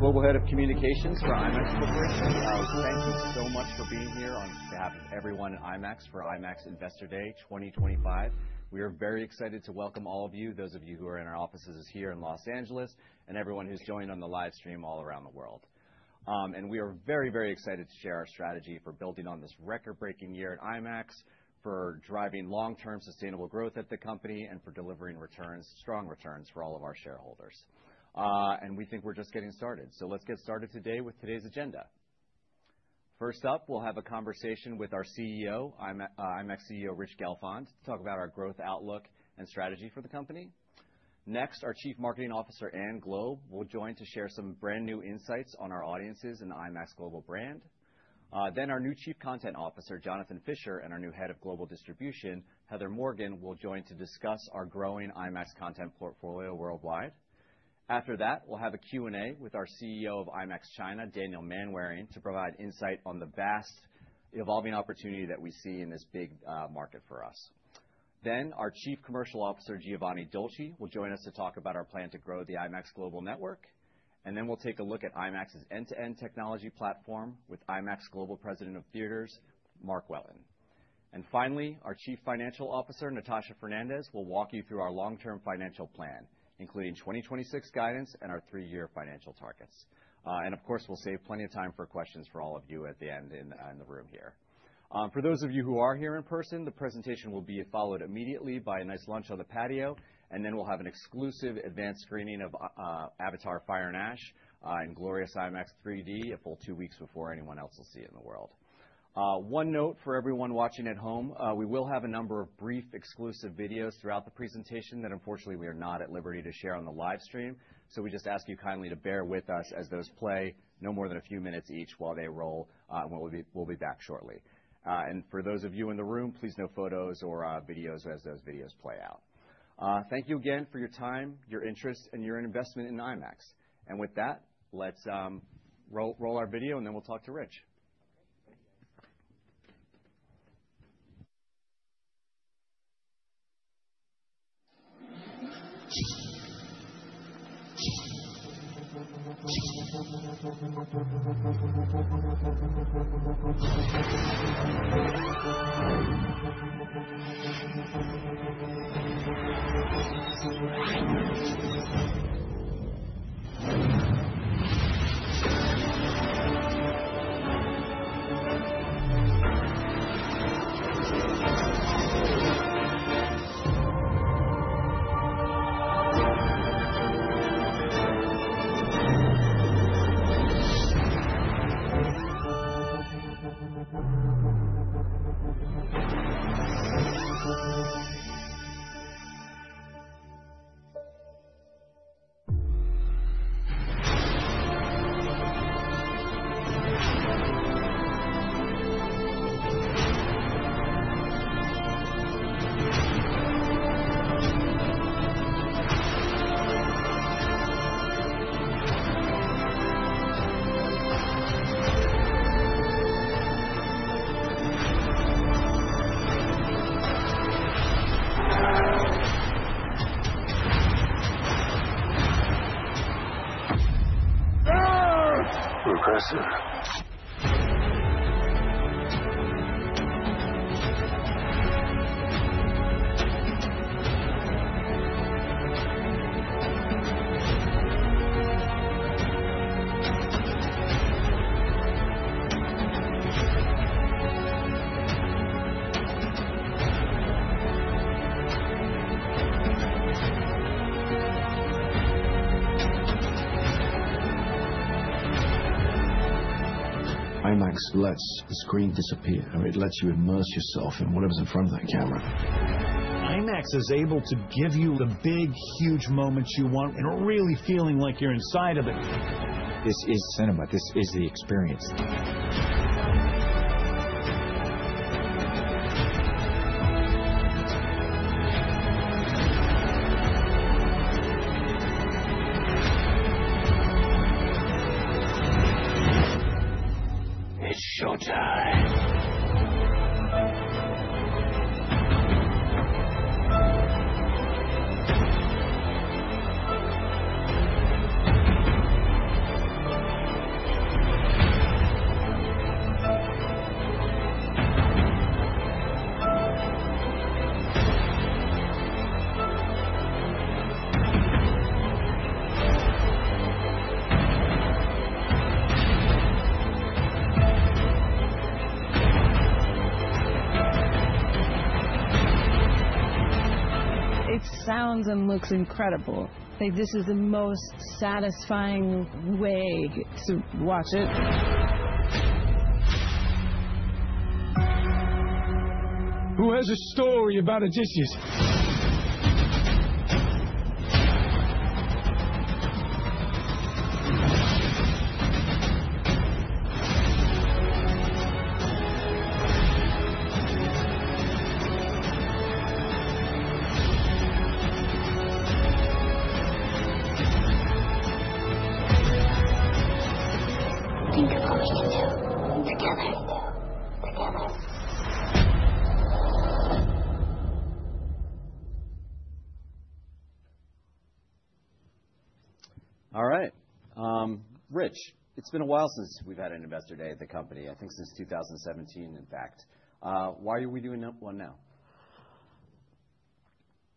Global Head of Communications for IMAX Corporation, Mark Jafar, thank you so much for being here on behalf of everyone at IMAX for IMAX Investor Day 2025. We are very excited to welcome all of you, those of you who are in our offices here in Los Angeles, and everyone who's joined on the livestream all around the world, and we are very, very excited to share our strategy for building on this record-breaking year at IMAX, for driving long-term sustainable growth at the company, and for delivering strong returns for all of our shareholders, and we think we're just getting started, so let's get started today with today's agenda. First up, we'll have a conversation with our CEO, IMAX CEO, Rich Gelfond, to talk about our growth outlook and strategy for the company. Next, our Chief Marketing Officer, Anne Globe, will join to share some brand new insights on our audiences and the IMAX global brand. Then our new Chief Content Officer, Jonathan Fisher, and our new Head of Global Distribution, Heather Morgan, will join to discuss our growing IMAX content portfolio worldwide. After that, we'll have a Q&A with our CEO of IMAX China, Daniel Manwaring, to provide insight on the vast evolving opportunity that we see in this big market for us. Then our Chief Commercial Officer, Giovanni Dolci, will join us to talk about our plan to grow the IMAX global network. And then we'll take a look at IMAX's end-to-end technology platform with IMAX Global President of Theaters, Mark Welton. And finally, our Chief Financial Officer, Natasha Fernandes, will walk you through our long-term financial plan, including 2026 guidance and our three-year financial targets. Of course, we'll save plenty of time for questions for all of you at the end in the room here. For those of you who are here in person, the presentation will be followed immediately by a nice lunch on the patio, and then we'll have an exclusive advance screening of Avatar: Fire and Ash in glorious IMAX 3D a full two weeks before anyone else will see it in the world. One note for everyone watching at home, we will have a number of brief exclusive videos throughout the presentation that, unfortunately, we are not at liberty to share on the livestream. So we just ask you kindly to bear with us as those play no more than a few minutes each while they roll, and we'll be back shortly. For those of you in the room, please no photos or videos as those videos play out. Thank you again for your time, your interest, and your investment in IMAX. And with that, let's roll our video, and then we'll talk to Rich. IMAX lets the screen disappear. It lets you immerse yourself in whatever's in front of that camera. IMAX is able to give you the big, huge moments you want and really feeling like you're inside of it. This is cinema. This is the experience. It's showtime. It sounds and looks incredible. This is the most satisfying way to watch it. Who has a story about Odysseus? Think of what we can do together. We can do together. All right. Rich, it's been a while since we've had an Investor Day at the company, I think since 2017, in fact. Why are we doing one now?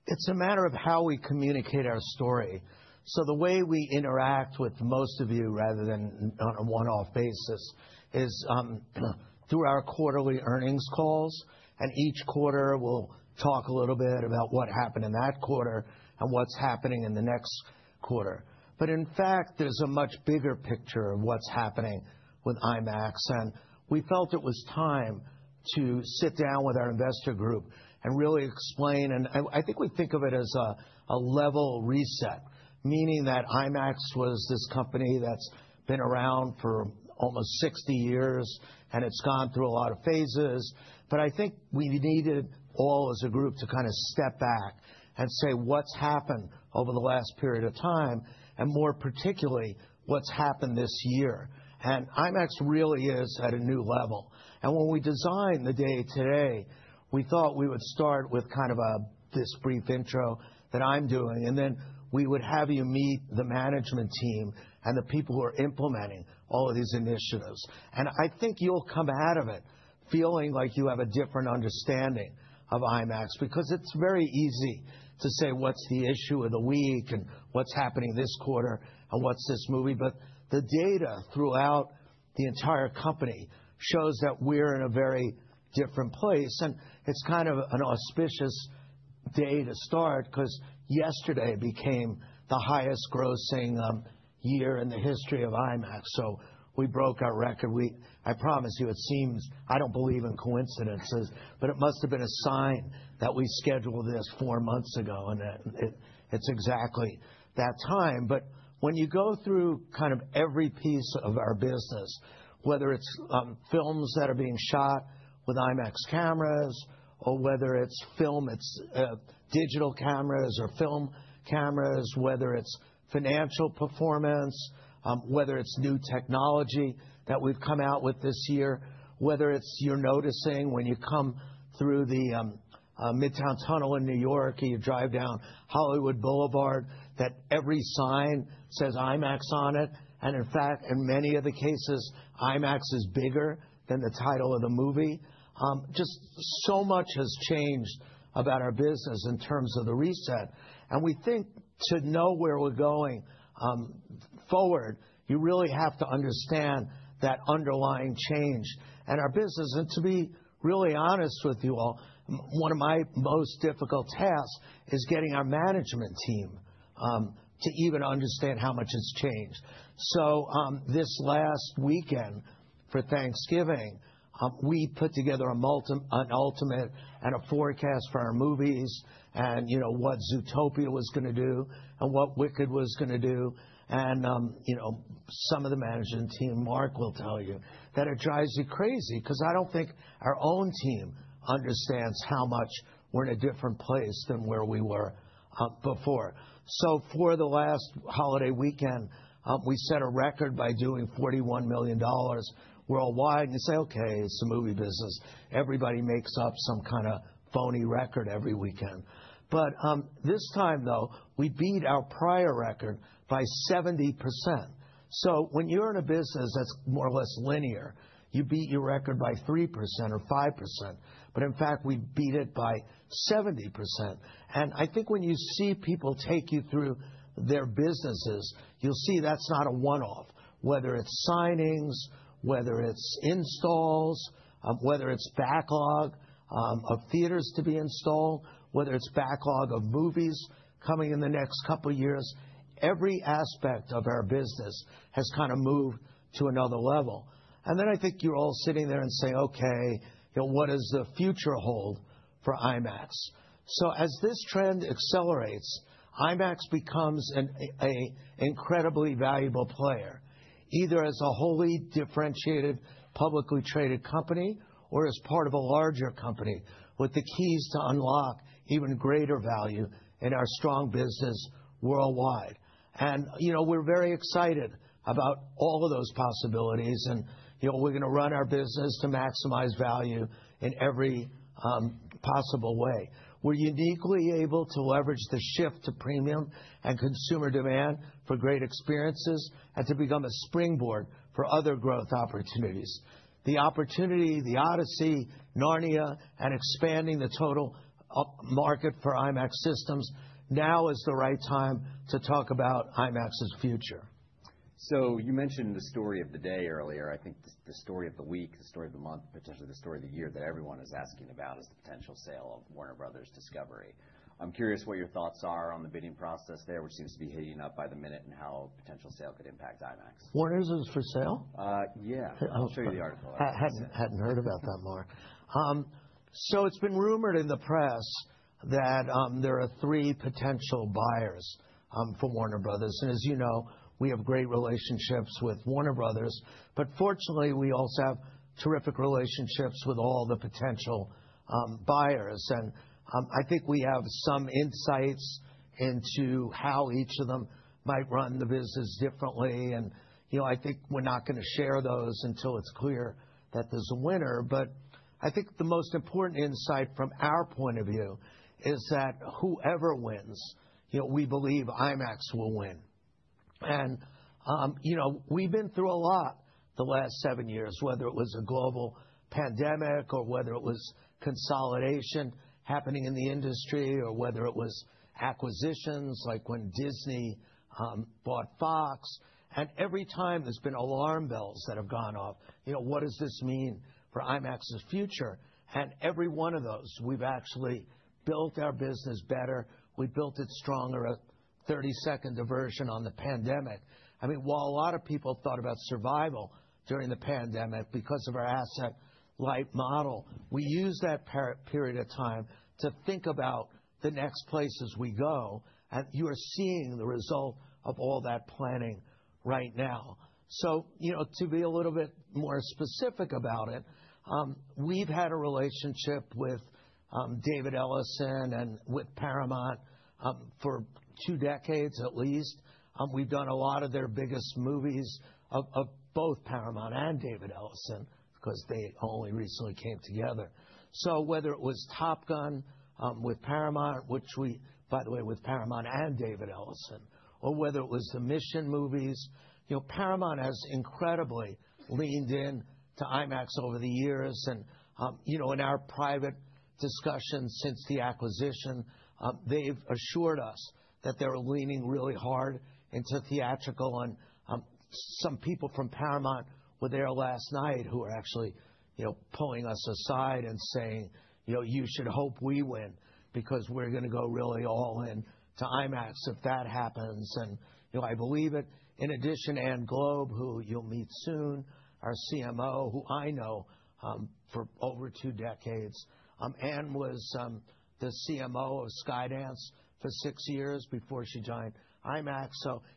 It's a matter of how we communicate our story. So the way we interact with most of you, rather than on a one-off basis, is through our quarterly earnings calls. And each quarter, we'll talk a little bit about what happened in that quarter and what's happening in the next quarter. But in fact, there's a much bigger picture of what's happening with IMAX. And we felt it was time to sit down with our investor group and really explain. And I think we think of it as a level reset, meaning that IMAX was this company that's been around for almost 60 years, and it's gone through a lot of phases. But I think we needed all as a group to kind of step back and say, what's happened over the last period of time, and more particularly, what's happened this year. IMAX really is at a new level. When we designed the day today, we thought we would start with kind of this brief intro that I'm doing, and then we would have you meet the management team and the people who are implementing all of these initiatives. I think you'll come out of it feeling like you have a different understanding of IMAX, because it's very easy to say, what's the issue of the week and what's happening this quarter and what's this movie. The data throughout the entire company shows that we're in a very different place. It's kind of an auspicious day to start, because yesterday became the highest grossing year in the history of IMAX. We broke our record. I promise you, it seems I don't believe in coincidences, but it must have been a sign that we scheduled this four months ago, and it's exactly that time. But when you go through kind of every piece of our business, whether it's films that are being shot with IMAX cameras, or whether it's film, it's digital cameras or film cameras, whether it's financial performance, whether it's new technology that we've come out with this year, whether it's you're noticing when you come through the Midtown Tunnel in New York and you drive down Hollywood Boulevard, that every sign says IMAX on it. And in fact, in many of the cases, IMAX is bigger than the title of the movie. Just so much has changed about our business in terms of the reset. And we think to know where we're going forward, you really have to understand that underlying change. Our business, and to be really honest with you all, one of my most difficult tasks is getting our management team to even understand how much it's changed. So this last weekend for Thanksgiving, we put together an update and a forecast for our movies and what Zootopia was going to do and what Wicked was going to do. And some of the management team, Mark will tell you, that it drives you crazy, because I don't think our own team understands how much we're in a different place than where we were before. So for the last holiday weekend, we set a record by doing $41 million worldwide. And you say, okay, it's the movie business. Everybody makes up some kind of phony record every weekend. But this time, though, we beat our prior record by 70%. So when you're in a business that's more or less linear, you beat your record by 3% or 5%. But in fact, we beat it by 70%. And I think when you see people take you through their businesses, you'll see that's not a one-off, whether it's signings, whether it's installs, whether it's backlog of theaters to be installed, whether it's backlog of movies coming in the next couple of years. Every aspect of our business has kind of moved to another level. And then I think you're all sitting there and saying, okay, what does the future hold for IMAX? So as this trend accelerates, IMAX becomes an incredibly valuable player, either as a wholly differentiated, publicly traded company or as part of a larger company with the keys to unlock even greater value in our strong business worldwide. And we're very excited about all of those possibilities. We're going to run our business to maximize value in every possible way. We're uniquely able to leverage the shift to premium and consumer demand for great experiences and to become a springboard for other growth opportunities. The opportunity, The Odyssey, Narnia, and expanding the total market for IMAX systems now is the right time to talk about IMAX's future. So you mentioned the story of the day earlier. I think the story of the week, the story of the month, potentially the story of the year that everyone is asking about is the potential sale of Warner Bros. Discovery. I'm curious what your thoughts are on the bidding process there, which seems to be heating up by the minute and how a potential sale could impact IMAX? What is it for sale? Yeah. I'll show you the article. Hadn't heard about that, Mark. So it's been rumored in the press that there are three potential buyers for Warner Bros. And as you know, we have great relationships with Warner Bros. But fortunately, we also have terrific relationships with all the potential buyers. And I think we have some insights into how each of them might run the business differently. And I think we're not going to share those until it's clear that there's a winner. But I think the most important insight from our point of view is that whoever wins, we believe IMAX will win. And we've been through a lot the last seven years, whether it was a global pandemic or whether it was consolidation happening in the industry or whether it was acquisitions, like when Disney bought Fox. Every time there's been alarm bells that have gone off, what does this mean for IMAX's future? Every one of those, we've actually built our business better. We built it stronger at 30-second diversion on the pandemic. I mean, while a lot of people thought about survival during the pandemic because of our asset-light model, we used that period of time to think about the next places we go. You are seeing the result of all that planning right now. To be a little bit more specific about it, we've had a relationship with David Ellison and with Paramount for two decades at least. We've done a lot of their biggest movies of both Paramount and David Ellison, because they only recently came together. Whether it was Top Gun with Paramount, which we, by the way, with Paramount and David Ellison, or whether it was the Mission movies, Paramount has incredibly leaned into IMAX over the years. In our private discussions since the acquisition, they have assured us that they are leaning really hard into theatrical. Some people from Paramount were there last night who were actually pulling us aside and saying, you should hope we win, because we are going to go really all in to IMAX if that happens. I believe it. In addition, Anne Globe, who you will meet soon, our CMO, who I know for over two decades. Anne was the CMO of Skydance for six years before she joined IMAX.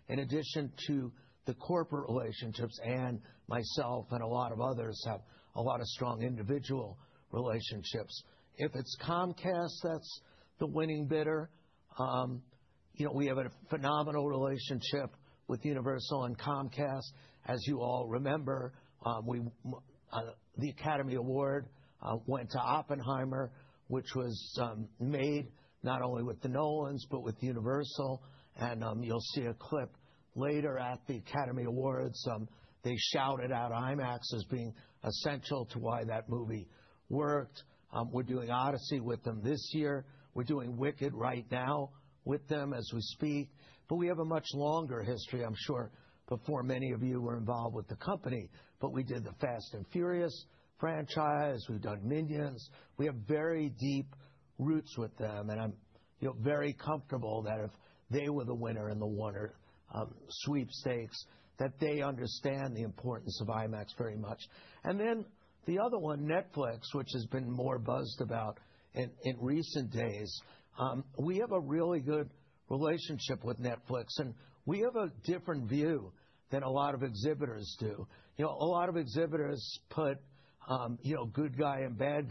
In addition to the corporate relationships, Anne, myself, and a lot of others have a lot of strong individual relationships. If it's Comcast that's the winning bidder, we have a phenomenal relationship with Universal and Comcast. As you all remember, the Academy Award went to Oppenheimer, which was made not only with the Nolans, but with Universal, and you'll see a clip later at the Academy Awards. They shouted out IMAX as being essential to why that movie worked. We're doing The Odyssey with them this year. We're doing Wicked right now with them as we speak, but we have a much longer history, I'm sure, before many of you were involved with the company, but we did the Fast and Furious franchise. We've done Minions. We have very deep roots with them, and I'm very comfortable that if they were the winner in the Warner sweepstakes, that they understand the importance of IMAX very much. And then the other one, Netflix, which has been more buzzed about in recent days. We have a really good relationship with Netflix. And we have a different view than a lot of exhibitors do. A lot of exhibitors put good guy and bad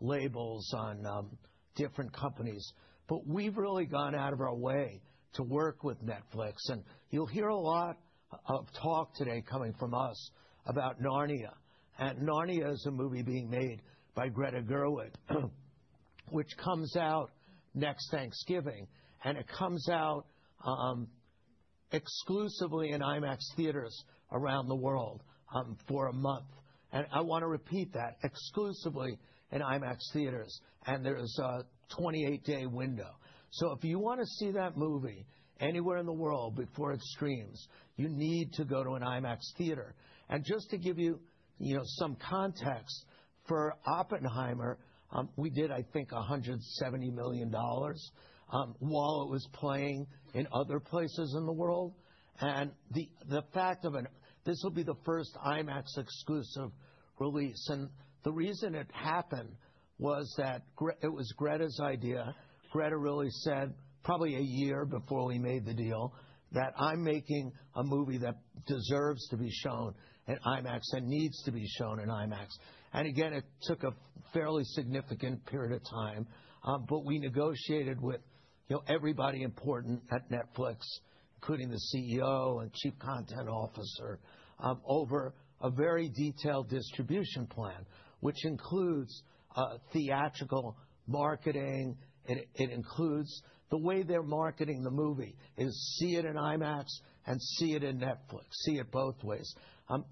guy labels on different companies. But we've really gone out of our way to work with Netflix. And you'll hear a lot of talk today coming from us about Narnia. And Narnia is a movie being made by Greta Gerwig, which comes out next Thanksgiving. And it comes out exclusively in IMAX Theatres around the world for a month. And I want to repeat that, exclusively in IMAX Theatres. And there's a 28-day window. So if you want to see that movie anywhere in the world before it streams, you need to go to an IMAX theater. And just to give you some context, for Oppenheimer, we did, I think, $170 million while it was playing in other places in the world. And the fact of this will be the first IMAX exclusive release. And the reason it happened was that it was Greta's idea. Greta really said, probably a year before we made the deal, that I'm making a movie that deserves to be shown in IMAX and needs to be shown in IMAX. And again, it took a fairly significant period of time. But we negotiated with everybody important at Netflix, including the CEO and Chief Content Officer, over a very detailed distribution plan, which includes theatrical marketing. It includes the way they're marketing the movie is see it in IMAX and see it in Netflix, see it both ways.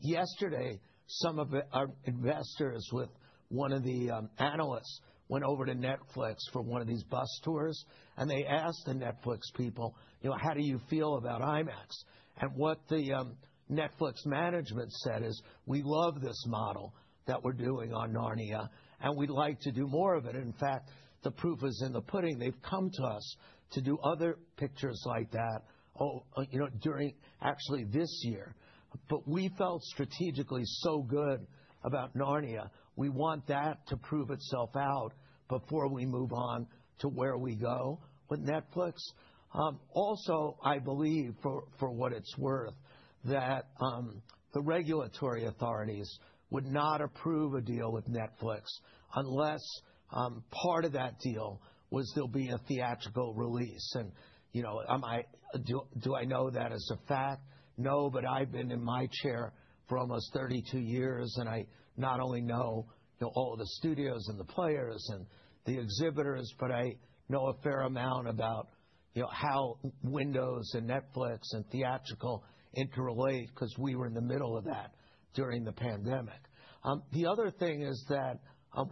Yesterday, some of our investors with one of the analysts went over to Netflix for one of these bus tours, and they asked the Netflix people, "How do you feel about IMAX?", and what the Netflix management said is, "We love this model that we're doing on Narnia, and we'd like to do more of it." In fact, the proof is in the pudding. They've come to us to do other pictures like that during, actually, this year, but we felt strategically so good about Narnia. We want that to prove itself out before we move on to where we go with Netflix. Also, I believe, for what it's worth, that the regulatory authorities would not approve a deal with Netflix unless part of that deal was there'll be a theatrical release, and do I know that as a fact? No, but I've been in my chair for almost 32 years. I not only know all the studios and the players and the exhibitors, but I know a fair amount about how windows and Netflix and theatrical interrelate, because we were in the middle of that during the pandemic. The other thing is that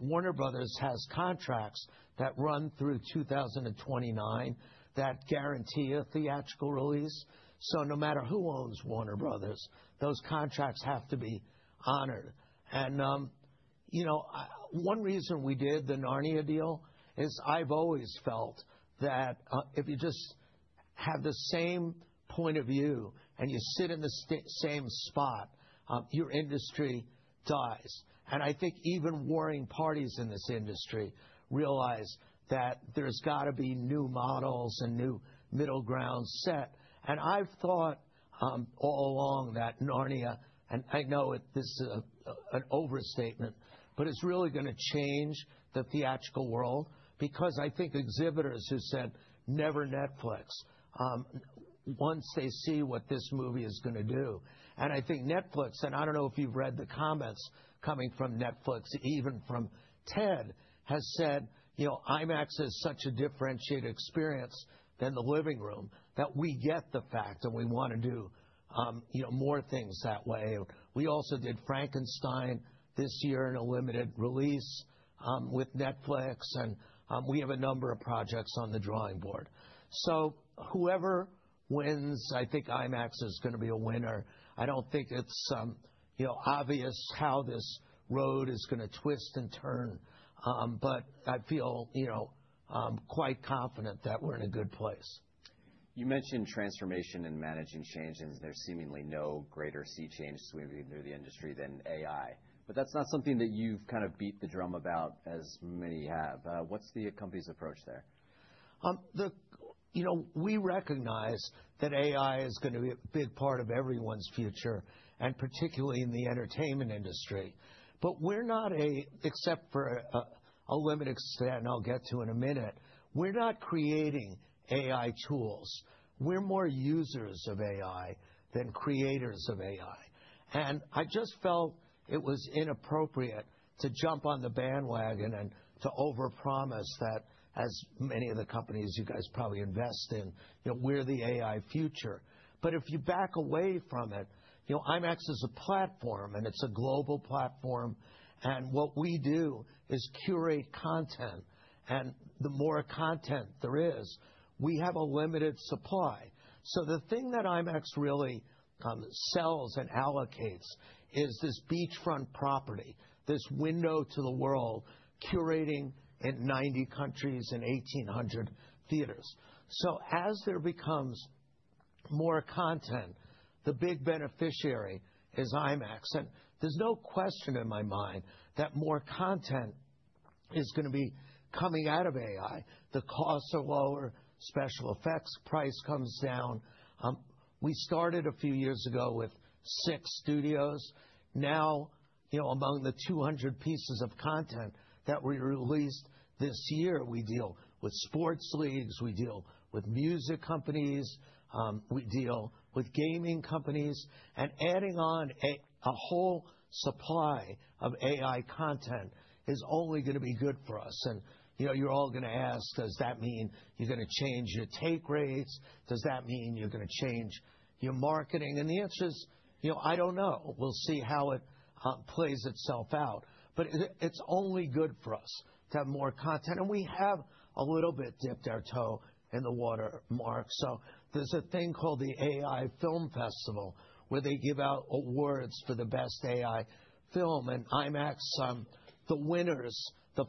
Warner Bros. has contracts that run through 2029 that guarantee a theatrical release. No matter who owns Warner Bros., those contracts have to be honored. One reason we did the Narnia deal is I've always felt that if you just have the same point of view and you sit in the same spot, your industry dies. I think even warring parties in this industry realize that there's got to be new models and new middle ground set. I've thought all along that Narnia, and I know this is an overstatement, but it's really going to change the theatrical world, because I think exhibitors who said, never Netflix, once they see what this movie is going to do. I think Netflix, and I don't know if you've read the comments coming from Netflix, even from Ted, has said, IMAX is such a differentiated experience than the living room that we get the fact and we want to do more things that way. We also did Frankenstein this year in a limited release with Netflix. We have a number of projects on the drawing board. Whoever wins, I think IMAX is going to be a winner. I don't think it's obvious how this road is going to twist and turn. I feel quite confident that we're in a good place. You mentioned transformation and managing change. And there's seemingly no greater sea change swimming through the industry than AI. But that's not something that you've kind of beat the drum about as many have. What's the company's approach there? We recognize that AI is going to be a big part of everyone's future, and particularly in the entertainment industry. But we're not, except for a limited extent, and I'll get to in a minute, we're not creating AI tools. We're more users of AI than creators of AI, and I just felt it was inappropriate to jump on the bandwagon and to overpromise that, as many of the companies you guys probably invest in, we're the AI future. But if you back away from it, IMAX is a platform, and it's a global platform, and what we do is curate content, and the more content there is, we have a limited supply, so the thing that IMAX really sells and allocates is this beachfront property, this window to the world, curating in 90 countries in 1,800 theaters, so as there becomes more content, the big beneficiary is IMAX. There's no question in my mind that more content is going to be coming out of AI. The costs are lower, special effects price comes down. We started a few years ago with six studios. Now, among the 200 pieces of content that we released this year, we deal with sports leagues. We deal with music companies. We deal with gaming companies. And adding on a whole supply of AI content is only going to be good for us. And you're all going to ask, does that mean you're going to change your take rates? Does that mean you're going to change your marketing? And the answer is, I don't know. We'll see how it plays itself out. But it's only good for us to have more content. And we have a little bit dipped our toe in the water, Mark. So there's a thing called the AI Film Festival, where they give out awards for the best AI film. And IMAX, the winners'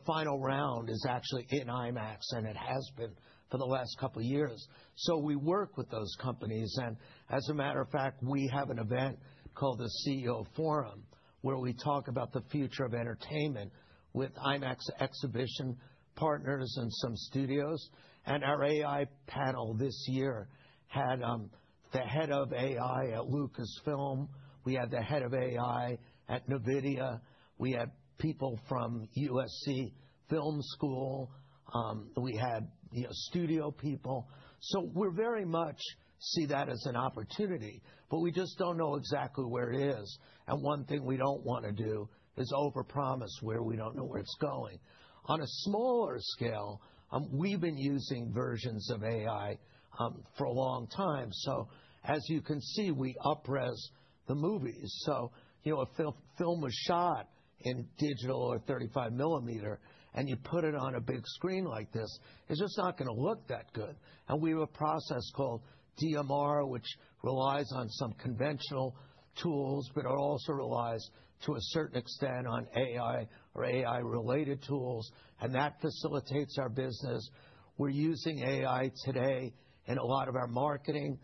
final round is actually in IMAX. And it has been for the last couple of years. So we work with those companies. And as a matter of fact, we have an event called the CEO Forum, where we talk about the future of entertainment with IMAX exhibition partners and some studios. And our AI panel this year had the head of AI at Lucasfilm. We had the head of AI at NVIDIA. We had people from USC Film School. We had studio people. So we very much see that as an opportunity. But we just don't know exactly where it is. And one thing we don't want to do is overpromise where we don't know where it's going. On a smaller scale, we've been using versions of AI for a long time. So as you can see, `we uprez the movies. So if a film was shot in digital or 35 mm, and you put it on a big screen like this, it's just not going to look that good. And we have a process called DMR, which relies on some conventional tools, but it also relies to a certain extent on AI or AI-related tools. And that facilitates our business. We're using AI today in a lot of our marketing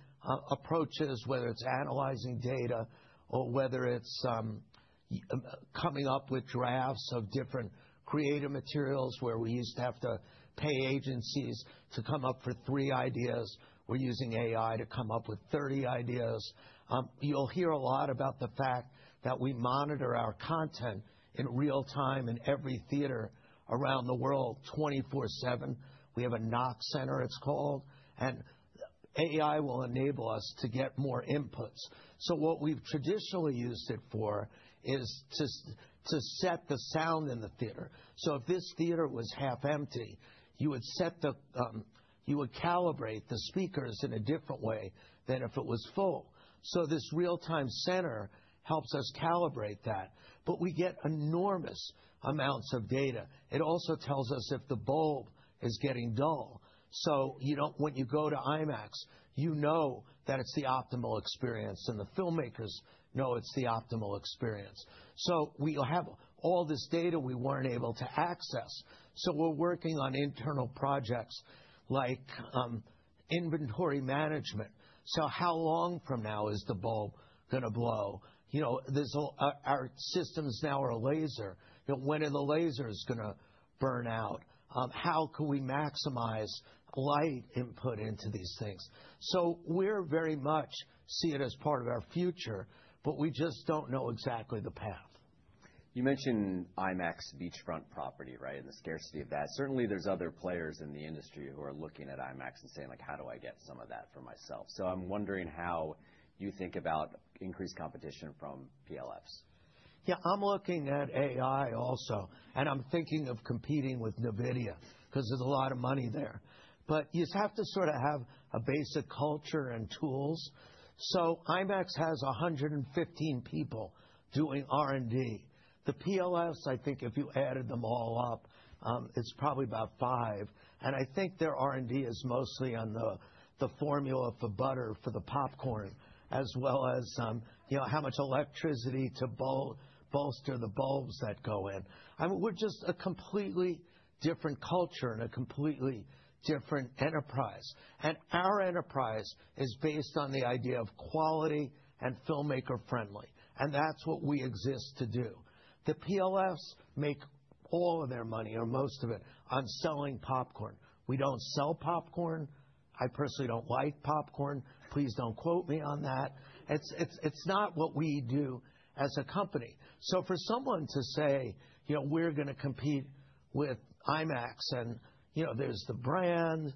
approaches, whether it's analyzing data or whether it's coming up with drafts of different creative materials, where we used to have to pay agencies to come up for three ideas. We're using AI to come up with 30 ideas. You'll hear a lot about the fact that we monitor our content in real time in every theater around the world 24/7. We have a NOC Center, it's called, and AI will enable us to get more inputs, so what we've traditionally used it for is to set the sound in the theater. So if this theater was half empty, you would calibrate the speakers in a different way than if it was full, so this real-time center helps us calibrate that, but we get enormous amounts of data. It also tells us if the bulb is getting dull, so when you go to IMAX, you know that it's the optimal experience, and the filmmakers know it's the optimal experience, so we have all this data we weren't able to access, so we're working on internal projects like inventory management. So how long from now is the bulb going to blow? Our systems now are a laser. When are the lasers going to burn out? How can we maximize light input into these things? So we very much see it as part of our future. But we just don't know exactly the path. You mentioned IMAX beachfront property, right, and the scarcity of that. Certainly, there's other players in the industry who are looking at IMAX and saying, how do I get some of that for myself? So I'm wondering how you think about increased competition from PLFs. Yeah, I'm looking at AI also. And I'm thinking of competing with NVIDIA, because there's a lot of money there. But you have to sort of have a basic culture and tools. So IMAX has 115 people doing R&D. The PLFs, I think if you added them all up, it's probably about five. And I think their R&D is mostly on the formula for butter for the popcorn, as well as how much electricity to bolster the bulbs that go in. We're just a completely different culture and a completely different enterprise. And our enterprise is based on the idea of quality and filmmaker-friendly. And that's what we exist to do. The PLFs make all of their money, or most of it, on selling popcorn. We don't sell popcorn. I personally don't like popcorn. Please don't quote me on that. It's not what we do as a company. So for someone to say, we're going to compete with IMAX, and there's the brand,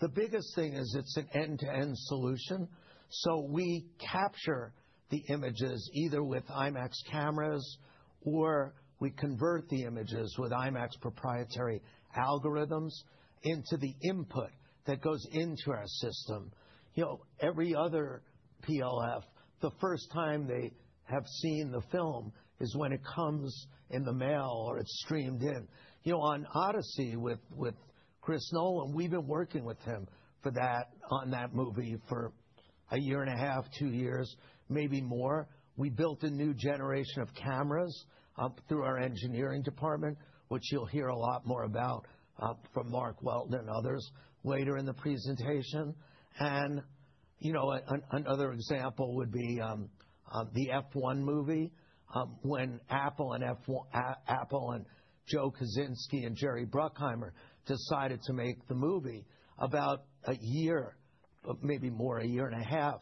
the biggest thing is it's an end-to-end solution. So we capture the images either with IMAX cameras, or we convert the images with IMAX proprietary algorithms into the input that goes into our system. Every other PLF, the first time they have seen the film is when it comes in the mail or it's streamed in. On The Odyssey with Chris Nolan, we've been working with him on that movie for a year and a half, two years, maybe more. We built a new generation of cameras through our engineering department, which you'll hear a lot more about from Mark Welton and others later in the presentation. And another example would be the F1 movie, when Apple and Joe Kosinski and Jerry Bruckheimer decided to make the movie. About a year, maybe more a year and a half,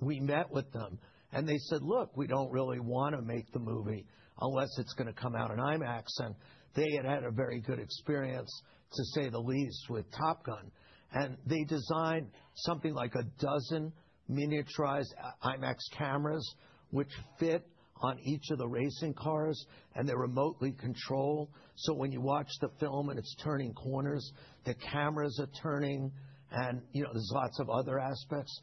we met with them. And they said, look, we don't really want to make the movie unless it's going to come out on IMAX. And they had had a very good experience, to say the least, with Top Gun. And they designed something like a dozen miniaturized IMAX cameras, which fit on each of the racing cars. And they're remotely controlled. So when you watch the film and it's turning corners, the cameras are turning. And there's lots of other aspects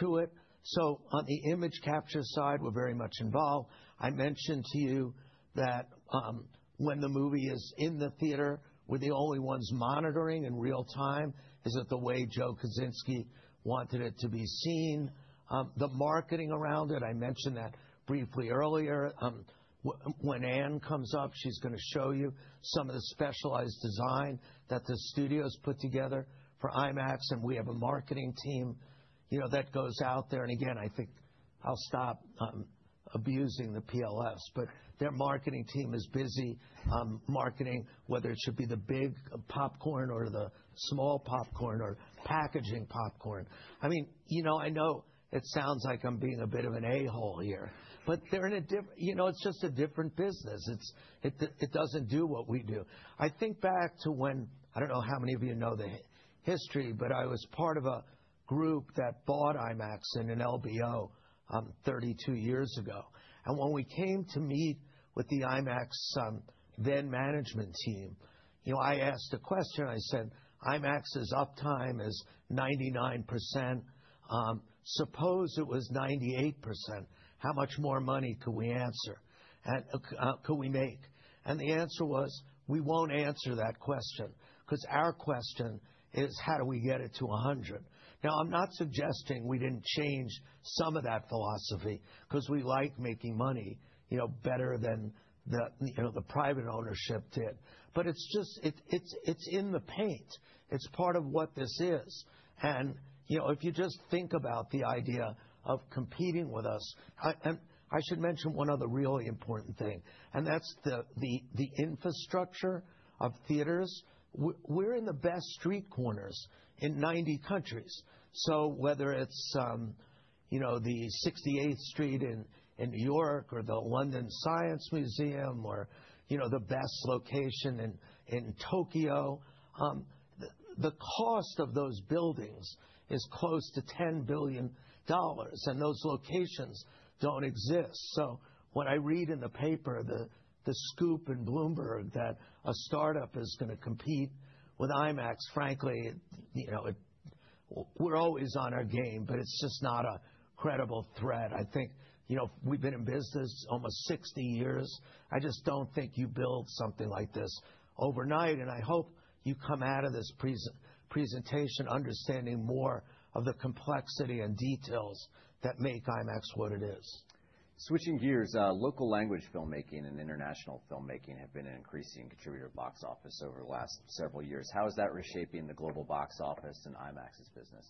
to it. So on the image capture side, we're very much involved. I mentioned to you that when the movie is in the theater, we're the only ones monitoring in real time. Is it the way Joe Kosinski wanted it to be seen? The marketing around it, I mentioned that briefly earlier. When Anne comes up, she's going to show you some of the specialized design that the studio has put together for IMAX. And we have a marketing team that goes out there. And again, I think I'll stop abusing the PLFs. But their marketing team is busy marketing, whether it should be the big popcorn or the small popcorn or packaging popcorn. I mean, I know it sounds like I'm being a bit of an a-hole here. But it's just a different business. It doesn't do what we do. I think back to when I don't know how many of you know the history. But I was part of a group that bought IMAX in an LBO 32 years ago. And when we came to meet with the IMAX then management team, I asked a question. I said, IMAX's uptime is 99%. Suppose it was 98%. How much more money could we answer? And could we make? And the answer was, we won't answer that question. Because our question is, how do we get it to 100? Now, I'm not suggesting we didn't change some of that philosophy, because we like making money better than the private ownership did. But it's in the paint. It's part of what this is. And if you just think about the idea of competing with us, I should mention one other really important thing. And that's the infrastructure of theaters. We're in the best street corners in 90 countries. So whether it's the 68th Street in New York or the London Science Museum or the best location in Tokyo, the cost of those buildings is close to $10 billion. And those locations don't exist. When I read in the paper, the scoop in Bloomberg, that a startup is going to compete with IMAX, frankly, we're always on our game. It's just not a credible threat. I think we've been in business almost 60 years. I just don't think you build something like this overnight. I hope you come out of this presentation understanding more of the complexity and details that make IMAX what it is. Switching gears, local language filmmaking and international filmmaking have been an increasing contributor box office over the last several years. How is that reshaping the global box office and IMAX's business?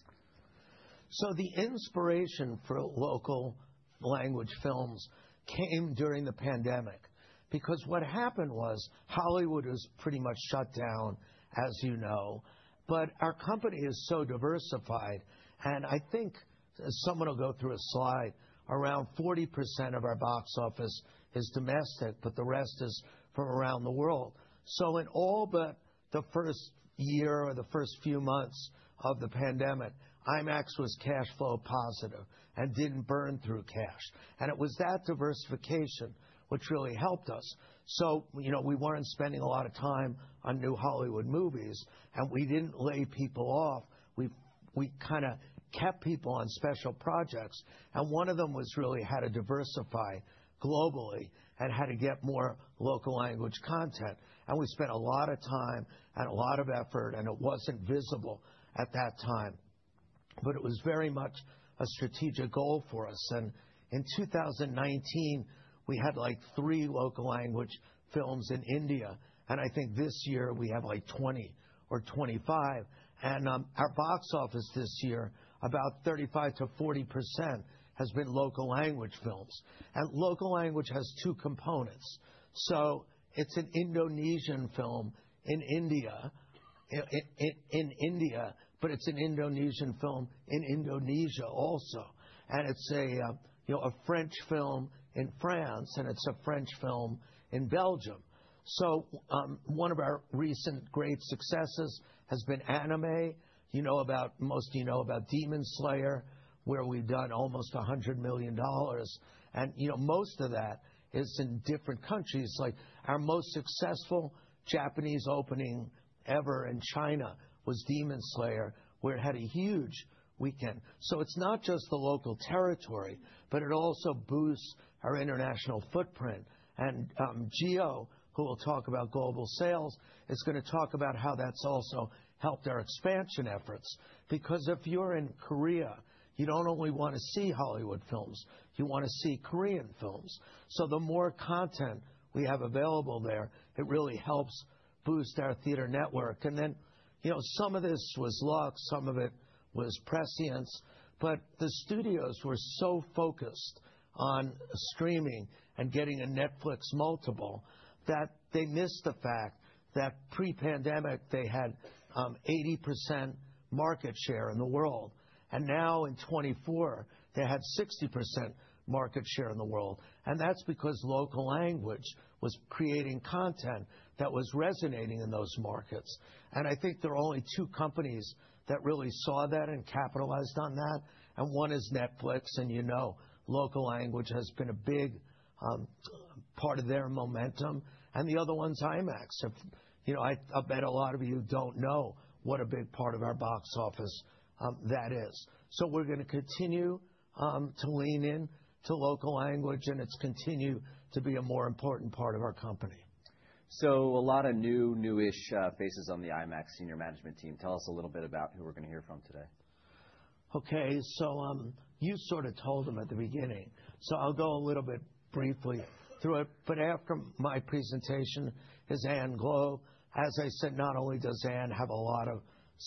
So the inspiration for local language films came during the pandemic. Because what happened was Hollywood was pretty much shut down, as you know. But our company is so diversified. And I think someone will go through a slide. Around 40% of our box office is domestic. But the rest is from around the world. So in all but the first year or the first few months of the pandemic, IMAX was cash flow positive and didn't burn through cash. And it was that diversification which really helped us. So we weren't spending a lot of time on new Hollywood movies. And we didn't lay people off. We kind of kept people on special projects. And one of them was really how to diversify globally and how to get more local language content. And we spent a lot of time and a lot of effort. It wasn't visible at that time. It was very much a strategic goal for us. In 2019, we had like three local language films in India. I think this year we have like 20 or 25. Our box office this year, about 35%-40%, has been local language films. Local language has two components. It's an Indonesian film in India. It's an Indonesian film in Indonesia also. It's a French film in France. It's a French film in Belgium. One of our recent great successes has been anime. Most of you know about Demon Slayer, where we've done almost $100 million. Most of that is in different countries. Like our most successful Japanese opening ever in China was Demon Slayer, where it had a huge weekend. It's not just the local territory. But it also boosts our international footprint. And Gio, who will talk about global sales, is going to talk about how that's also helped our expansion efforts. Because if you're in Korea, you don't only want to see Hollywood films. You want to see Korean films. So the more content we have available there, it really helps boost our theater network. And then some of this was luck. Some of it was prescience. But the studios were so focused on streaming and getting a Netflix multiple that they missed the fact that pre-pandemic, they had 80% market share in the world. And now in 2024, they had 60% market share in the world. And that's because local language was creating content that was resonating in those markets. And I think there are only two companies that really saw that and capitalized on that. And one is Netflix. You know local language has been a big part of their momentum. The other one's IMAX. I bet a lot of you don't know what a big part of our box office that is. We're going to continue to lean into local language. It's continued to be a more important part of our company. So a lot of new, newish faces on the IMAX senior management team. Tell us a little bit about who we're going to hear from today. OK. So you sort of told them at the beginning. So I'll go a little bit briefly through it. But after my presentation is Anne Globe. As I said, not only does Anne have a lot of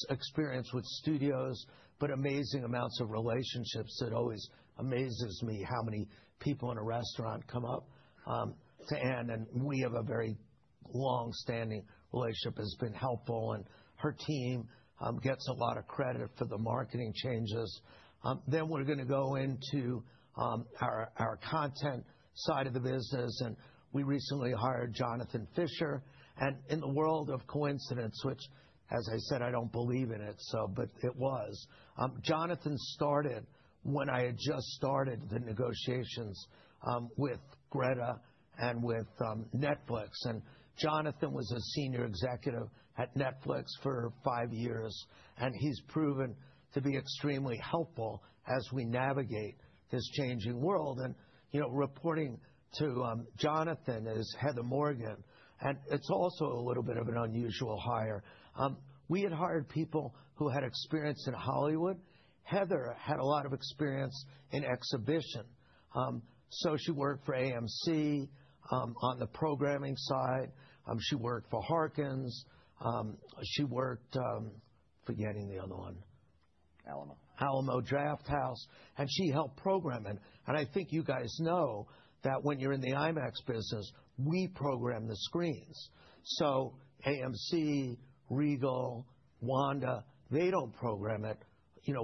experience with studios, but amazing amounts of relationships. It always amazes me how many people in a restaurant come up to Anne. And we have a very longstanding relationship. It's been helpful. And her team gets a lot of credit for the marketing changes. Then we're going to go into our content side of the business. And we recently hired Jonathan Fisher. And in the world of coincidence, which, as I said, I don't believe in it. But it was. Jonathan started when I had just started the negotiations with Greta and with Netflix. And Jonathan was a senior executive at Netflix for five years. He's proven to be extremely helpful as we navigate this changing world. Reporting to Jonathan is Heather Morgan. It's also a little bit of an unusual hire. We had hired people who had experience in Hollywood. Heather had a lot of experience in exhibition. So she worked for AMC on the programming side. She worked for Harkins. She worked for, forgetting the other one. Alamo. Alamo Drafthouse. And she helped program it. And I think you guys know that when you're in the IMAX business, we program the screens. So AMC, Regal, Wanda, they don't program it.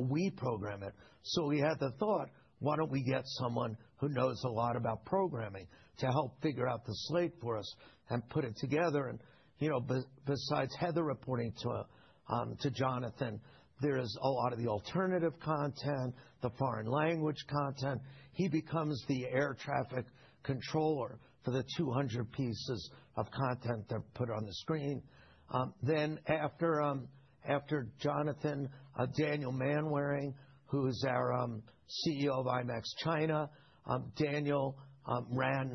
We program it. So we had the thought, why don't we get someone who knows a lot about programming to help figure out the slate for us and put it together. And besides Heather reporting to Jonathan, there is a lot of the alternative content, the foreign language content. He becomes the air traffic controller for the 200 pieces of content that are put on the screen. Then after Jonathan, Daniel Manwaring, who is our CEO of IMAX China. Daniel ran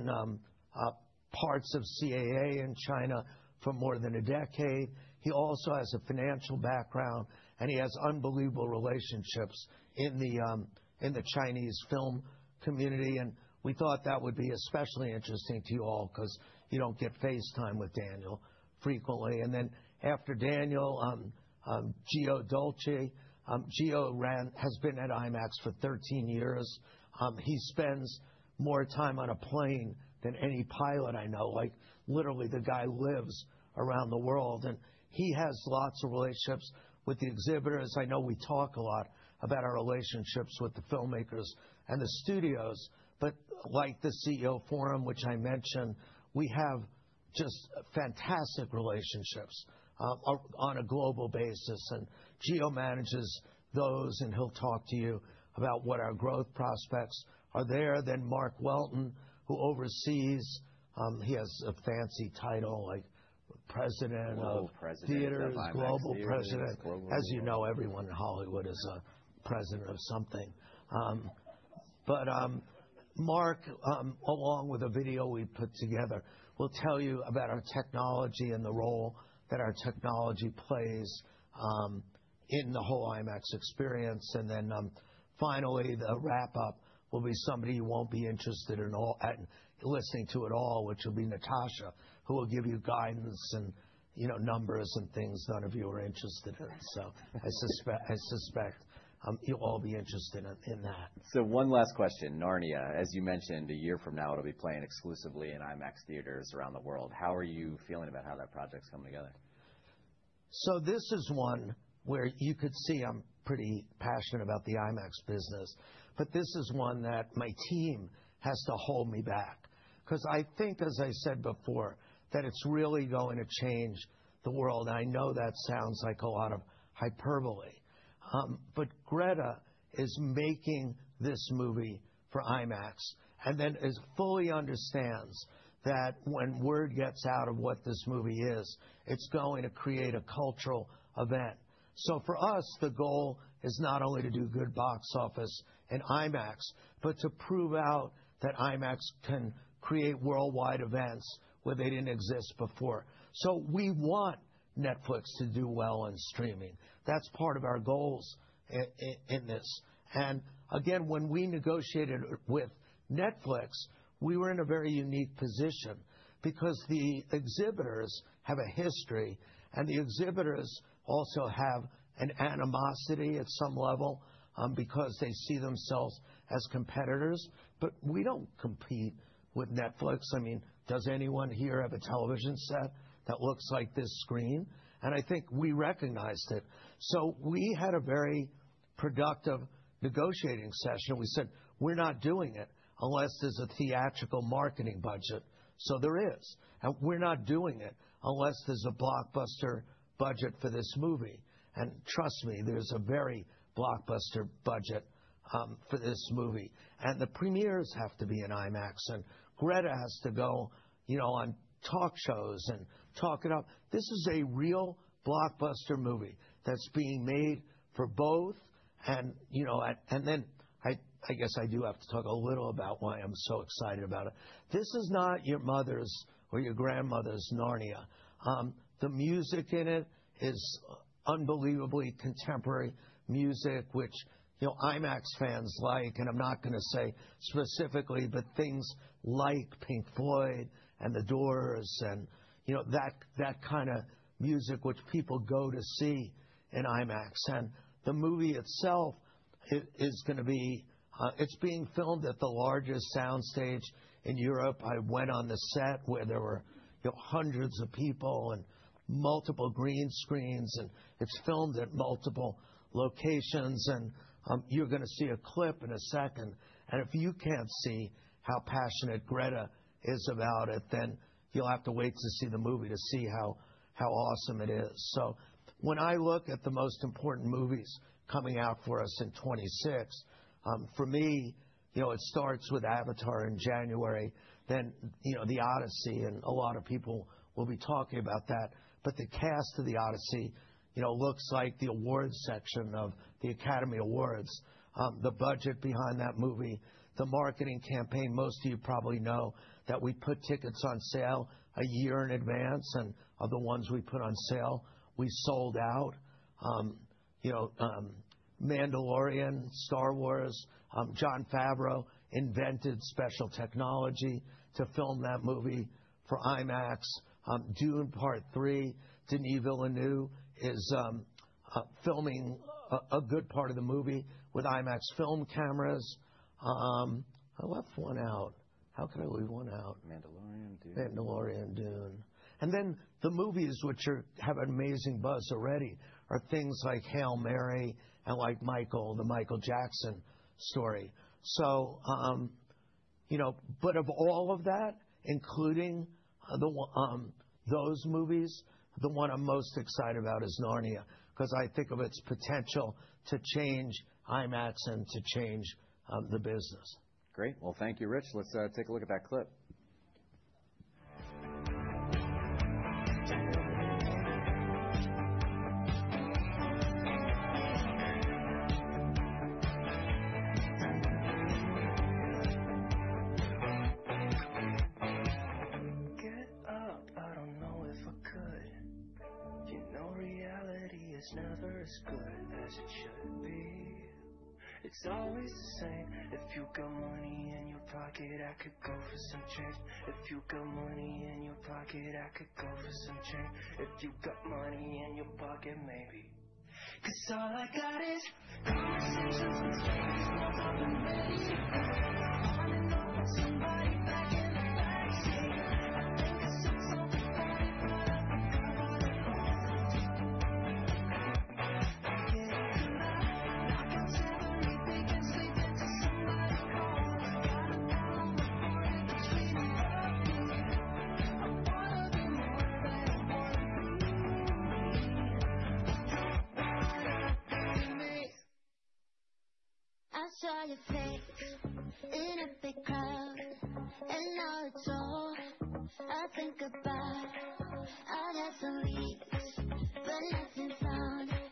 parts of CAA in China for more than a decade. He also has a financial background. And he has unbelievable relationships in the Chinese film community. We thought that would be especially interesting to you all, because you don't get FaceTime with Daniel frequently. After Daniel, Gio Dolci. Gio has been at IMAX for 13 years. He spends more time on a plane than any pilot I know. Literally, the guy lives around the world. He has lots of relationships with the exhibitors. I know we talk a lot about our relationships with the filmmakers and the studios. Like the CEO Forum, which I mentioned, we have just fantastic relationships on a global basis. Gio manages those. He'll talk to you about what our growth prospects are there. Mark Welton, who oversees, he has a fancy title like president of. Global President of IMAX. Theaters. Global President. As you know, everyone in Hollywood is a president of something. But Mark, along with a video we put together, will tell you about our technology and the role that our technology plays in the whole IMAX experience. And then finally, the wrap-up will be somebody you won't be interested in listening to at all, which will be Natasha, who will give you guidance and numbers and things none of you are interested in. So I suspect you'll all be interested in that. So one last question, Narnia. As you mentioned, a year from now, it'll be playing exclusively in IMAX Theatres around the world. How are you feeling about how that project's coming together? So this is one where you could see I'm pretty passionate about the IMAX business. But this is one that my team has to hold me back. Because I think, as I said before, that it's really going to change the world. And I know that sounds like a lot of hyperbole. But Greta is making this movie for IMAX. And then fully understands that when word gets out of what this movie is, it's going to create a cultural event. So for us, the goal is not only to do good box office in IMAX, but to prove out that IMAX can create worldwide events where they didn't exist before. So we want Netflix to do well on streaming. That's part of our goals in this. And again, when we negotiated with Netflix, we were in a very unique position. Because the exhibitors have a history. And the exhibitors also have an animosity at some level, because they see themselves as competitors. But we don't compete with Netflix. I mean, does anyone here have a television set that looks like this screen? And I think we recognized it. So we had a very productive negotiating session. We said, we're not doing it unless there's a theatrical marketing budget. So there is. And we're not doing it unless there's a blockbuster budget for this movie. And trust me, there's a very blockbuster budget for this movie. And the premieres have to be in IMAX. And Greta has to go on talk shows and talk it up. This is a real blockbuster movie that's being made for both. And then I guess I do have to talk a little about why I'm so excited about it. This is not your mother's or your grandmother's Narnia. The music in it is unbelievably contemporary music, which IMAX fans like, and I'm not going to say specifically, but things like Pink Floyd and The Doors and that kind of music, which people go to see in IMAX. The movie itself is going to be, it's being filmed at the largest soundstage in Europe. I went on the set where there were hundreds of people and multiple green screens, and it's filmed at multiple locations. You're going to see a clip in a second, and if you can't see how passionate Greta is about it, then you'll have to wait to see the movie to see how awesome it is. When I look at the most important movies coming out for us in 2026, for me, it starts with Avatar in January, then The Odyssey, and a lot of people will be talking about that. But the cast of The Odyssey looks like the awards section of the Academy Awards. The budget behind that movie, the marketing campaign. Most of you probably know that we put tickets on sale a year in advance. And of the ones we put on sale, we sold out. Mandalorian, Star Wars. Jon Favreau invented special technology to film that movie for IMAX. Dune Part 3. Denis Villeneuve is filming a good part of the movie with IMAX film cameras. I left one out. How could I leave one out? Mandalorian, Dune. Mandalorian, Dune. And then the movies which have amazing buzz already are things like Hail Mary and like Michael, the Michael Jackson story. But of all of that, including those movies, the one I'm most excited about is Narnia. Because I think of its potential to change IMAX and to change the business. Great. Well, thank you, Rich. Let's take a look at that clip. Get up. I don't know if I could. If you know reality is never as good as it should be. It's always the same. If you've got money in your pocket, I could go for some change. If you've got money in your pocket, I could go for some change. If you've got money in your pocket, maybe. Because all I got is conversations with strangers all over the radio. I'm falling off with somebody back in the backseat. I think I should talk about it, but I forgot what I called. Get up tonight, knock out everything and sleep until somebody calls. Got a hell of a party between you and me. I want to be more than I want to be. I don't want to be me. I saw your face in a big crowd, and now it's all I think about. I guess I'm weak, but nothing's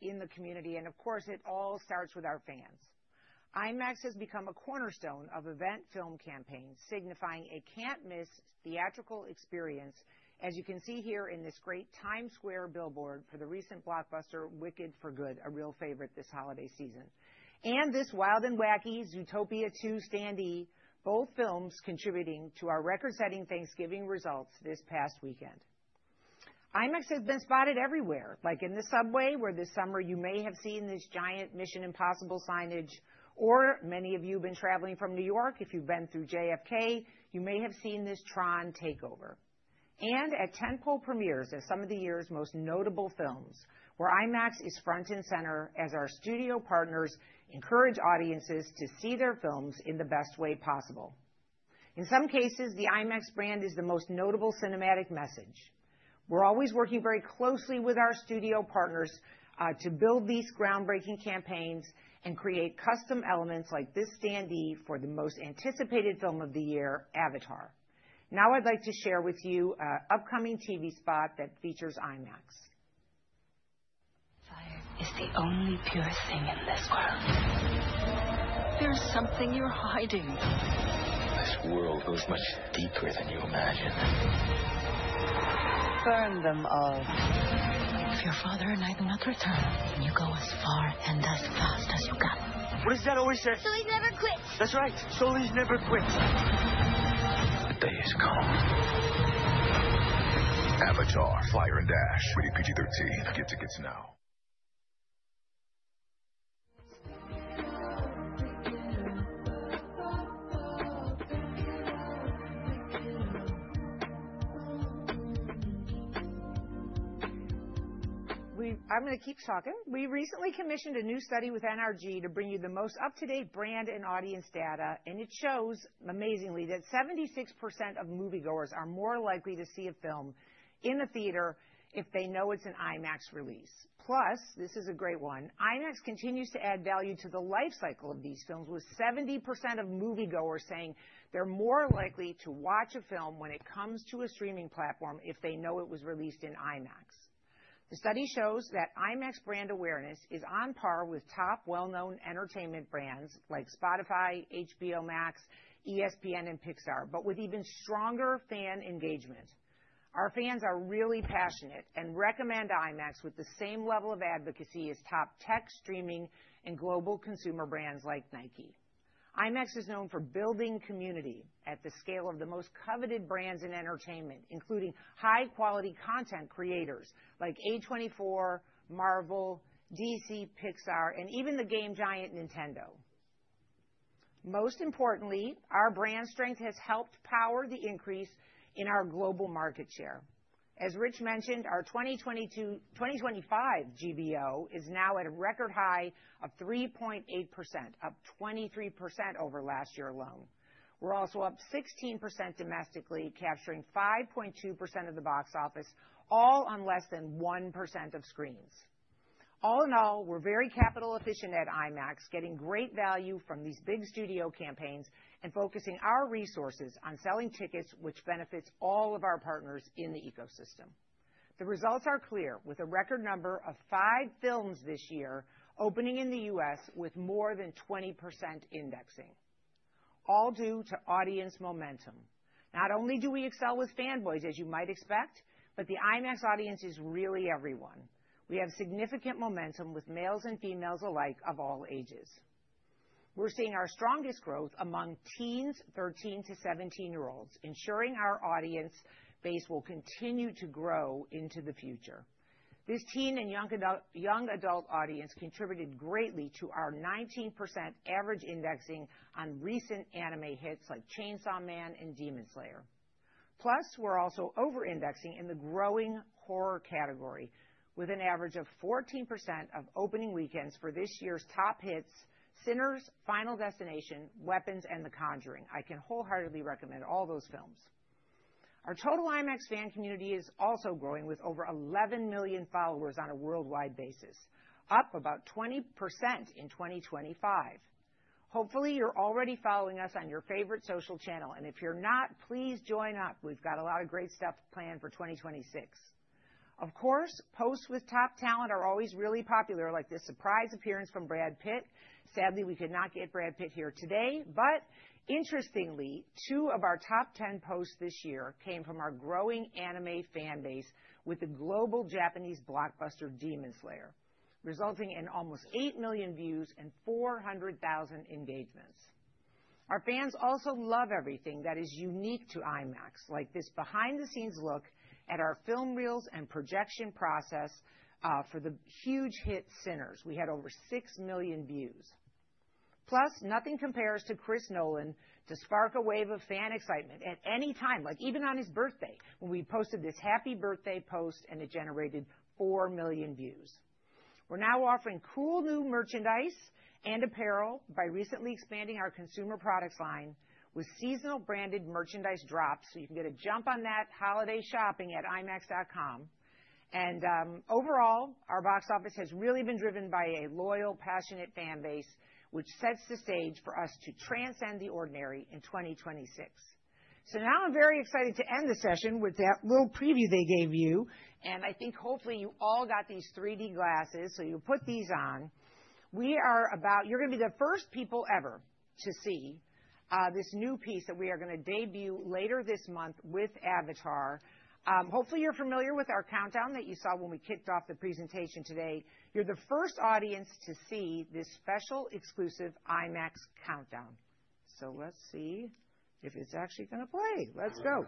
in the community. And of course, it all starts with our fans. IMAX has become a cornerstone of event film campaigns, signifying a can't-miss theatrical experience, as you can see here in this great Times Square billboard for the recent blockbuster Wicked: For Good, a real favorite this holiday season. And this Wild and Wacky, Zootopia 2, Sonic 3, both films contributing to our record-setting Thanksgiving results this past weekend. IMAX has been spotted everywhere, like in the subway, where this summer you may have seen this giant Mission: Impossible signage. Or many of you have been traveling from New York. If you've been through JFK, you may have seen this Tron takeover. And at tentpole premieres of some of the year's most notable films, where IMAX is front and center as our studio partners encourage audiences to see their films in the best way possible. In some cases, the IMAX brand is the most notable cinematic message. We're always working very closely with our studio partners to build these groundbreaking campaigns and create custom elements like this signage for the most anticipated film of the year, Avatar. Now I'd like to share with you an upcoming TV spot that features IMAX. Fire is the only pure thing in this world. There is something you're hiding. This world goes much deeper than you imagine. Burn them all. If your father and I do not return, then you go as far and as fast as you can. What is that always say? He's never quit. That's right. So he's never quit. The day is come. Avatar, Fire and Ash, rated PG-13. Get tickets now. I'm going to keep talking. We recently commissioned a new study with NRG to bring you the most up-to-date brand and audience data, and it shows, amazingly, that 76% of moviegoers are more likely to see a film in a theater if they know it's an IMAX release. Plus, this is a great one. IMAX continues to add value to the lifecycle of these films, with 70% of moviegoers saying they're more likely to watch a film when it comes to a streaming platform if they know it was released in IMAX. The study shows that IMAX brand awareness is on par with top well-known entertainment brands like Spotify, HBO Max, ESPN, and Pixar, but with even stronger fan engagement. Our fans are really passionate and recommend IMAX with the same level of advocacy as top tech streaming and global consumer brands like Nike. IMAX is known for building community at the scale of the most coveted brands in entertainment, including high-quality content creators like A24, Marvel, DC, Pixar, and even the game giant Nintendo. Most importantly, our brand strength has helped power the increase in our global market share. As Rich mentioned, our 2025 GBO is now at a record high of 3.8%, up 23% over last year alone. We're also up 16% domestically, capturing 5.2% of the box office, all on less than 1% of screens. All in all, we're very capital efficient at IMAX, getting great value from these big studio campaigns and focusing our resources on selling tickets, which benefits all of our partners in the ecosystem. The results are clear, with a record number of five films this year opening in the U.S. with more than 20% indexing, all due to audience momentum. Not only do we excel with fanboys, as you might expect, but the IMAX audience is really everyone. We have significant momentum with males and females alike of all ages. We're seeing our strongest growth among teens, 13 to 17-year-olds, ensuring our audience base will continue to grow into the future. This teen and young adult audience contributed greatly to our 19% average indexing on recent anime hits like Chainsaw Man and Demon Slayer. Plus, we're also over-indexing in the growing horror category, with an average of 14% of opening weekends for this year's top hits, Sinners, Final Destination, Weapons, and The Conjuring. I can wholeheartedly recommend all those films. Our total IMAX fan community is also growing with over 11 million followers on a worldwide basis, up about 20% in 2025. Hopefully, you're already following us on your favorite social channel. And if you're not, please join up. We've got a lot of great stuff planned for 2026. Of course, posts with top talent are always really popular, like this surprise appearance from Brad Pitt. Sadly, we could not get Brad Pitt here today. But interestingly, two of our top 10 posts this year came from our growing anime fan base with the global Japanese blockbuster Demon Slayer, resulting in almost 8 million views and 400,000 engagements. Our fans also love everything that is unique to IMAX, like this behind-the-scenes look at our film reels and projection process for the huge hit Sinners. We had over 6 million views. Plus, nothing compares to Chris Nolan to spark a wave of fan excitement at any time, like even on his birthday, when we posted this happy birthday post and it generated 4 million views. We're now offering cool new merchandise and apparel by recently expanding our consumer products line with seasonal branded merchandise drops. So you can get a jump on that holiday shopping at imax.com. And overall, our box office has really been driven by a loyal, passionate fan base, which sets the stage for us to transcend the ordinary in 2026. So now I'm very excited to end the session with that little preview they gave you. And I think hopefully you all got these 3D glasses. So you'll put these on. You're going to be the first people ever to see this new piece that we are going to debut later this month with Avatar. Hopefully, you're familiar with our countdown that you saw when we kicked off the presentation today. You're the first audience to see this special exclusive IMAX countdown. So let's see if it's actually going to play. Let's go.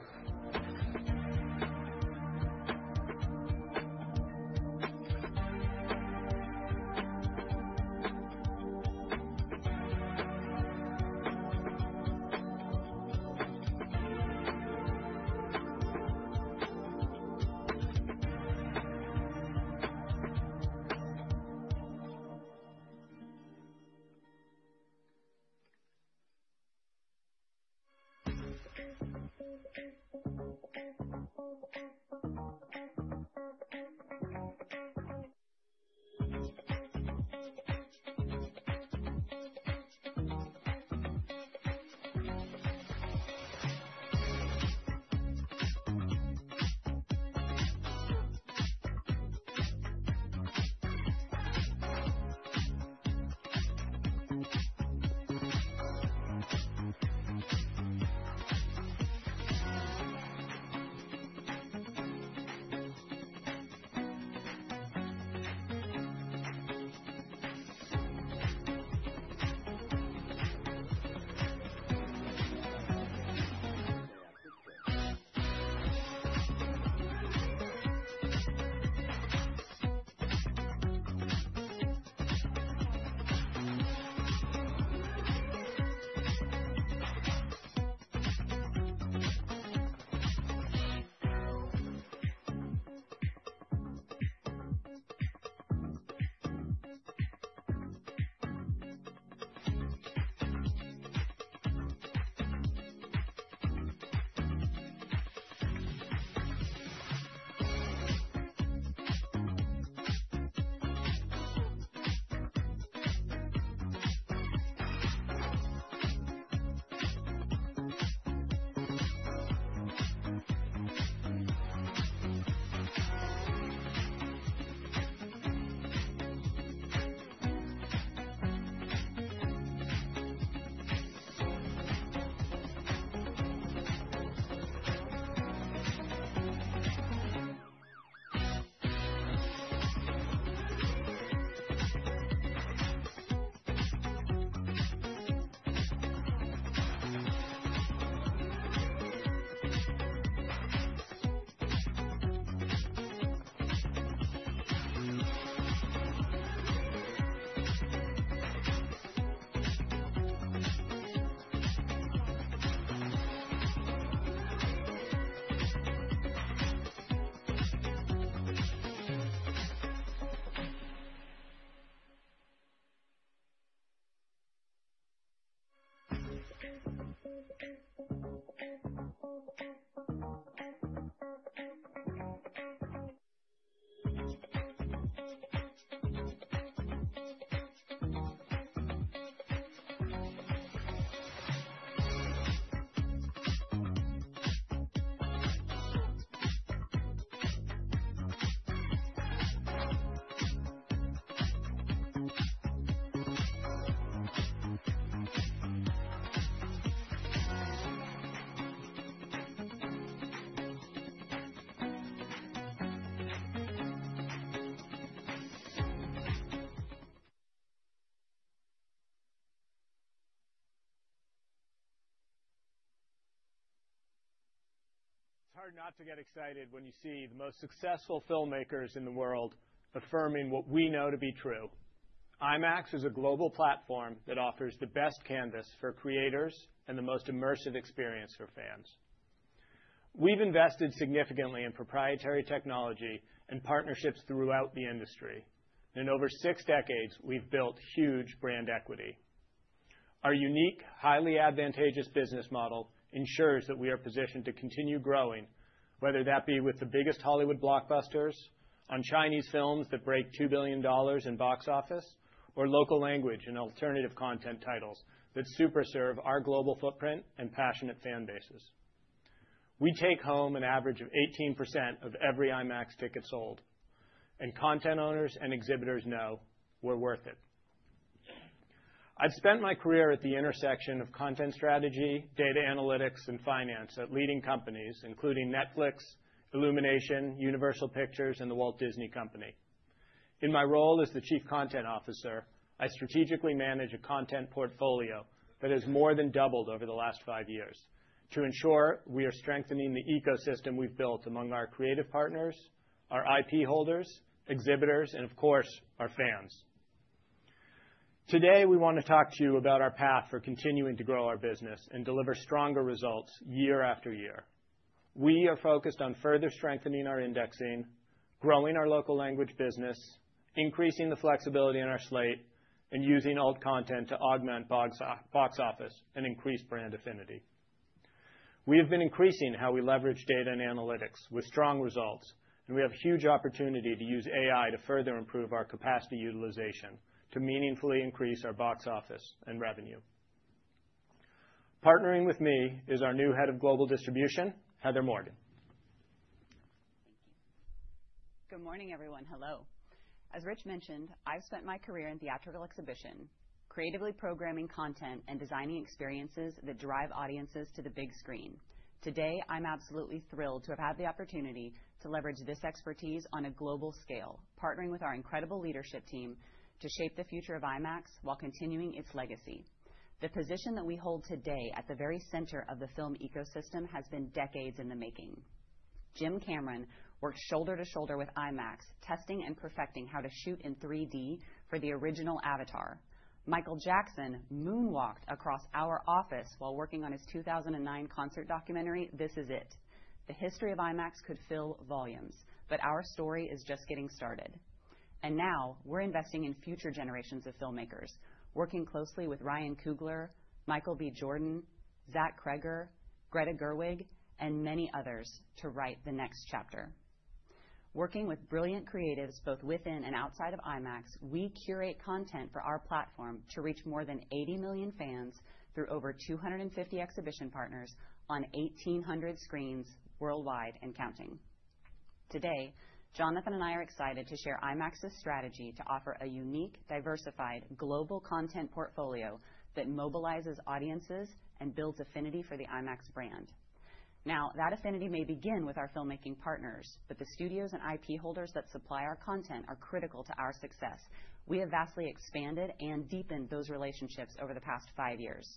It's hard not to get excited when you see the most successful filmmakers in the world affirming what we know to be true. IMAX is a global platform that offers the best canvas for creators and the most immersive experience for fans. We've invested significantly in proprietary technology and partnerships throughout the industry. In over six decades, we've built huge brand equity. Our unique, highly advantageous business model ensures that we are positioned to continue growing, whether that be with the biggest Hollywood blockbusters, or Chinese films that break $2 billion in box office, or local language and alternative content titles that supersede our global footprint and passionate fan bases. We take home an average of 18% of every IMAX ticket sold, and content owners and exhibitors know we're worth it. I've spent my career at the intersection of content strategy, data analytics, and finance at leading companies, including Netflix, Illumination, Universal Pictures, and the Walt Disney Company. In my role as the Chief Content Officer, I strategically manage a content portfolio that has more than doubled over the last five years to ensure we are strengthening the ecosystem we've built among our creative partners, our IP holders, exhibitors, and of course, our fans. Today, we want to talk to you about our path for continuing to grow our business and deliver stronger results year after year. We are focused on further strengthening our indexing, growing our local language business, increasing the flexibility in our slate, and using old content to augment box office and increase brand affinity. We have been increasing how we leverage data and analytics with strong results. We have a huge opportunity to use AI to further improve our capacity utilization to meaningfully increase our box office and revenue. Partnering with me is our new head of global distribution, Heather Morgan. Thank you. Good morning, everyone. Hello. As Rich mentioned, I've spent my career in theatrical exhibition, creatively programming content and designing experiences that drive audiences to the big screen. Today, I'm absolutely thrilled to have had the opportunity to leverage this expertise on a global scale, partnering with our incredible leadership team to shape the future of IMAX while continuing its legacy. The position that we hold today at the very center of the film ecosystem has been decades in the making. Jim Cameron worked shoulder to shoulder with IMAX, testing and perfecting how to shoot in 3D for the original Avatar. Michael Jackson moonwalked across our office while working on his 2009 concert documentary, This Is It. The history of IMAX could fill volumes, but our story is just getting started. And now we're investing in future generations of filmmakers, working closely with Ryan Coogler, Michael B. Jordan, Zach Cregger, Greta Gerwig, and many others to write the next chapter. Working with brilliant creatives both within and outside of IMAX, we curate content for our platform to reach more than 80 million fans through over 250 exhibition partners on 1,800 screens worldwide and counting. Today, Jonathan and I are excited to share IMAX's strategy to offer a unique, diversified global content portfolio that mobilizes audiences and builds affinity for the IMAX brand. Now, that affinity may begin with our filmmaking partners, but the studios and IP holders that supply our content are critical to our success. We have vastly expanded and deepened those relationships over the past five years.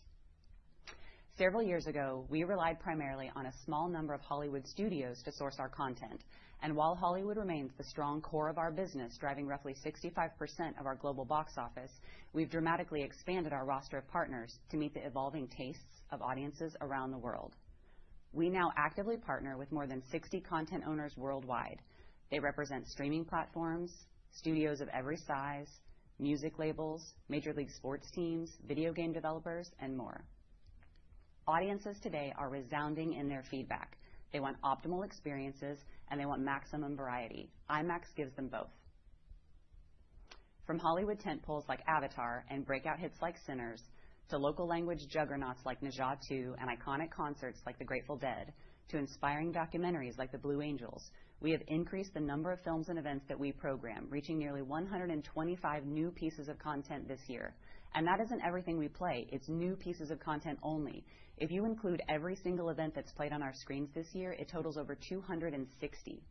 Several years ago, we relied primarily on a small number of Hollywood studios to source our content. While Hollywood remains the strong core of our business, driving roughly 65% of our global box office, we've dramatically expanded our roster of partners to meet the evolving tastes of audiences around the world. We now actively partner with more than 60 content owners worldwide. They represent streaming platforms, studios of every size, music labels, major league sports teams, video game developers, and more. Audiences today are resounding in their feedback. They want optimal experiences, and they want maximum variety. IMAX gives them both. From Hollywood tentpoles like Avatar and breakout hits like Sinners to local language juggernauts like Ne Zha 2 and iconic concerts like The Grateful Dead to inspiring documentaries like The Blue Angels, we have increased the number of films and events that we program, reaching nearly 125 new pieces of content this year. That isn't everything we play. It's new pieces of content only. If you include every single event that's played on our screens this year, it totals over 260.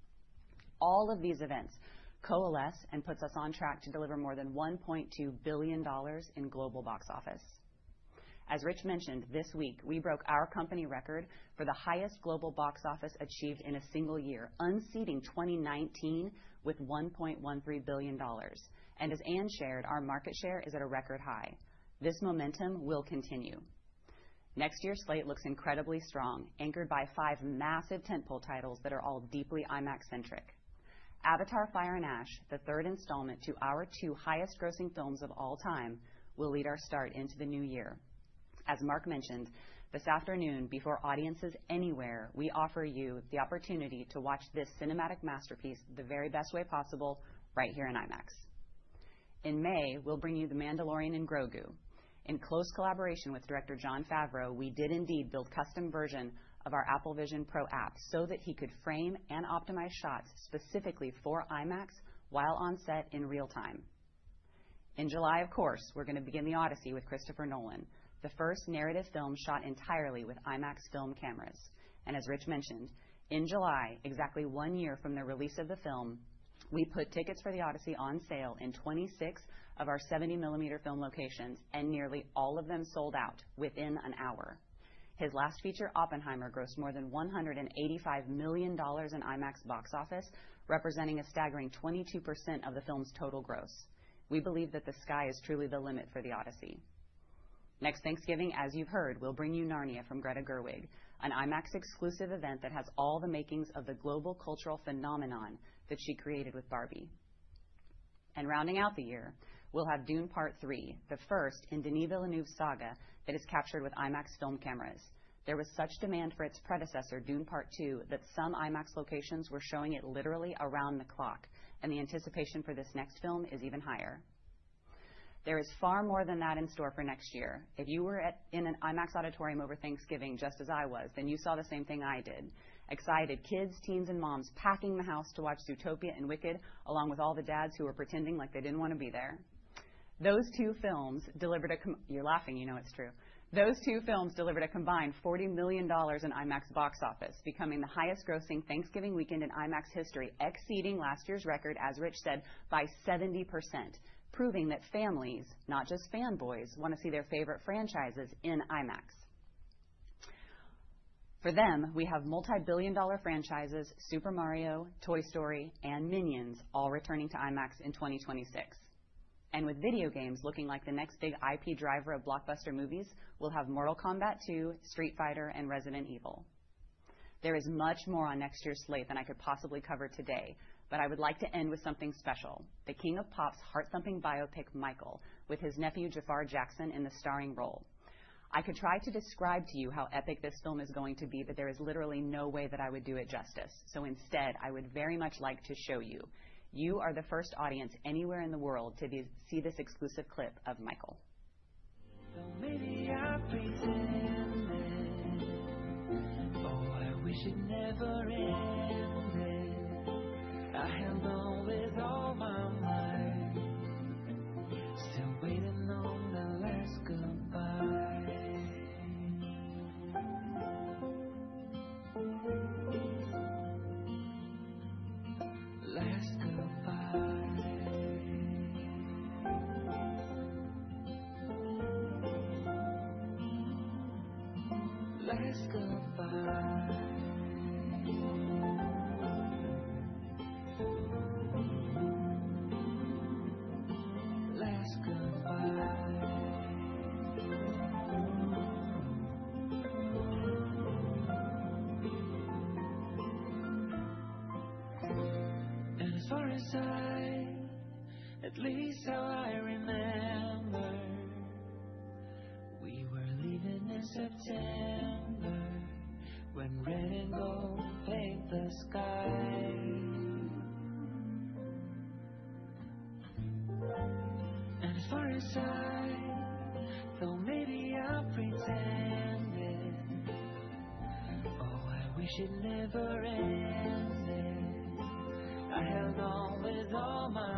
All of these events coalesce and put us on track to deliver more than $1.2 billion in global box office. As Rich mentioned, this week, we broke our company record for the highest global box office achieved in a single year, unseating 2019 with $1.13 billion, and as Anne shared, our market share is at a record high. This momentum will continue. Next year's slate looks incredibly strong, anchored by five massive tentpole titles that are all deeply IMAX-centric. Avatar: Fire and Ash, the third installment to our two highest-grossing films of all time, will lead our start into the new year. As Mark mentioned, this afternoon, before audiences anywhere, we offer you the opportunity to watch this cinematic masterpiece the very best way possible right here in IMAX. In May, we'll bring you The Mandalorian and Grogu. In close collaboration with director Jon Favreau, we did indeed build a custom version of our Apple Vision Pro app so that he could frame and optimize shots specifically for IMAX while on set in real time. In July, of course, we're going to begin The Odyssey with Christopher Nolan, the first narrative film shot entirely with IMAX film cameras. And as Rich mentioned, in July, exactly one year from the release of the film, we put tickets for The Odyssey on sale in 26 of our 70 mm film locations, and nearly all of them sold out within an hour. His last feature, Oppenheimer, grossed more than $185 million in IMAX box office, representing a staggering 22% of the film's total gross. We believe that the sky is truly the limit for The Odyssey. Next Thanksgiving, as you've heard, we'll bring you Narnia from Greta Gerwig, an IMAX-exclusive event that has all the makings of the global cultural phenomenon that she created with Barbie, and rounding out the year, we'll have Dune Part 3, the first in Denis Villeneuve's saga that is captured with IMAX film cameras. There was such demand for its predecessor, Dune Part 2, that some IMAX locations were showing it literally around the clock, and the anticipation for this next film is even higher. There is far more than that in store for next year. If you were in an IMAX auditorium over Thanksgiving just as I was, then you saw the same thing I did: excited kids, teens, and moms packing the house to watch Zootopia and Wicked, along with all the dads who were pretending like they didn't want to be there. Those two films delivered a, you're laughing, you know it's true. Those two films delivered a combined $40 million in IMAX box office, becoming the highest-grossing Thanksgiving weekend in IMAX history, exceeding last year's record, as Rich said, by 70%, proving that families, not just fanboys, want to see their favorite franchises in IMAX. For them, we have multi-billion-dollar franchises, Super Mario, Toy Story, and Minions, all returning to IMAX in 2026. And with video games looking like the next big IP driver of blockbuster movies, we'll have Mortal Kombat II, Street Fighter, and Resident Evil. There is much more on next year's slate than I could possibly cover today, but I would like to end with something special: the King of Pop's heart-something biopic, Michael, with his nephew, Jaafar Jackson, in the starring role. I could try to describe to you how epic this film is going to be, but there is literally no way that I would do it justice. So instead, I would very much like to show you. You are the first audience anywhere in the world to see this exclusive clip of Michael. So maybe I pretend it. Oh, I wish it never ended. I held on with all my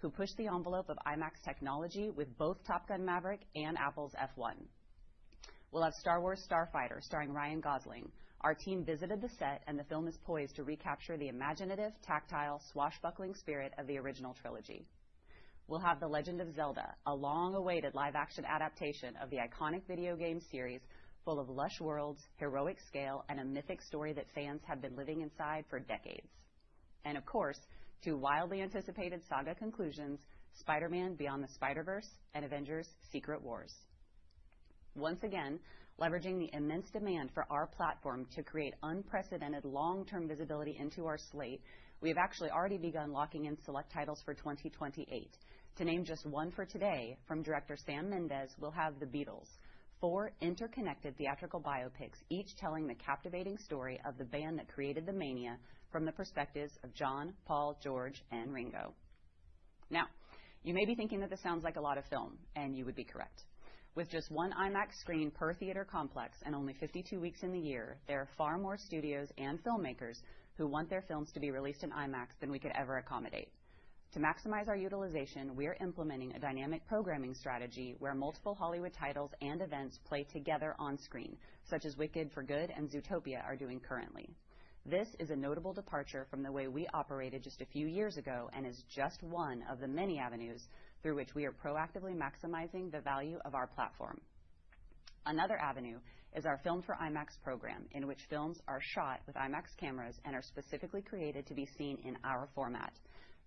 who pushed the envelope of IMAX technology with both Top Gun: Maverick and F1. We'll have Star Wars: Starfighter starring Ryan Gosling. Our team visited the set, and the film is poised to recapture the imaginative, tactile, swashbuckling spirit of the original trilogy. We'll have The Legend of Zelda, a long-awaited live-action adaptation of the iconic video game series full of lush worlds, heroic scale, and a mythic story that fans have been living inside for decades. And of course, two wildly anticipated saga conclusions: Spider-Man: Beyond the Spider-Verse and Avengers: Secret Wars. Once again, leveraging the immense demand for our platform to create unprecedented long-term visibility into our slate, we have actually already begun locking in select titles for 2028. To name just one for today, from director Sam Mendes, we'll have The Beatles, four interconnected theatrical biopics, each telling the captivating story of the band that created Beatlemania from the perspectives of John, Paul, George, and Ringo. Now, you may be thinking that this sounds like a lot of film, and you would be correct. With just one IMAX screen per theater complex and only 52 weeks in the year, there are far more studios and filmmakers who want their films to be released in IMAX than we could ever accommodate. To maximize our utilization, we are implementing a dynamic programming strategy where multiple Hollywood titles and events play together on screen, such as Wicked: For Good and Zootopia are doing currently. This is a notable departure from the way we operated just a few years ago and is just one of the many avenues through which we are proactively maximizing the value of our platform. Another avenue is our Filmed for IMAX program, in which films are shot with IMAX cameras and are specifically created to be seen in our format.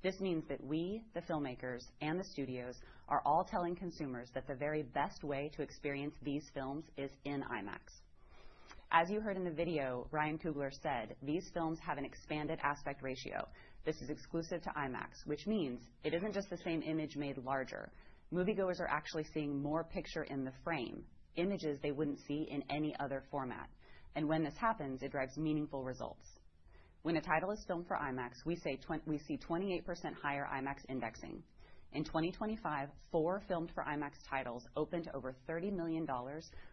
This means that we, the filmmakers, and the studios are all telling consumers that the very best way to experience these films is in IMAX. As you heard in the video, Ryan Coogler said, "These films have an expanded aspect ratio. This is exclusive to IMAX," which means it isn't just the same image made larger. Moviegoers are actually seeing more picture in the frame, images they wouldn't see in any other format. And when this happens, it drives meaningful results. When a title is filmed for IMAX, we see 28% higher IMAX indexing. In 2025, four filmed-for-IMAX titles opened over $30 million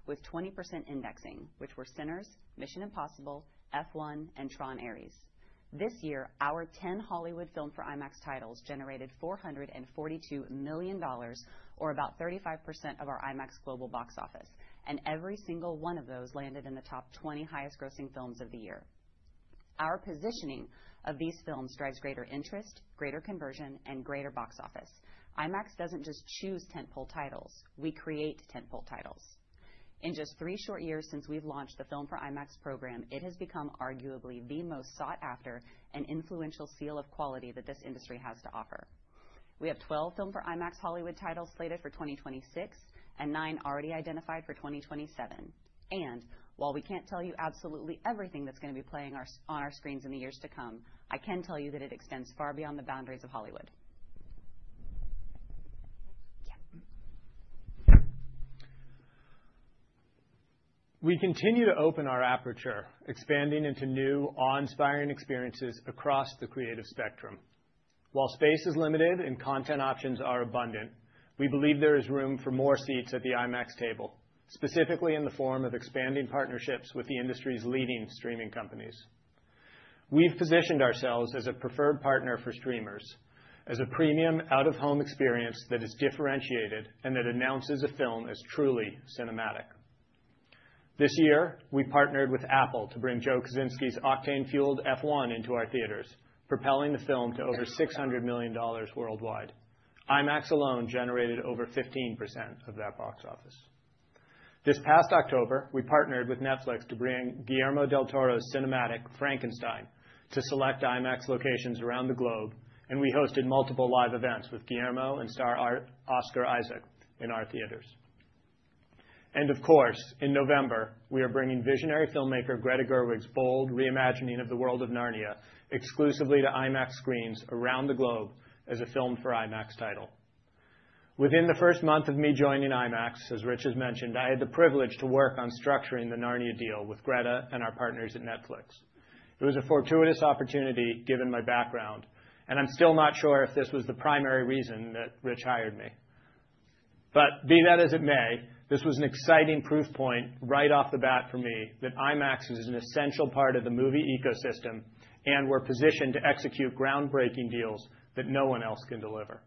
with 20% indexing, which were Sinners, Mission: Impossible, F1, and Tron: Ares. This year, our 10 Hollywood Filmed for IMAX titles generated $442 million, or about 35% of our IMAX global box office. And every single one of those landed in the top 20 highest-grossing films of the year. Our positioning of these films drives greater interest, greater conversion, and greater box office. IMAX doesn't just choose tentpole titles. We create tentpole titles. In just three short years since we've launched the Filmed for IMAX program, it has become arguably the most sought-after and influential seal of quality that this industry has to offer. We have 12 Filmed for IMAX Hollywood titles slated for 2026 and nine already identified for 2027. And while we can't tell you absolutely everything that's going to be playing on our screens in the years to come, I can tell you that it extends far beyond the boundaries of Hollywood. Yeah. We continue to open our aperture, expanding into new, awe-inspiring experiences across the creative spectrum. While space is limited and content options are abundant, we believe there is room for more seats at the IMAX table, specifically in the form of expanding partnerships with the industry's leading streaming companies. We've positioned ourselves as a preferred partner for streamers, as a premium out-of-home experience that is differentiated and that announces a film as truly cinematic. This year, we partnered with Apple to bring Joe Kosinski's octane-fueled F1 into our theaters, propelling the film to over $600 million worldwide. IMAX alone generated over 15% of that box office. This past October, we partnered with Netflix to bring Guillermo del Toro's cinematic Frankenstein to select IMAX locations around the globe, and we hosted multiple live events with Guillermo and star Oscar Isaac in our theaters. And of course, in November, we are bringing visionary filmmaker Greta Gerwig's bold reimagining of the world of Narnia exclusively to IMAX screens around the globe as a Filmed for IMAX title. Within the first month of me joining IMAX, as Rich has mentioned, I had the privilege to work on structuring the Narnia deal with Greta and our partners at Netflix. It was a fortuitous opportunity given my background, and I'm still not sure if this was the primary reason that Rich hired me. But be that as it may, this was an exciting proof point right off the bat for me that IMAX is an essential part of the movie ecosystem and we're positioned to execute groundbreaking deals that no one else can deliver.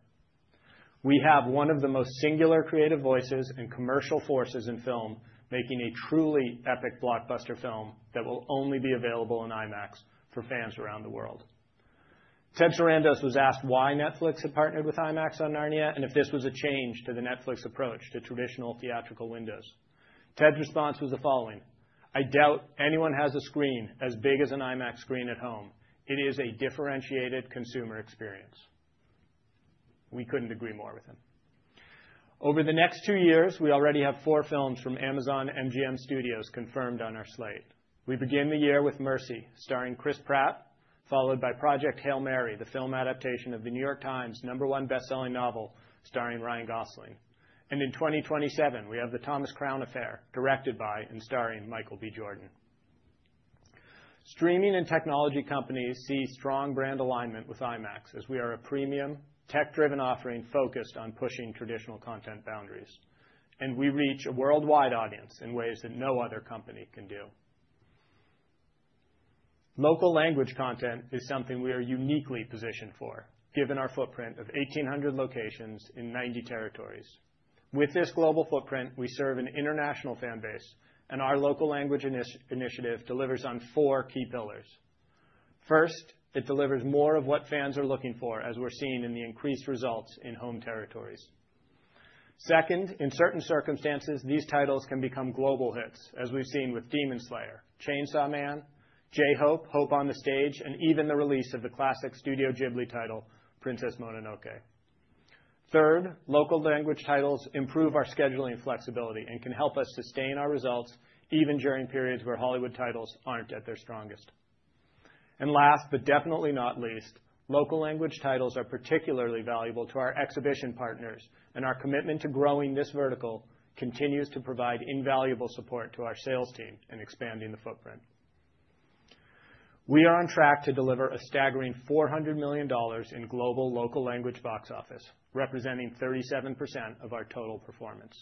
We have one of the most singular creative voices and commercial forces in film making a truly epic blockbuster film that will only be available on IMAX for fans around the world. Ted Sarandos was asked why Netflix had partnered with IMAX on Narnia and if this was a change to the Netflix approach to traditional theatrical windows. Ted's response was the following: "I doubt anyone has a screen as big as an IMAX screen at home. It is a differentiated consumer experience." We couldn't agree more with him. Over the next two years, we already have four films from Amazon MGM Studios confirmed on our slate. We begin the year with Mercy starring Chris Pratt, followed by Project Hail Mary, the film adaptation of The New York Times' number one bestselling novel starring Ryan Gosling, and in 2027, we have The Thomas Crown Affair directed by and starring Michael B. Jordan. Streaming and technology companies see strong brand alignment with IMAX as we are a premium, tech-driven offering focused on pushing traditional content boundaries, and we reach a worldwide audience in ways that no other company can do. Local language content is something we are uniquely positioned for, given our footprint of 1,800 locations in 90 territories. With this global footprint, we serve an international fan base, and our local language initiative delivers on four key pillars. First, it delivers more of what fans are looking for, as we're seeing in the increased results in home territories. Second, in certain circumstances, these titles can become global hits, as we've seen with Demon Slayer, Chainsaw Man, j-Hope: HOPE ON THE STREET, and even the release of the classic Studio Ghibli title, Princess Mononoke. Third, local language titles improve our scheduling flexibility and can help us sustain our results even during periods where Hollywood titles aren't at their strongest. And last, but definitely not least, local language titles are particularly valuable to our exhibition partners, and our commitment to growing this vertical continues to provide invaluable support to our sales team in expanding the footprint. We are on track to deliver a staggering $400 million in global local language box office, representing 37% of our total performance.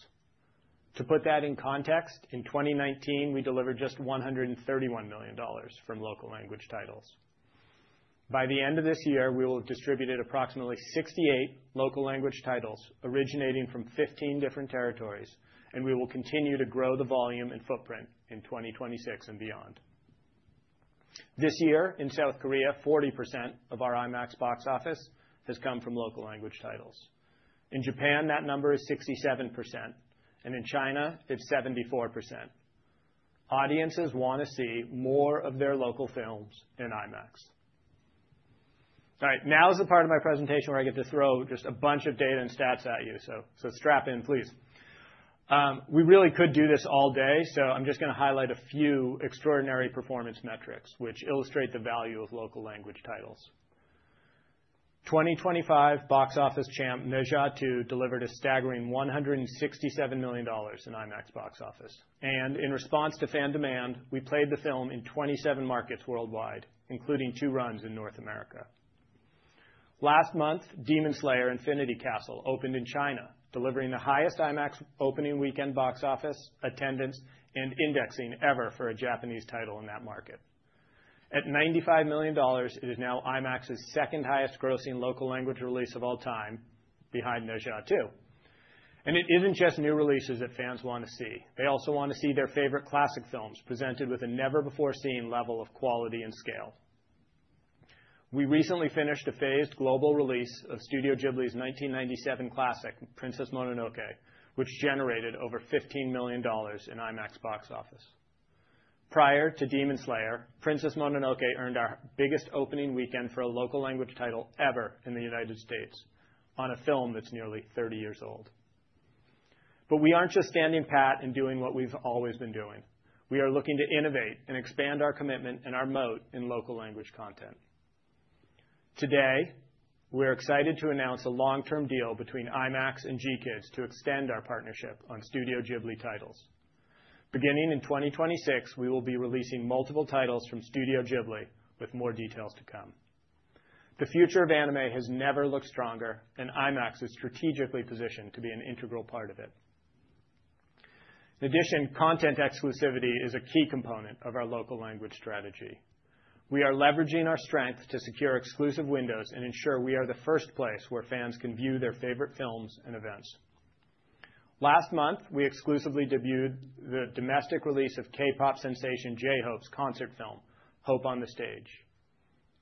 To put that in context, in 2019, we delivered just $131 million from local language titles. By the end of this year, we will have distributed approximately 68 local language titles originating from 15 different territories, and we will continue to grow the volume and footprint in 2026 and beyond. This year, in South Korea, 40% of our IMAX box office has come from local language titles. In Japan, that number is 67%, and in China, it's 74%. Audiences want to see more of their local films in IMAX. All right. Now is the part of my presentation where I get to throw just a bunch of data and stats at you, so strap in, please. We really could do this all day, so I'm just going to highlight a few extraordinary performance metrics which illustrate the value of local language titles. 2025 box office champ Ne Zha 2 delivered a staggering $167 million in IMAX box office. In response to fan demand, we played the film in 27 markets worldwide, including two runs in North America. Last month, Demon Slayer: Infinity Castle opened in China, delivering the highest IMAX opening weekend box office, attendance, and indexing ever for a Japanese title in that market. At $95 million, it is now IMAX's second highest-grossing local language release of all time, behind Ne Zha 2. It isn't just new releases that fans want to see. They also want to see their favorite classic films presented with a never-before-seen level of quality and scale. We recently finished a phased global release of Studio Ghibli's 1997 classic, Princess Mononoke, which generated over $15 million in IMAX box office. Prior to Demon Slayer, Princess Mononoke earned our biggest opening weekend for a local language title ever in the United States on a film that's nearly 30 years old. But we aren't just standing pat and doing what we've always been doing. We are looking to innovate and expand our commitment and our moat in local language content. Today, we're excited to announce a long-term deal between IMAX and GKIDS to extend our partnership on Studio Ghibli titles. Beginning in 2026, we will be releasing multiple titles from Studio Ghibli, with more details to come. The future of anime has never looked stronger, and IMAX is strategically positioned to be an integral part of it. In addition, content exclusivity is a key component of our local language strategy. We are leveraging our strength to secure exclusive windows and ensure we are the first place where fans can view their favorite films and events. Last month, we exclusively debuted the domestic release of K-pop sensation j-Hope's concert film, Hope on the Stage.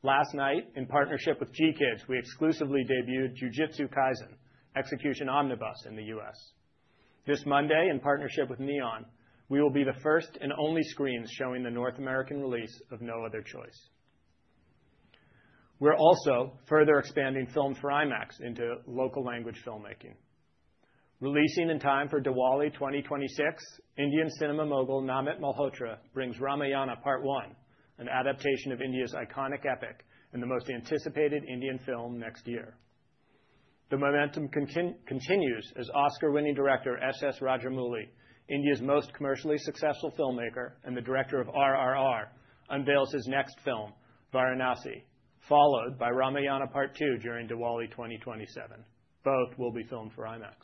Last night, in partnership with GKIDS, we exclusively debuted Jujutsu Kaisen: Execution omnibus in the U.S. This Monday, in partnership with Neon, we will be the first and only screens showing the North American release of No Other Choice. We're also further expanding films for IMAX into local language filmmaking. Releasing in time for Diwali 2026, Indian cinema mogul Namit Malhotra brings Ramayana Part One, an adaptation of India's iconic epic and the most anticipated Indian film next year. The momentum continues as Oscar-winning director S.S. Rajamouli, India's most commercially successful filmmaker and the director of RRR, unveils his next film, Varanasi, followed by Ramayana Part Two during Diwali 2027. Both will be filmed for IMAX.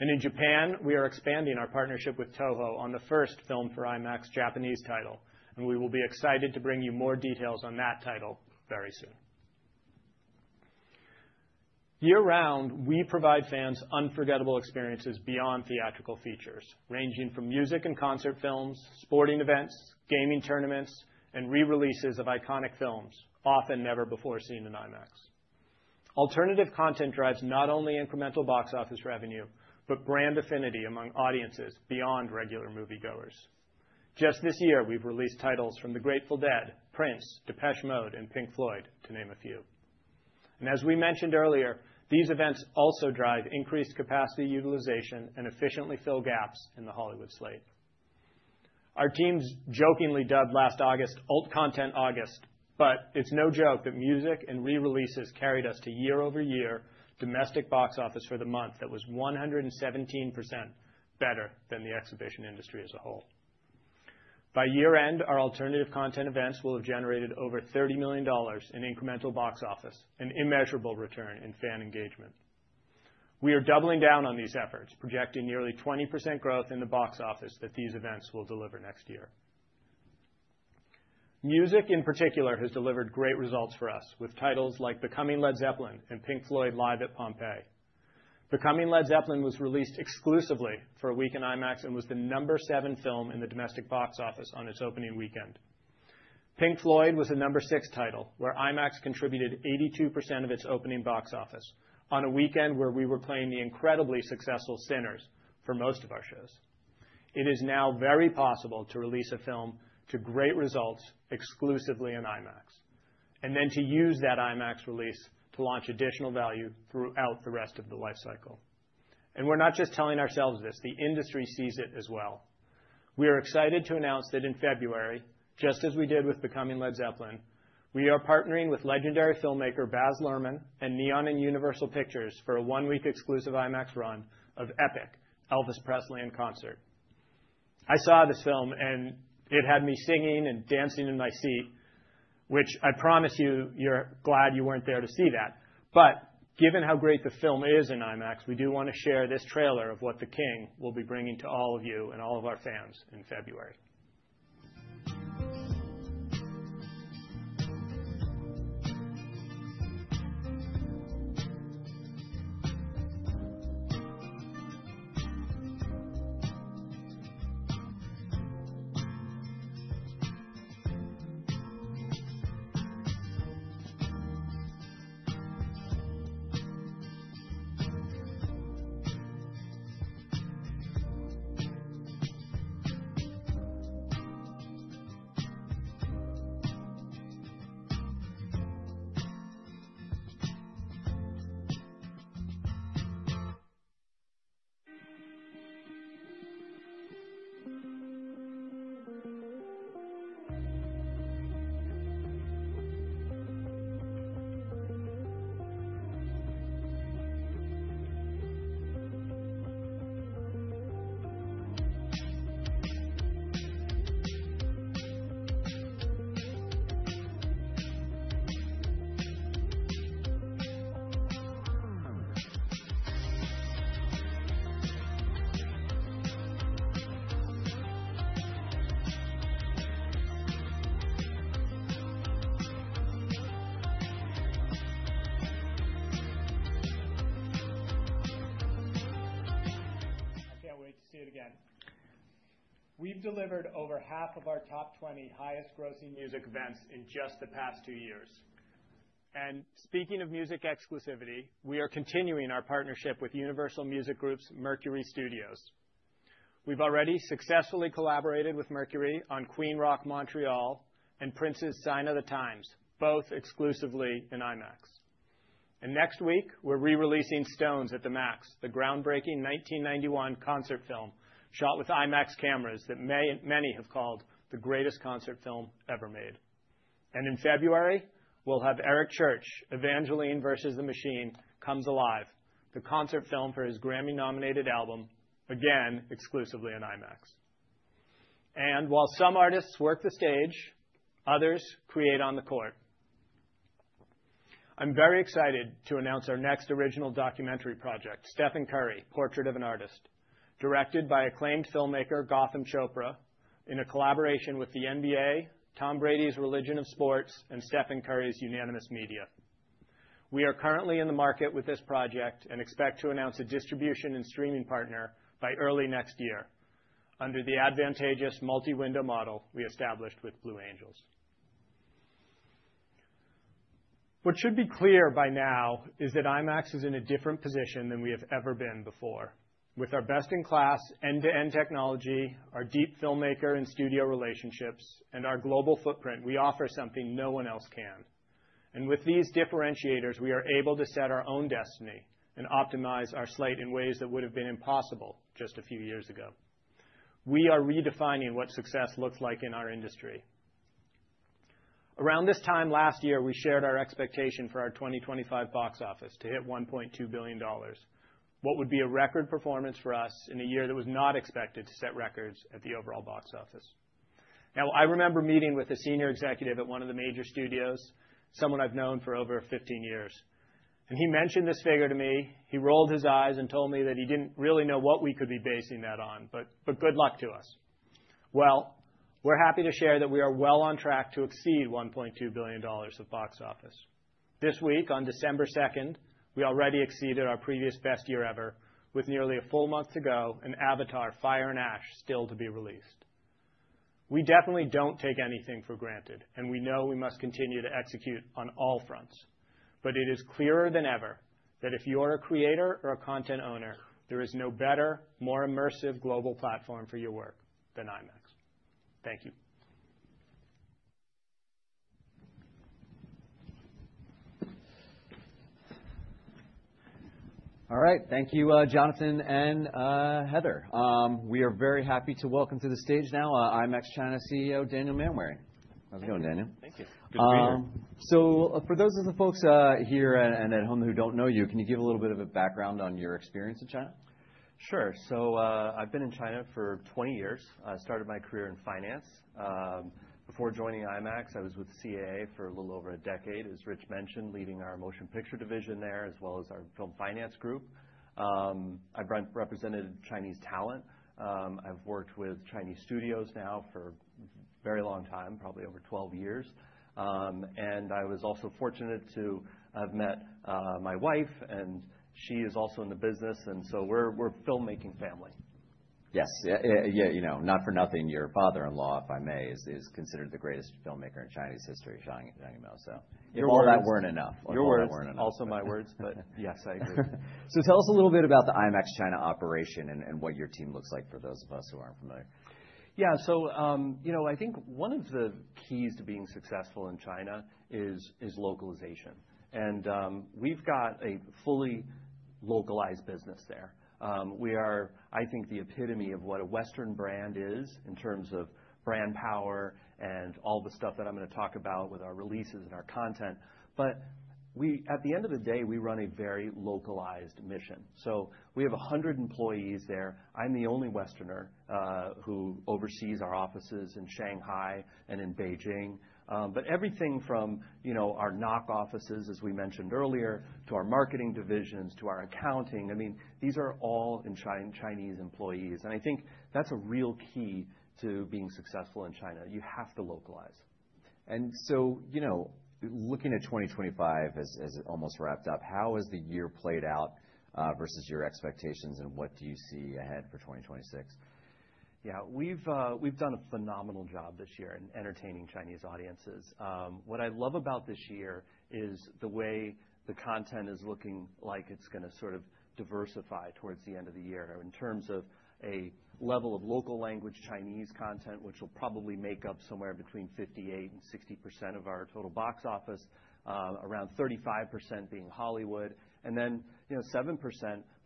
And in Japan, we are expanding our partnership with Toho on the first Filmed for IMAX Japanese title, and we will be excited to bring you more details on that title very soon. Year-round, we provide fans unforgettable experiences beyond theatrical features, ranging from music and concert films, sporting events, gaming tournaments, and re-releases of iconic films often never before seen in IMAX. Alternative content drives not only incremental box office revenue but brand affinity among audiences beyond regular moviegoers. Just this year, we've released titles from The Grateful Dead, Prince, Depeche Mode, and Pink Floyd, to name a few. And as we mentioned earlier, these events also drive increased capacity utilization and efficiently fill gaps in the Hollywood slate. Our team jokingly dubbed last August, "Alt Content August," but it's no joke that music and re-releases carried us to year-over-year domestic box office for the month that was 117% better than the exhibition industry as a whole. By year-end, our alternative content events will have generated over $30 million in incremental box office, an immeasurable return in fan engagement. We are doubling down on these efforts, projecting nearly 20% growth in the box office that these events will deliver next year. Music, in particular, has delivered great results for us with titles like Becoming Led Zeppelin and Pink Floyd Live at Pompeii. Becoming Led Zeppelin was released exclusively for a week in IMAX and was the number seven film in the domestic box office on its opening weekend. Pink Floyd was the number six title, where IMAX contributed 82% of its opening box office on a weekend where we were playing the incredibly successful Sinners for most of our shows. It is now very possible to release a film to great results exclusively in IMAX and then to use that IMAX release to launch additional value throughout the rest of the life cycle, and we're not just telling ourselves this; the industry sees it as well. We are excited to announce that in February, just as we did with Becoming Led Zeppelin, we are partnering with legendary filmmaker Baz Luhrmann and Neon and Universal Pictures for a one-week exclusive IMAX run of EPiC: Elvis Presley in Concert. I saw this film, and it had me singing and dancing in my seat, which I promise you, you're glad you weren't there to see that. But given how great the film is in IMAX, we do want to share this trailer of what The King will be bringing to all of you and all of our fans in February. I can't wait to see it again. We've delivered over half of our top 20 highest-grossing music events in just the past two years. And speaking of music exclusivity, we are continuing our partnership with Universal Music Group's Mercury Studios. We've already successfully collaborated with Mercury on Queen Rock Montreal and Prince's Sign o' the Times, both exclusively in IMAX. Next week, we're re-releasing Stones at the Max, the groundbreaking 1991 concert film shot with IMAX cameras that many have called the greatest concert film ever made. In February, we'll have Eric Church's Evangeline vs. the Machine: Comes Alive, the concert film for his Grammy-nominated album, again exclusively in IMAX. While some artists work the stage, others create on the court. I'm very excited to announce our next original documentary project, Stephen Curry: Portrait of an Artist, directed by acclaimed filmmaker Gotham Chopra in a collaboration with the NBA, Tom Brady's Religion of Sports, and Stephen Curry's Unanimous Media. We are currently in the market with this project and expect to announce a distribution and streaming partner by early next year under the advantageous multi-window model we established with The Blue Angels. What should be clear by now is that IMAX is in a different position than we have ever been before. With our best-in-class end-to-end technology, our deep filmmaker and studio relationships, and our global footprint, we offer something no one else can. And with these differentiators, we are able to set our own destiny and optimize our slate in ways that would have been impossible just a few years ago. We are redefining what success looks like in our industry. Around this time last year, we shared our expectation for our 2025 box office to hit $1.2 billion, what would be a record performance for us in a year that was not expected to set records at the overall box office. Now, I remember meeting with a senior executive at one of the major studios, someone I've known for over 15 years, and he mentioned this figure to me. He rolled his eyes and told me that he didn't really know what we could be basing that on, but good luck to us, well, we're happy to share that we are well on track to exceed $1.2 billion of box office. This week, on December 2nd, we already exceeded our previous best year ever, with nearly a full month to go and Avatar: Fire and Ash still to be released. We definitely don't take anything for granted, and we know we must continue to execute on all fronts. But it is clearer than ever that if you're a creator or a content owner, there is no better, more immersive global platform for your work than IMAX. Thank you. All right. Thank you, Jonathan and Heather. We are very happy to welcome to the stage now IMAX China CEO Daniel Manwaring. How's it going, Daniel? Thank you. Good to be here. So for those of the folks here and at home who don't know you, can you give a little bit of a background on your experience in China? Sure. So I've been in China for 20 years. I started my career in finance. Before joining IMAX, I was with the CAA for a little over a decade, as Rich mentioned, leading our motion picture division there as well as our film finance group. I represented Chinese talent. I've worked with Chinese studios now for a very long time, probably over 12 years. And I was also fortunate to have met my wife, and she is also in the business, and so we're a filmmaking family. Yes. Yeah, you know, not for nothing, your father-in-law, if I may, is considered the greatest filmmaker in Chinese history, Zhang Yimou, so. Your words weren't enough. Your words weren't enough. Also my words, but yes, I agree. So tell us a little bit about the IMAX China operation and what your team looks like for those of us who aren't familiar. Yeah. So, you know, I think one of the keys to being successful in China is localization, and we've got a fully localized business there. We are, I think, the epitome of what a Western brand is in terms of brand power and all the stuff that I'm going to talk about with our releases and our content. But at the end of the day, we run a very localized mission, so we have 100 employees there. I'm the only Westerner who oversees our offices in Shanghai and in Beijing. But everything from, you know, our NOC offices, as we mentioned earlier, to our marketing divisions, to our accounting, I mean, these are all Chinese employees. And I think that's a real key to being successful in China, you have to localize. So, you know, looking at 2025 as it almost wrapped up, how has the year played out versus your expectations, and what do you see ahead for 2026? Yeah. We've done a phenomenal job this year in entertaining Chinese audiences. What I love about this year is the way the content is looking like it's going to sort of diversify towards the end of the year in terms of a level of local language Chinese content, which will probably make up somewhere between 58% and 60% of our total box office, around 35% being Hollywood, and then, you know, 7%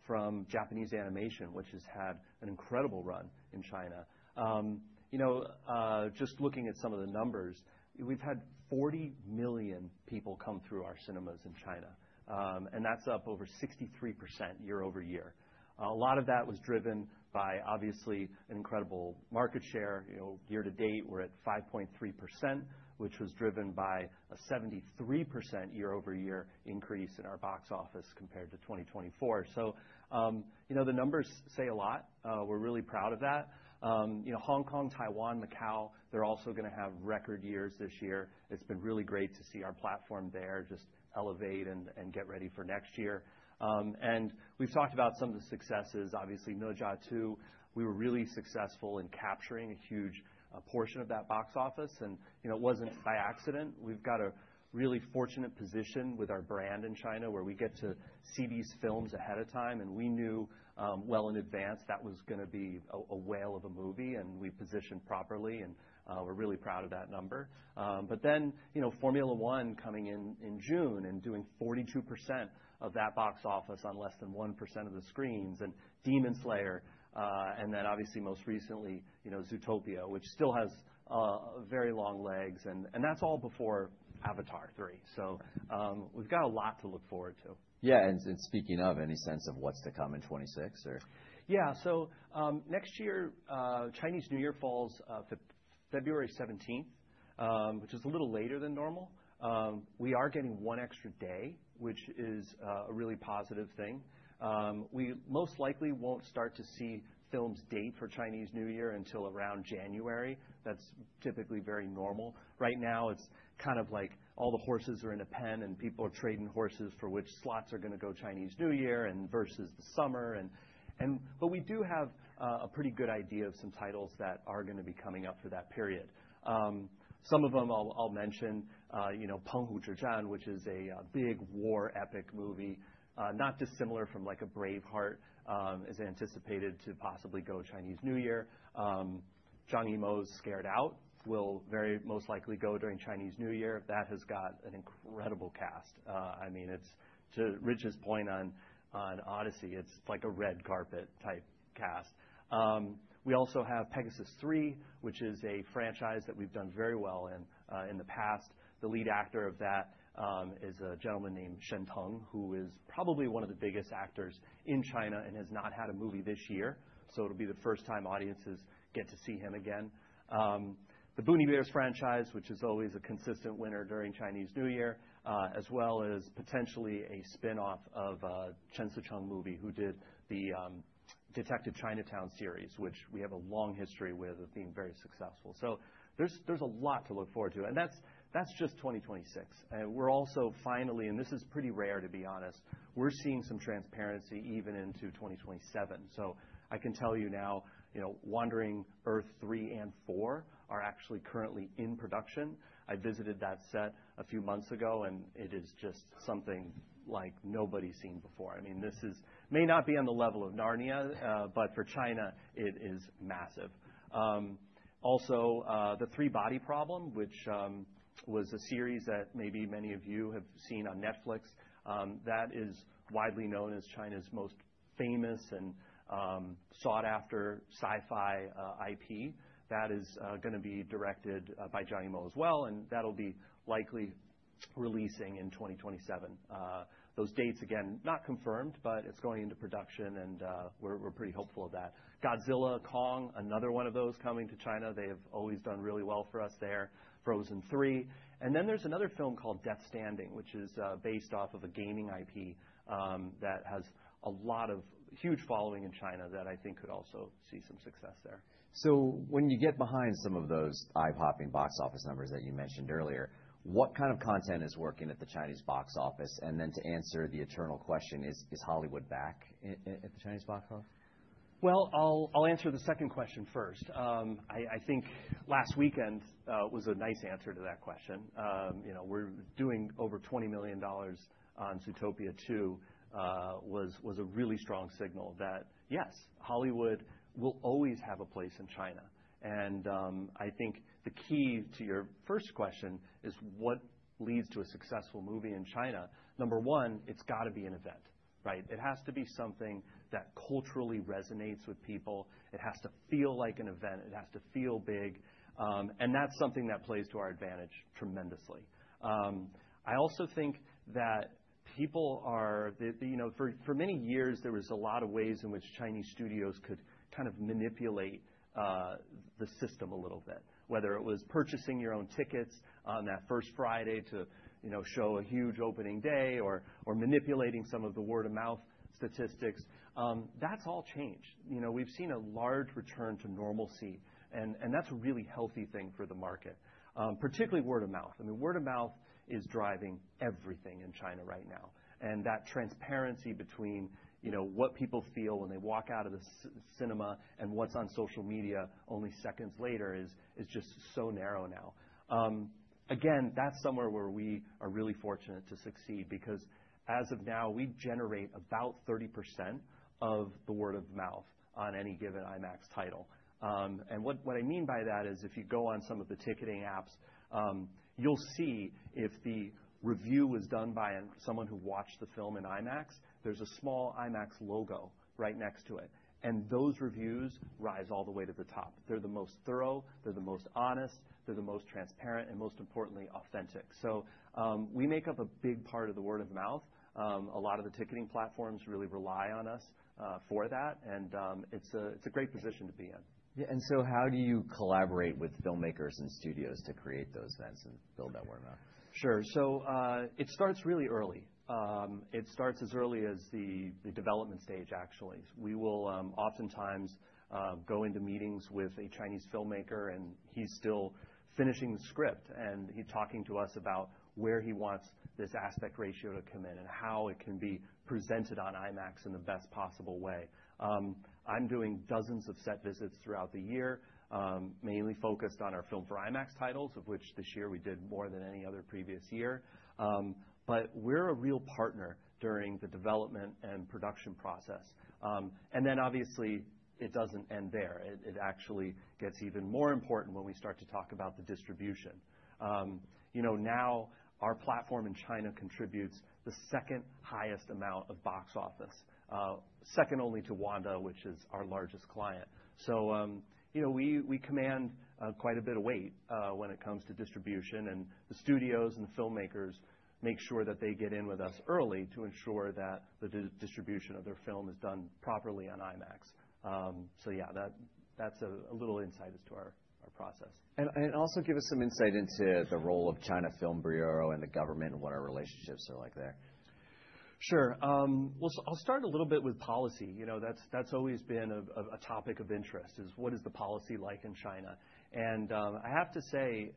from Japanese animation, which has had an incredible run in China. You know, just looking at some of the numbers, we've had 40 million people come through our cinemas in China, and that's up over 63% year-over-year. A lot of that was driven by, obviously, an incredible market share. You know, year to date, we're at 5.3%, which was driven by a 73% year-over-year increase in our box office compared to 2024. So, you know, the numbers say a lot. We're really proud of that. You know, Hong Kong, Taiwan, Macau, they're also going to have record years this year. It's been really great to see our platform there just elevate and get ready for next year. And we've talked about some of the successes. Obviously, Ne Zha 2, we were really successful in capturing a huge portion of that box office. And, you know, it wasn't by accident. We've got a really fortunate position with our brand in China where we get to see these films ahead of time, and we knew well in advance that was going to be a whale of a movie, and we positioned properly, and we're really proud of that number. But then, you know, Formula 1 coming in June and doing 42% of that box office on less than 1% of the screens, and Demon Slayer, and then obviously most recently, you know, Zootopia, which still has very long legs, and that's all before Avatar 3. So we've got a lot to look forward to. Yeah. And speaking of, any sense of what's to come in 2026 or? Yeah. So next year, Chinese New Year falls February 17th, which is a little later than normal. We are getting one extra day, which is a really positive thing. We most likely won't start to see films date for Chinese New Year until around January. That's typically very normal. Right now, it's kind of like all the horses are in a pen, and people are trading horses for which slots are going to go Chinese New Year versus the summer. But we do have a pretty good idea of some titles that are going to be coming up for that period. Some of them I'll mention, you know, Penghu Zhizhan, which is a big war epic movie, not dissimilar from like Braveheart, as anticipated to possibly go Chinese New Year. Zhang Yimou's She Diao will very most likely go during Chinese New Year. That has got an incredible cast. I mean, it's to Rich's point on The Odyssey, it's like a red carpet type cast. We also have Pegasus 3, which is a franchise that we've done very well in the past. The lead actor of that is a gentleman named Shen Teng, who is probably one of the biggest actors in China and has not had a movie this year, so it'll be the first time audiences get to see him again. The Boonie Bears franchise, which is always a consistent winner during Chinese New Year, as well as potentially a spinoff of Chen Sicheng's movie, who did the Detective Chinatown series, which we have a long history with being very successful, so there's a lot to look forward to, and that's just 2026, and we're also finally, and this is pretty rare, to be honest, we're seeing some transparency even into 2027, so I can tell you now, you know, Wandering Earth 3 and 4 are actually currently in production. I visited that set a few months ago, and it is just something like nobody's seen before. I mean, this may not be on the level of Narnia, but for China, it is massive. Also, The Three-Body Problem, which was a series that maybe many of you have seen on Netflix, that is widely known as China's most famous and sought-after sci-fi IP. That is going to be directed by Zhang Yimou as well, and that'll be likely releasing in 2027. Those dates, again, not confirmed, but it's going into production, and we're pretty hopeful of that. Godzilla X Kong, another one of those coming to China. They have always done really well for us there. Frozen 3. Then there's another film called Death Stranding, which is based off of a gaming IP that has a lot of huge following in China that I think could also see some success there. So when you get behind some of those eye-popping box office numbers that you mentioned earlier, what kind of content is working at the Chinese box office? And then to answer the eternal question, is Hollywood back at the Chinese box office? Well, I'll answer the second question first. I think last weekend was a nice answer to that question. You know, we're doing over $20 million on Zootopia 2, which was a really strong signal that, yes, Hollywood will always have a place in China. And I think the key to your first question is what leads to a successful movie in China. Number one, it's got to be an event, right? It has to be something that culturally resonates with people. It has to feel like an event. It has to feel big. And that's something that plays to our advantage tremendously. I also think that people are, you know, for many years, there were a lot of ways in which Chinese studios could kind of manipulate the system a little bit, whether it was purchasing your own tickets on that first Friday to, you know, show a huge opening day or manipulating some of the word-of-mouth statistics. That's all changed. You know, we've seen a large return to normalcy, and that's a really healthy thing for the market, particularly word-of-mouth. I mean, word-of-mouth is driving everything in China right now. And that transparency between, you know, what people feel when they walk out of the cinema and what's on social media only seconds later is just so narrow now. Again, that's somewhere where we are really fortunate to succeed because as of now, we generate about 30% of the word-of-mouth on any given IMAX title, and what I mean by that is if you go on some of the ticketing apps, you'll see if the review was done by someone who watched the film in IMAX, there's a small IMAX logo right next to it, and those reviews rise all the way to the top. They're the most thorough, they're the most honest, they're the most transparent, and most importantly, authentic, so we make up a big part of the word-of-mouth. A lot of the ticketing platforms really rely on us for that, and it's a great position to be in. Yeah, and so how do you collaborate with filmmakers and studios to create those events and build that word-of-mouth? Sure, so it starts really early. It starts as early as the development stage, actually. We will oftentimes go into meetings with a Chinese filmmaker, and he's still finishing the script, and he's talking to us about where he wants this aspect ratio to come in and how it can be presented on IMAX in the best possible way. I'm doing dozens of set visits throughout the year, mainly focused on our Filmed for IMAX titles, of which this year we did more than any other previous year. But we're a real partner during the development and production process. And then, obviously, it doesn't end there. It actually gets even more important when we start to talk about the distribution. You know, now our platform in China contributes the second highest amount of box office, second only to Wanda, which is our largest client. So, you know, we command quite a bit of weight when it comes to distribution, and the studios and the filmmakers make sure that they get in with us early to ensure that the distribution of their film is done properly on IMAX. So, yeah, that's a little insight as to our process. And also give us some insight into the role of China Film Bureau and the government and what our relationships are like there. Sure. Well, I'll start a little bit with policy. You know, that's always been a topic of interest: what is the policy like in China? And I have to say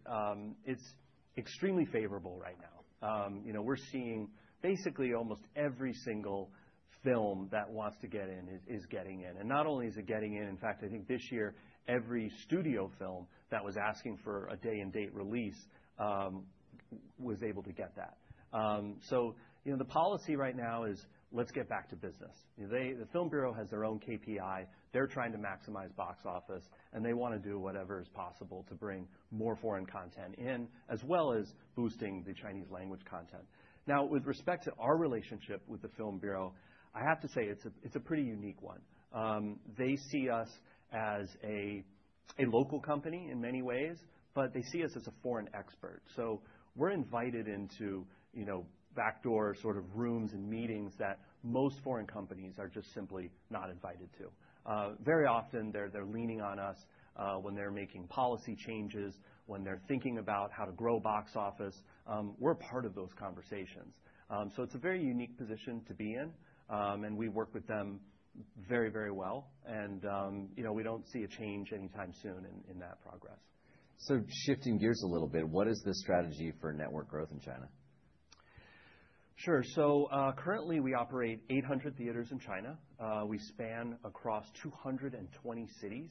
it's extremely favorable right now. You know, we're seeing basically almost every single film that wants to get in is getting in. Not only is it getting in, in fact, I think this year every studio film that was asking for a day-and-date release was able to get that. You know, the policy right now is let's get back to business. The Film Bureau has their own KPI. They're trying to maximize box office, and they want to do whatever is possible to bring more foreign content in, as well as boosting the Chinese language content. Now, with respect to our relationship with the Film Bureau, I have to say it's a pretty unique one. They see us as a local company in many ways, but they see us as a foreign expert. You know, we're invited into backdoor sort of rooms and meetings that most foreign companies are just simply not invited to. Very often they're leaning on us when they're making policy changes, when they're thinking about how to grow box office. We're part of those conversations. It's a very unique position to be in, and we work with them very, very well. You know, we don't see a change anytime soon in that progress. Shifting gears a little bit, what is the strategy for network growth in China? Sure. Currently we operate 800 theaters in China. We span across 220 cities.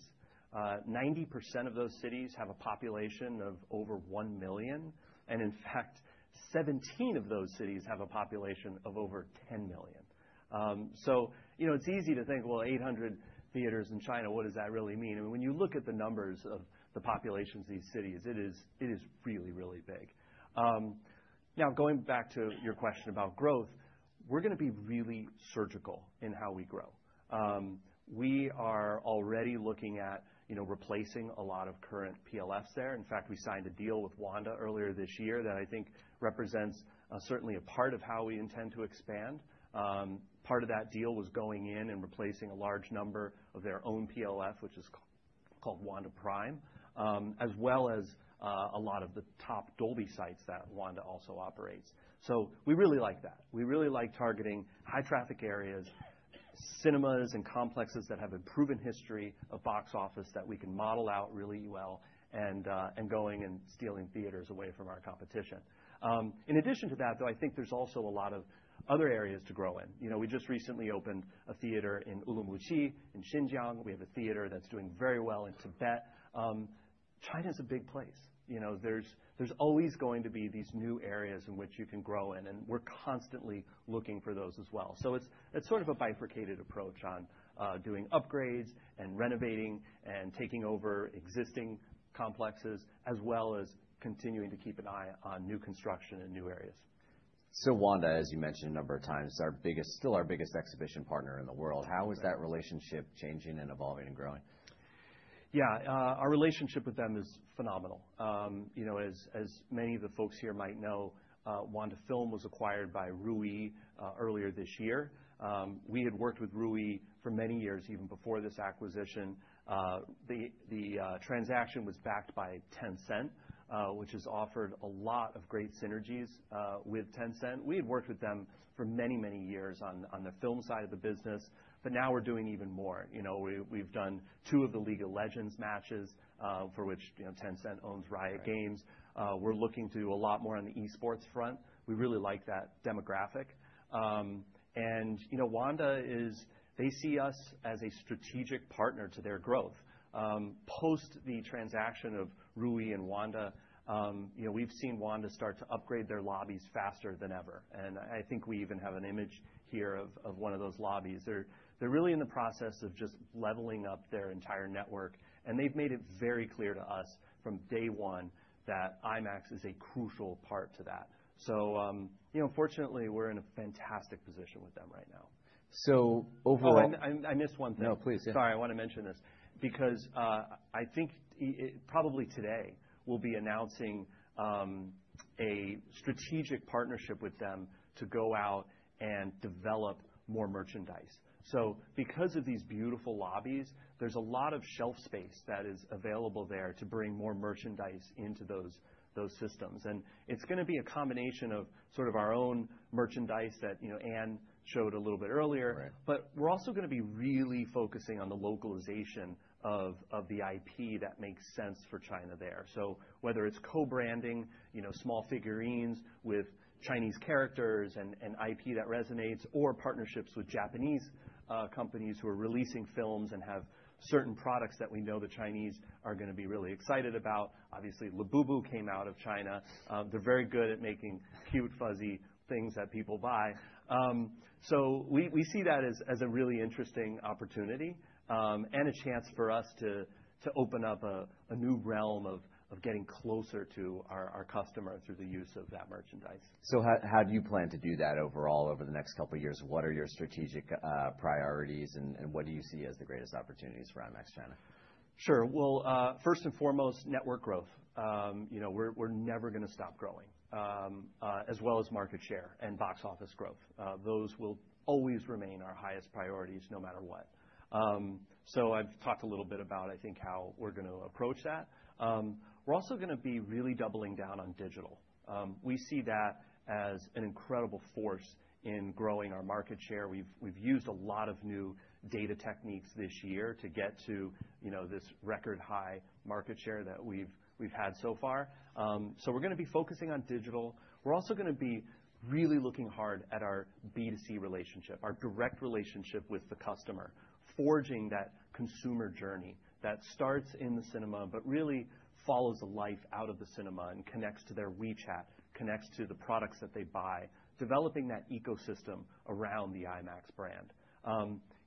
90% of those cities have a population of over 1 million, and in fact, 17 of those cities have a population of over 10 million. You know, it's easy to think, well, 800 theaters in China, what does that really mean? I mean, when you look at the numbers of the populations of these cities, it is really, really big. Now, going back to your question about growth, we're going to be really surgical in how we grow. We are already looking at, you know, replacing a lot of current PLFs there. In fact, we signed a deal with Wanda earlier this year that I think represents certainly a part of how we intend to expand. Part of that deal was going in and replacing a large number of their own PLF, which is called Wanda Prime, as well as a lot of the top Dolby sites that Wanda also operates. So we really like that. We really like targeting high-traffic areas, cinemas and complexes that have a proven history of box office that we can model out really well and going and stealing theaters away from our competition. In addition to that, though, I think there's also a lot of other areas to grow in. You know, we just recently opened a theater in Urumqi in Xinjiang. We have a theater that's doing very well in Tibet. China's a big place. You know, there's always going to be these new areas in which you can grow in, and we're constantly looking for those as well. So it's sort of a bifurcated approach on doing upgrades and renovating and taking over existing complexes, as well as continuing to keep an eye on new construction in new areas. So Wanda, as you mentioned a number of times, is still our biggest exhibition partner in the world. How is that relationship changing and evolving and growing? Yeah. Our relationship with them is phenomenal. You know, as many of the folks here might know, Wanda Film was acquired by Ruyi earlier this year. We had worked with Ruyi for many years even before this acquisition. The transaction was backed by Tencent, which has offered a lot of great synergies with Tencent. We had worked with them for many, many years on the film side of the business, but now we're doing even more. You know, we've done two of the League of Legends matches, for which Tencent owns Riot Games. We're looking to do a lot more on the esports front. We really like that demographic. And, you know, Wanda is, they see us as a strategic partner to their growth. Post the transaction of Ruyi and Wanda, you know, we've seen Wanda start to upgrade their lobbies faster than ever. And I think we even have an image here of one of those lobbies. They're really in the process of just leveling up their entire network, and they've made it very clear to us from day one that IMAX is a crucial part to that. So, you know, fortunately, we're in a fantastic position with them right now. So overall, I missed one thing. No, please. Yeah. Sorry, I want to mention this because I think probably today we'll be announcing a strategic partnership with them to go out and develop more merchandise. So because of these beautiful lobbies, there's a lot of shelf space that is available there to bring more merchandise into those systems. And it's going to be a combination of sort of our own merchandise that, you know, Anne showed a little bit earlier. But we're also going to be really focusing on the localization of the IP that makes sense for China there. So whether it's co-branding, you know, small figurines with Chinese characters and IP that resonates, or partnerships with Japanese companies who are releasing films and have certain products that we know the Chinese are going to be really excited about. Obviously, Labubu came out of China. They're very good at making cute, fuzzy things that people buy. So we see that as a really interesting opportunity and a chance for us to open up a new realm of getting closer to our customer through the use of that merchandise. So how do you plan to do that overall over the next couple of years? What are your strategic priorities, and what do you see as the greatest opportunities for IMAX China? Sure. Well, first and foremost, network growth. You know, we're never going to stop growing, as well as market share and box office growth. Those will always remain our highest priorities no matter what. So I've talked a little bit about, I think, how we're going to approach that. We're also going to be really doubling down on digital. We see that as an incredible force in growing our market share. We've used a lot of new data techniques this year to get to, you know, this record-high market share that we've had so far. So we're going to be focusing on digital. We're also going to be really looking hard at our B2C relationship, our direct relationship with the customer, forging that consumer journey that starts in the cinema but really follows a life out of the cinema and connects to their WeChat, connects to the products that they buy, developing that ecosystem around the IMAX brand.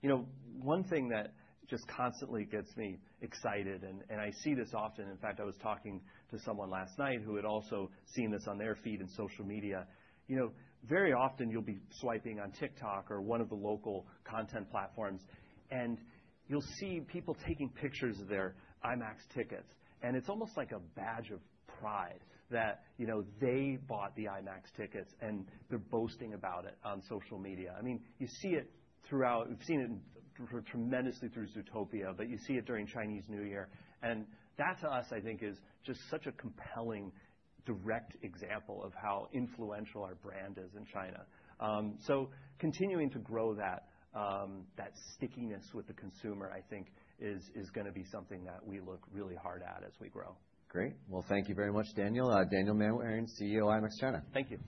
You know, one thing that just constantly gets me excited, and I see this often. In fact, I was talking to someone last night who had also seen this on their feed in social media. You know, very often you'll be swiping on TikTok or one of the local content platforms, and you'll see people taking pictures of their IMAX tickets. And it's almost like a badge of pride that, you know, they bought the IMAX tickets and they're boasting about it on social media. I mean, you see it throughout. We've seen it tremendously through Zootopia, but you see it during Chinese New Year. And that to us, I think, is just such a compelling, direct example of how influential our brand is in China. Continuing to grow that stickiness with the consumer, I think, is going to be something that we look really hard at as we grow. Great. Well, thank you very much, Daniel. Daniel Manwaring, CEO, IMAX China. Thank you.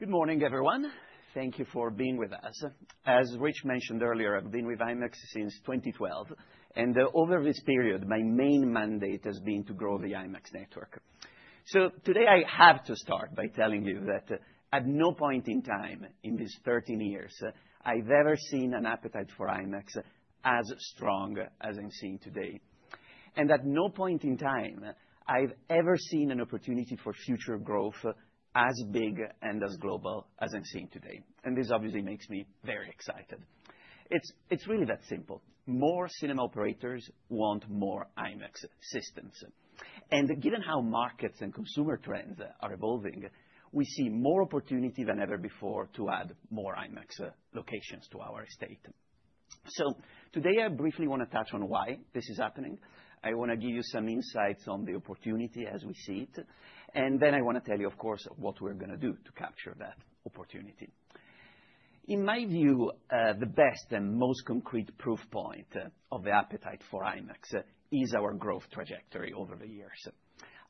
Good morning, everyone. Thank you for being with us. As Rich mentioned earlier, I've been with IMAX since 2012, and over this period, my main mandate has been to grow the IMAX network. Today I have to start by telling you that at no point in time in these 13 years I've ever seen an appetite for IMAX as strong as I'm seeing today. And at no point in time I've ever seen an opportunity for future growth as big and as global as I'm seeing today. And this obviously makes me very excited. It's really that simple. More cinema operators want more IMAX systems. Given how markets and consumer trends are evolving, we see more opportunity than ever before to add more IMAX locations to our estate. Today I briefly want to touch on why this is happening. I want to give you some insights on the opportunity as we see it. Then I want to tell you, of course, what we're going to do to capture that opportunity. In my view, the best and most concrete proof point of the appetite for IMAX is our growth trajectory over the years.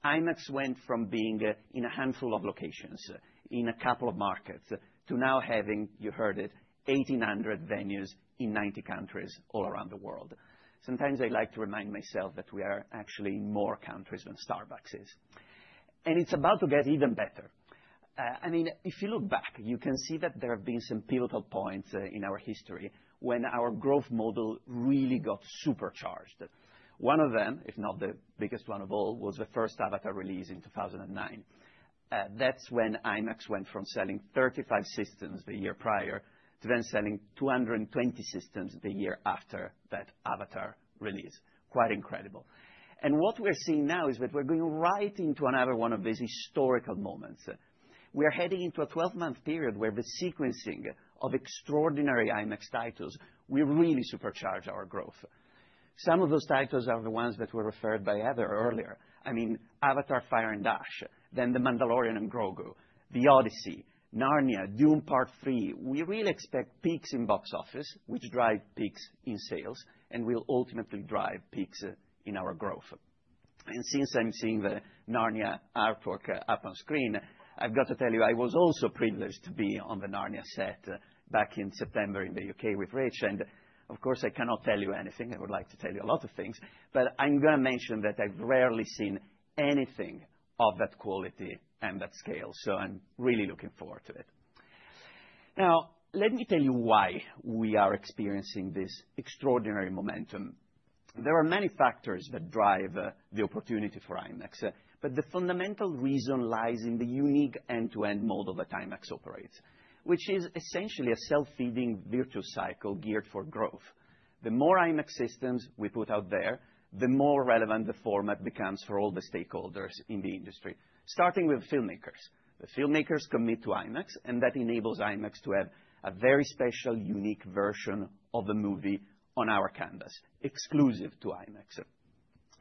IMAX went from being in a handful of locations in a couple of markets to now having, you heard it, 1,800 venues in 90 countries all around the world. Sometimes I like to remind myself that we are actually in more countries than Starbucks is. It's about to get even better. I mean, if you look back, you can see that there have been some pivotal points in our history when our growth model really got supercharged. One of them, if not the biggest one of all, was the first Avatar release in 2009. That's when IMAX went from selling 35 systems the year prior to then selling 220 systems the year after that Avatar release. Quite incredible. What we're seeing now is that we're going right into another one of these historical moments. We are heading into a 12-month period where the sequencing of extraordinary IMAX titles will really supercharge our growth. Some of those titles are the ones that were referred by Heather earlier. I mean, Avatar: Fire and Ash, then The Mandalorian and Grogu, The Odyssey, Narnia, Dune Part 3. We really expect peaks in box office, which drive peaks in sales, and will ultimately drive peaks in our growth. Since I'm seeing the Narnia artwork up on screen, I've got to tell you I was also privileged to be on the Narnia set back in September in the U.K. with Rich. Of course, I cannot tell you anything. I would like to tell you a lot of things, but I'm going to mention that I've rarely seen anything of that quality and that scale. I'm really looking forward to it. Now, let me tell you why we are experiencing this extraordinary momentum. There are many factors that drive the opportunity for IMAX, but the fundamental reason lies in the unique end-to-end model that IMAX operates, which is essentially a self-feeding virtuous cycle geared for growth. The more IMAX systems we put out there, the more relevant the format becomes for all the stakeholders in the industry, starting with filmmakers. The filmmakers commit to IMAX, and that enables IMAX to have a very special, unique version of a movie on our canvas, exclusive to IMAX.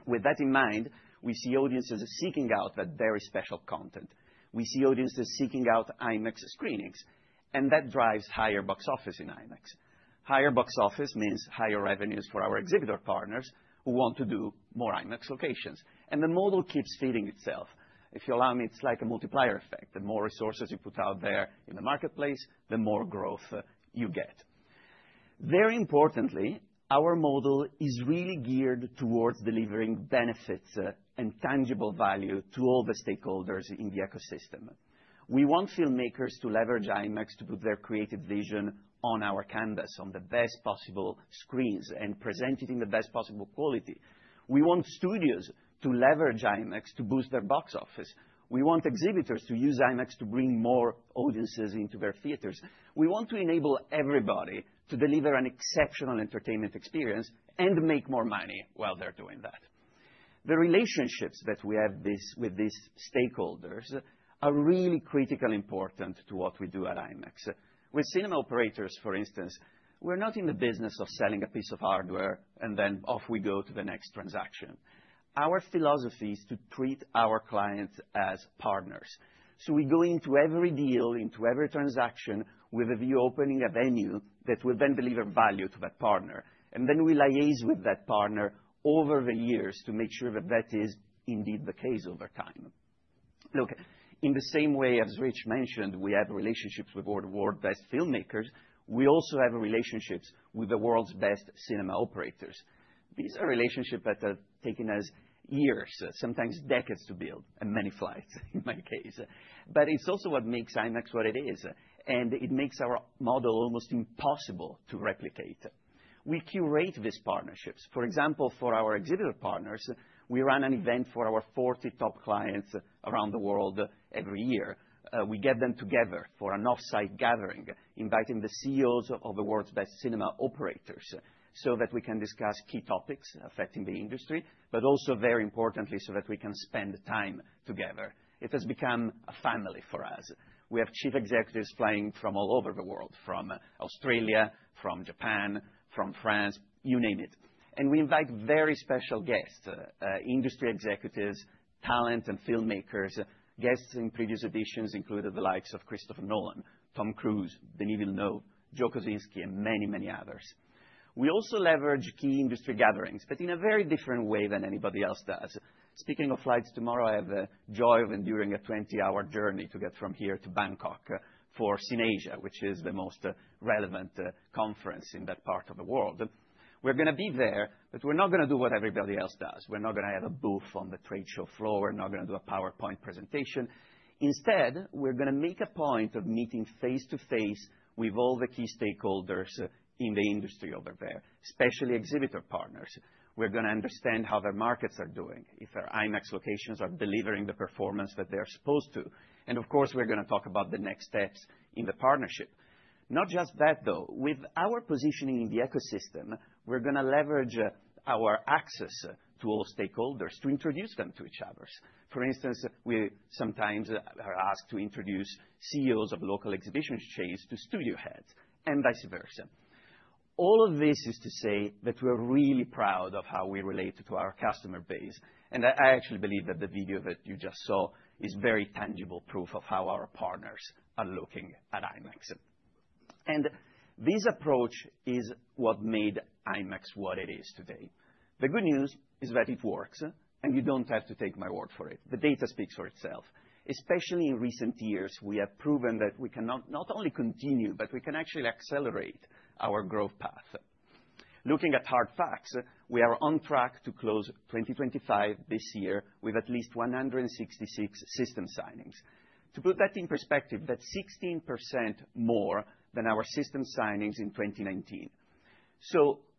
With that in mind, we see audiences seeking out that very special content. We see audiences seeking out IMAX screenings, and that drives higher box office in IMAX. Higher box office means higher revenues for our exhibitor partners who want to do more IMAX locations. And the model keeps feeding itself. If you allow me, it's like a multiplier effect. The more resources you put out there in the marketplace, the more growth you get. Very importantly, our model is really geared towards delivering benefits and tangible value to all the stakeholders in the ecosystem. We want filmmakers to leverage IMAX to put their creative vision on our canvas, on the best possible screens, and present it in the best possible quality. We want studios to leverage IMAX to boost their box office. We want exhibitors to use IMAX to bring more audiences into their theaters. We want to enable everybody to deliver an exceptional entertainment experience and make more money while they're doing that. The relationships that we have with these stakeholders are really critically important to what we do at IMAX. With cinema operators, for instance, we're not in the business of selling a piece of hardware and then off we go to the next transaction. Our philosophy is to treat our clients as partners. So we go into every deal, into every transaction with a view of opening a venue that will then deliver value to that partner. And then we liaise with that partner over the years to make sure that that is indeed the case over time. Look, in the same way as Rich mentioned, we have relationships with world's best filmmakers. We also have relationships with the world's best cinema operators. These are relationships that have taken us years, sometimes decades to build, and many flights in my case. But it's also what makes IMAX what it is. And it makes our model almost impossible to replicate. We curate these partnerships. For example, for our exhibitor partners, we run an event for our 40 top clients around the world every year. We get them together for an offsite gathering, inviting the CEOs of the world's best cinema operators so that we can discuss key topics affecting the industry, but also, very importantly, so that we can spend time together. It has become a family for us. We have chief executives flying from all over the world, from Australia, from Japan, from France, you name it, and we invite very special guests, industry executives, talent and filmmakers, guests in previous editions, including the likes of Christopher Nolan, Tom Cruise, Denis Villeneuve, Joe Kosinski, and many, many others. We also leverage key industry gatherings, but in a very different way than anybody else does. Speaking of flights, tomorrow I have the joy of enduring a 20-hour journey to get from here to Bangkok for CineAsia, which is the most relevant conference in that part of the world. We're going to be there, but we're not going to do what everybody else does. We're not going to have a booth on the trade show floor. We're not going to do a PowerPoint presentation. Instead, we're going to make a point of meeting face-to-face with all the key stakeholders in the industry over there, especially exhibitor partners. We're going to understand how their markets are doing, if their IMAX locations are delivering the performance that they're supposed to. And of course, we're going to talk about the next steps in the partnership. Not just that, though. With our positioning in the ecosystem, we're going to leverage our access to all stakeholders to introduce them to each other. For instance, we sometimes are asked to introduce CEOs of local exhibition chains to studio heads and vice versa. All of this is to say that we're really proud of how we relate to our customer base. And I actually believe that the video that you just saw is very tangible proof of how our partners are looking at IMAX. This approach is what made IMAX what it is today. The good news is that it works, and you don't have to take my word for it. The data speaks for itself. Especially in recent years, we have proven that we can not only continue, but we can actually accelerate our growth path. Looking at hard facts, we are on track to close 2025 this year with at least 166 system signings. To put that in perspective, that's 16% more than our system signings in 2019.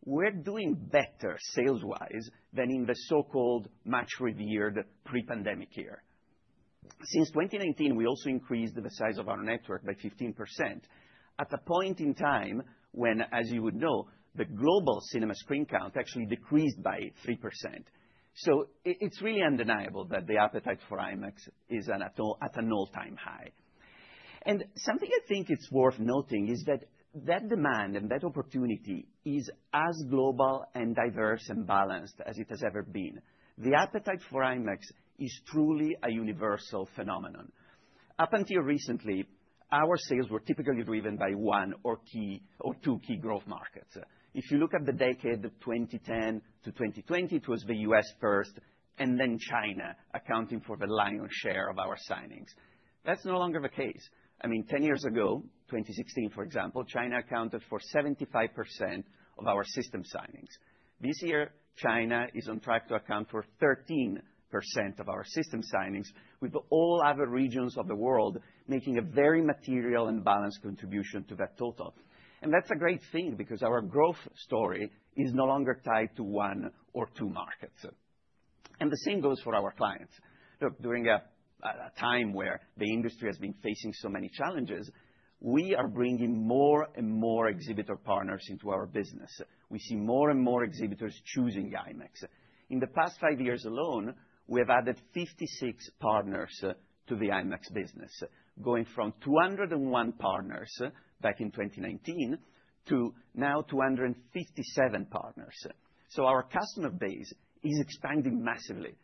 We're doing better sales-wise than in the so-called much-revered pre-pandemic year. Since 2019, we also increased the size of our network by 15% at a point in time when, as you would know, the global cinema screen count actually decreased by 3%. It's really undeniable that the appetite for IMAX is at an all-time high. Something I think it's worth noting is that that demand and that opportunity is as global and diverse and balanced as it has ever been. The appetite for IMAX is truly a universal phenomenon. Up until recently, our sales were typically driven by one or two key growth markets. If you look at the decade of 2010 to 2020, it was the U.S. first, and then China, accounting for the lion's share of our signings. That's no longer the case. I mean, 10 years ago, 2016, for example, China accounted for 75% of our system signings. This year, China is on track to account for 13% of our system signings, with all other regions of the world making a very material and balanced contribution to that total. That's a great thing because our growth story is no longer tied to one or two markets. The same goes for our clients. Look, during a time where the industry has been facing so many challenges, we are bringing more and more exhibitor partners into our business. We see more and more exhibitors choosing IMAX. In the past five years alone, we have added 56 partners to the IMAX business, going from 201 partners back in 2019 to now 257 partners. So our customer base is expanding massively.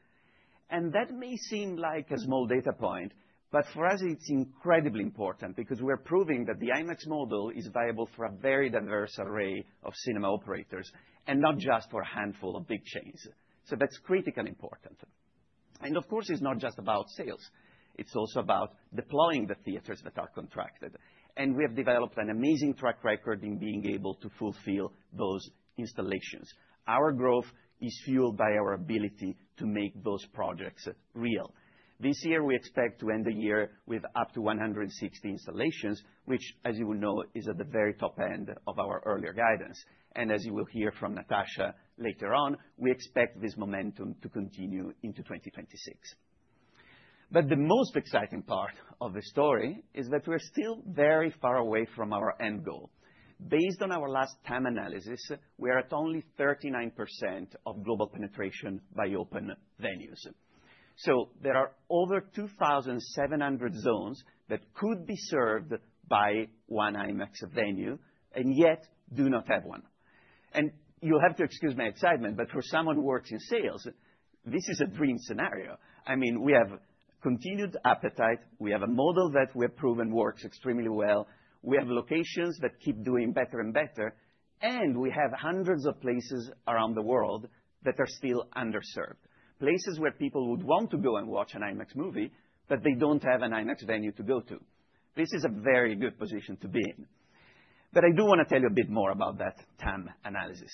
And that may seem like a small data point, but for us, it's incredibly important because we're proving that the IMAX model is viable for a very diverse array of cinema operators and not just for a handful of big chains. So that's critically important. And of course, it's not just about sales. It's also about deploying the theaters that are contracted. And we have developed an amazing track record in being able to fulfill those installations. Our growth is fueled by our ability to make those projects real. This year, we expect to end the year with up to 160 installations, which, as you will know, is at the very top end of our earlier guidance. And as you will hear from Natasha later on, we expect this momentum to continue into 2026. But the most exciting part of the story is that we're still very far away from our end goal. Based on our last TAM analysis, we are at only 39% of global penetration by open venues. So there are over 2,700 zones that could be served by one IMAX venue and yet do not have one. And you'll have to excuse my excitement, but for someone who works in sales, this is a dream scenario. I mean, we have continued appetite. We have a model that we have proven works extremely well. We have locations that keep doing better and better. We have hundreds of places around the world that are still underserved, places where people would want to go and watch an IMAX movie, but they don't have an IMAX venue to go to. This is a very good position to be in. I do want to tell you a bit more about that TAM analysis.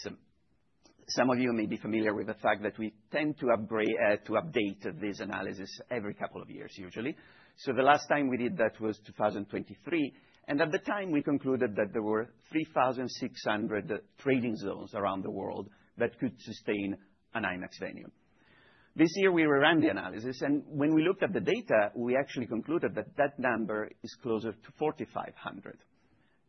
Some of you may be familiar with the fact that we tend to update this analysis every couple of years, usually. The last time we did that was 2023. At the time, we concluded that there were 3,600 trading zones around the world that could sustain an IMAX venue. This year, we re-ran the analysis. When we looked at the data, we actually concluded that that number is closer to 4,500.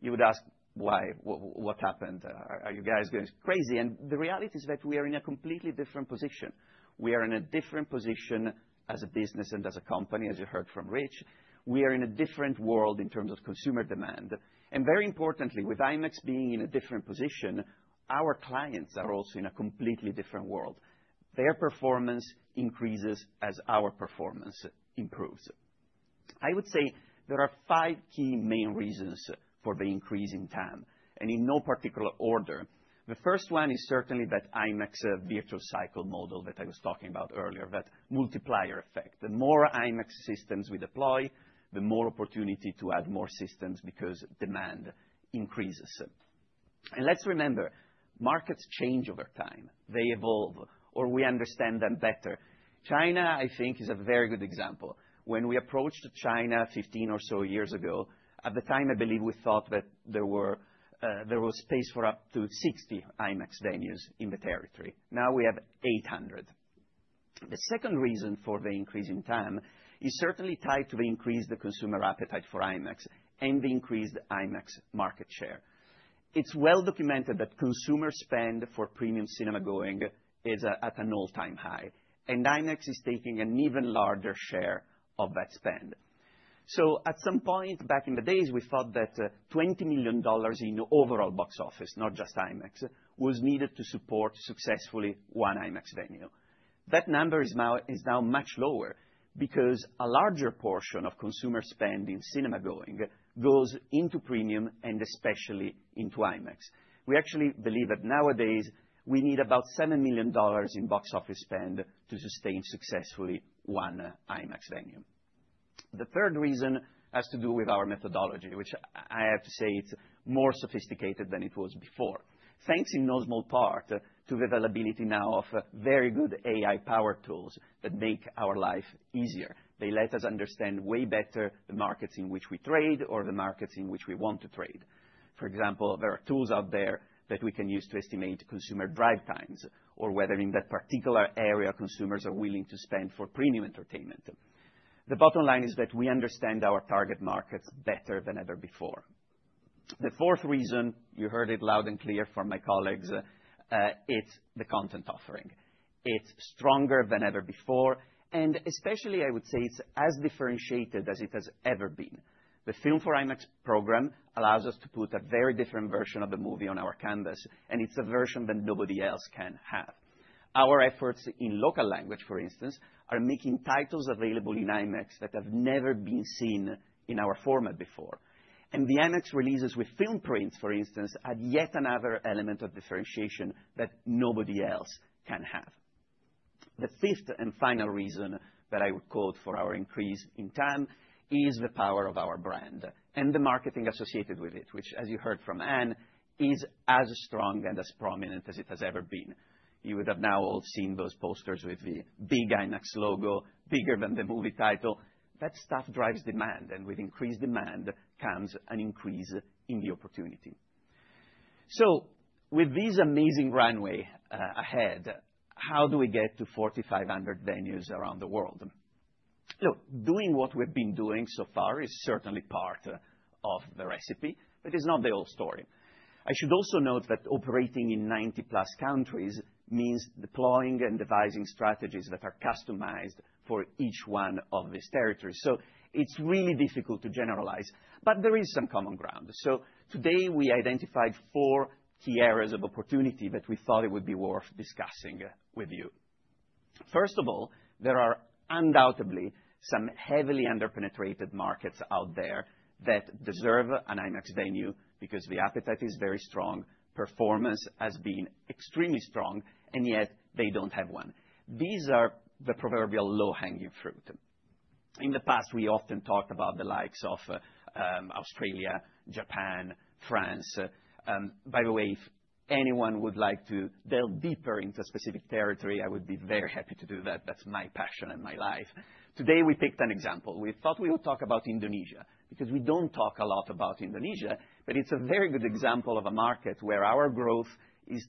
You would ask why. What happened. Are you guys going crazy? And the reality is that we are in a completely different position. We are in a different position as a business and as a company, as you heard from Rich. We are in a different world in terms of consumer demand. And very importantly, with IMAX being in a different position, our clients are also in a completely different world. Their performance increases as our performance improves. I would say there are five key main reasons for the increase in TAM, and in no particular order. The first one is certainly that IMAX virtuous cycle model that I was talking about earlier, that multiplier effect. The more IMAX systems we deploy, the more opportunity to add more systems because demand increases. And let's remember, markets change over time. They evolve, or we understand them better. China, I think, is a very good example. When we approached China 15 or so years ago, at the time, I believe we thought that there was space for up to 60 IMAX venues in the territory. Now we have 800. The second reason for the increase in TAM is certainly tied to the increased consumer appetite for IMAX and the increased IMAX market share. It's well documented that consumer spend for premium cinema going is at an all-time high, and IMAX is taking an even larger share of that spend, so at some point back in the days, we thought that $20 million in overall box office, not just IMAX, was needed to support successfully one IMAX venue. That number is now much lower because a larger portion of consumer spend in cinema going goes into premium and especially into IMAX. We actually believe that nowadays we need about $7 million in box office spend to sustain successfully one IMAX venue. The third reason has to do with our methodology, which I have to say it's more sophisticated than it was before, thanks in no small part to the availability now of very good AI-power tools that make our life easier. They let us understand way better the markets in which we trade or the markets in which we want to trade. For example, there are tools out there that we can use to estimate consumer drive times or whether in that particular area consumers are willing to spend for premium entertainment. The bottom line is that we understand our target markets better than ever before. The fourth reason, you heard it loud and clear from my colleagues, it's the content offering. It's stronger than ever before. And especially, I would say it's as differentiated as it has ever been. The Film for IMAX program allows us to put a very different version of the movie on our canvas. And it's a version that nobody else can have. Our efforts in local language, for instance, are making titles available in IMAX that have never been seen in our format before. And the IMAX releases with film prints, for instance, add yet another element of differentiation that nobody else can have. The fifth and final reason that I would quote for our increase in TAM is the power of our brand and the marketing associated with it, which, as you heard from Anne, is as strong and as prominent as it has ever been. You would have now all seen those posters with the big IMAX logo, bigger than the movie title. That stuff drives demand. And with increased demand comes an increase in the opportunity. So with this amazing runway ahead, how do we get to 4,500 venues around the world? Look, doing what we've been doing so far is certainly part of the recipe, but it's not the whole story. I should also note that operating in 90+ countries means deploying and devising strategies that are customized for each one of these territories. So it's really difficult to generalize, but there is some common ground. So today, we identified four key areas of opportunity that we thought it would be worth discussing with you. First of all, there are undoubtedly some heavily under-penetrated markets out there that deserve an IMAX venue because the appetite is very strong, performance has been extremely strong, and yet they don't have one. These are the proverbial low-hanging fruit. In the past, we often talked about the likes of Australia, Japan, France. By the way, if anyone would like to delve deeper into a specific territory, I would be very happy to do that. That's my passion and my life. Today, we picked an example. We thought we would talk about Indonesia because we don't talk a lot about Indonesia, but it's a very good example of a market where our growth is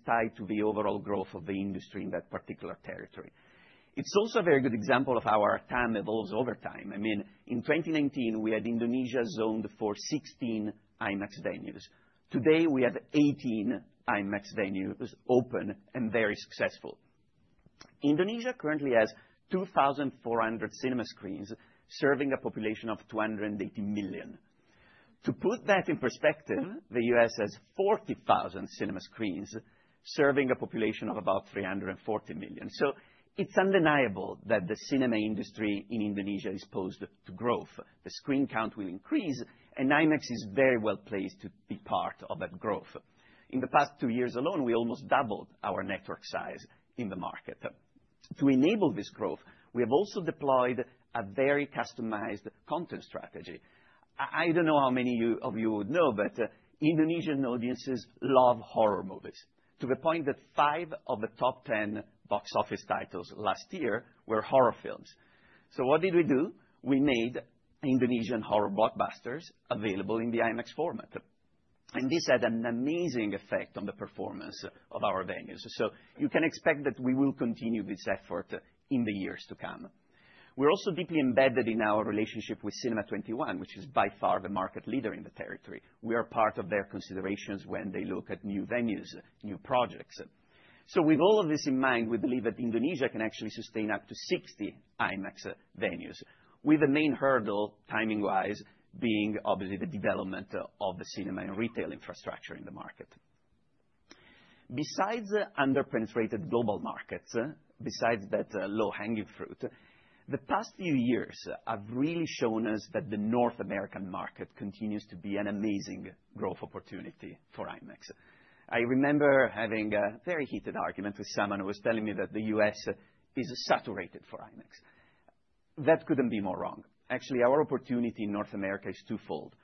tied to the overall growth of the industry in that particular territory. It's also a very good example of how our TAM evolves over time. I mean, in 2019, we had Indonesia zoned for 16 IMAX venues. Today, we have 18 IMAX venues open and very successful. Indonesia currently has 2,400 cinema screens serving a population of 280 million. To put that in perspective, the U.S. has 40,000 cinema screens serving a population of about 340 million, so it's undeniable that the cinema industry in Indonesia is poised for growth. The screen count will increase, and IMAX is very well placed to be part of that growth. In the past two years alone, we almost doubled our network size in the market. To enable this growth, we have also deployed a very customized content strategy. I don't know how many of you would know, but Indonesian audiences love horror movies to the point that five of the top 10 box office titles last year were horror films. So what did we do? We made Indonesian horror blockbusters available in the IMAX format, and this had an amazing effect on the performance of our venues. So you can expect that we will continue with this effort in the years to come. We're also deeply embedded in our relationship with Cinema 21, which is by far the market leader in the territory. We are part of their considerations when they look at new venues, new projects. So with all of this in mind, we believe that Indonesia can actually sustain up to 60 IMAX venues, with the main hurdle timing-wise being obviously the development of the cinema and retail infrastructure in the market. Besides under-penetrated global markets, besides that low-hanging fruit, the past few years have really shown us that the North American market continues to be an amazing growth opportunity for IMAX. I remember having a very heated argument with someone who was telling me that the U.S. is saturated for IMAX. That couldn't be more wrong. Actually, our opportunity in North America is twofold.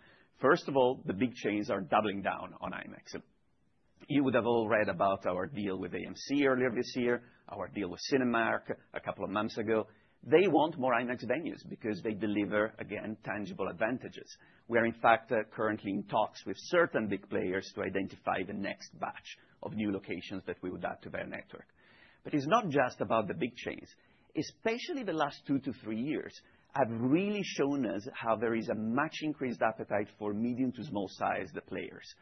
First of all, the big chains are doubling down on IMAX. You would have all read about our deal with AMC earlier this year, our deal with Cinemark a couple of months ago. They want more IMAX venues because they deliver, again, tangible advantages. We are, in fact, currently in talks with certain big players to identify the next batch of new locations that we would add to their network. But it's not just about the big chains. Especially the last two to three years have really shown us how there is a much increased appetite for medium to small-sized players.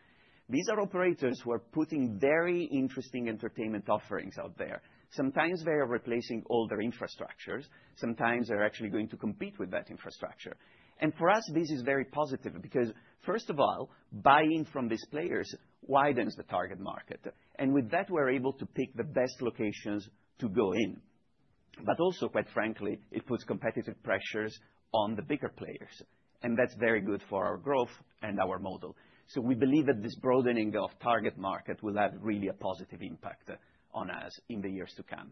These are operators who are putting very interesting entertainment offerings out there. Sometimes they are replacing older infrastructures. Sometimes they're actually going to compete with that infrastructure. And for us, this is very positive because, first of all, buying from these players widens the target market. And with that, we're able to pick the best locations to go in. But also, quite frankly, it puts competitive pressures on the bigger players. And that's very good for our growth and our model. So we believe that this broadening of target market will have really a positive impact on us in the years to come.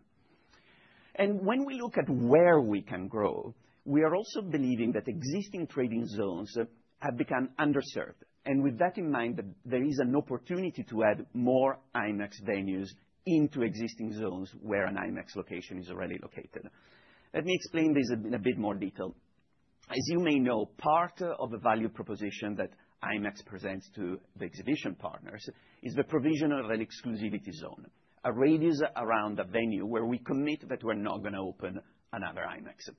And when we look at where we can grow, we are also believing that existing trading zones have become underserved. And with that in mind, there is an opportunity to add more IMAX venues into existing zones where an IMAX location is already located. Let me explain this in a bit more detail. As you may know, part of the value proposition that IMAX presents to the exhibition partners is the provision of an exclusivity zone, a radius around a venue where we commit that we're not going to open another IMAX.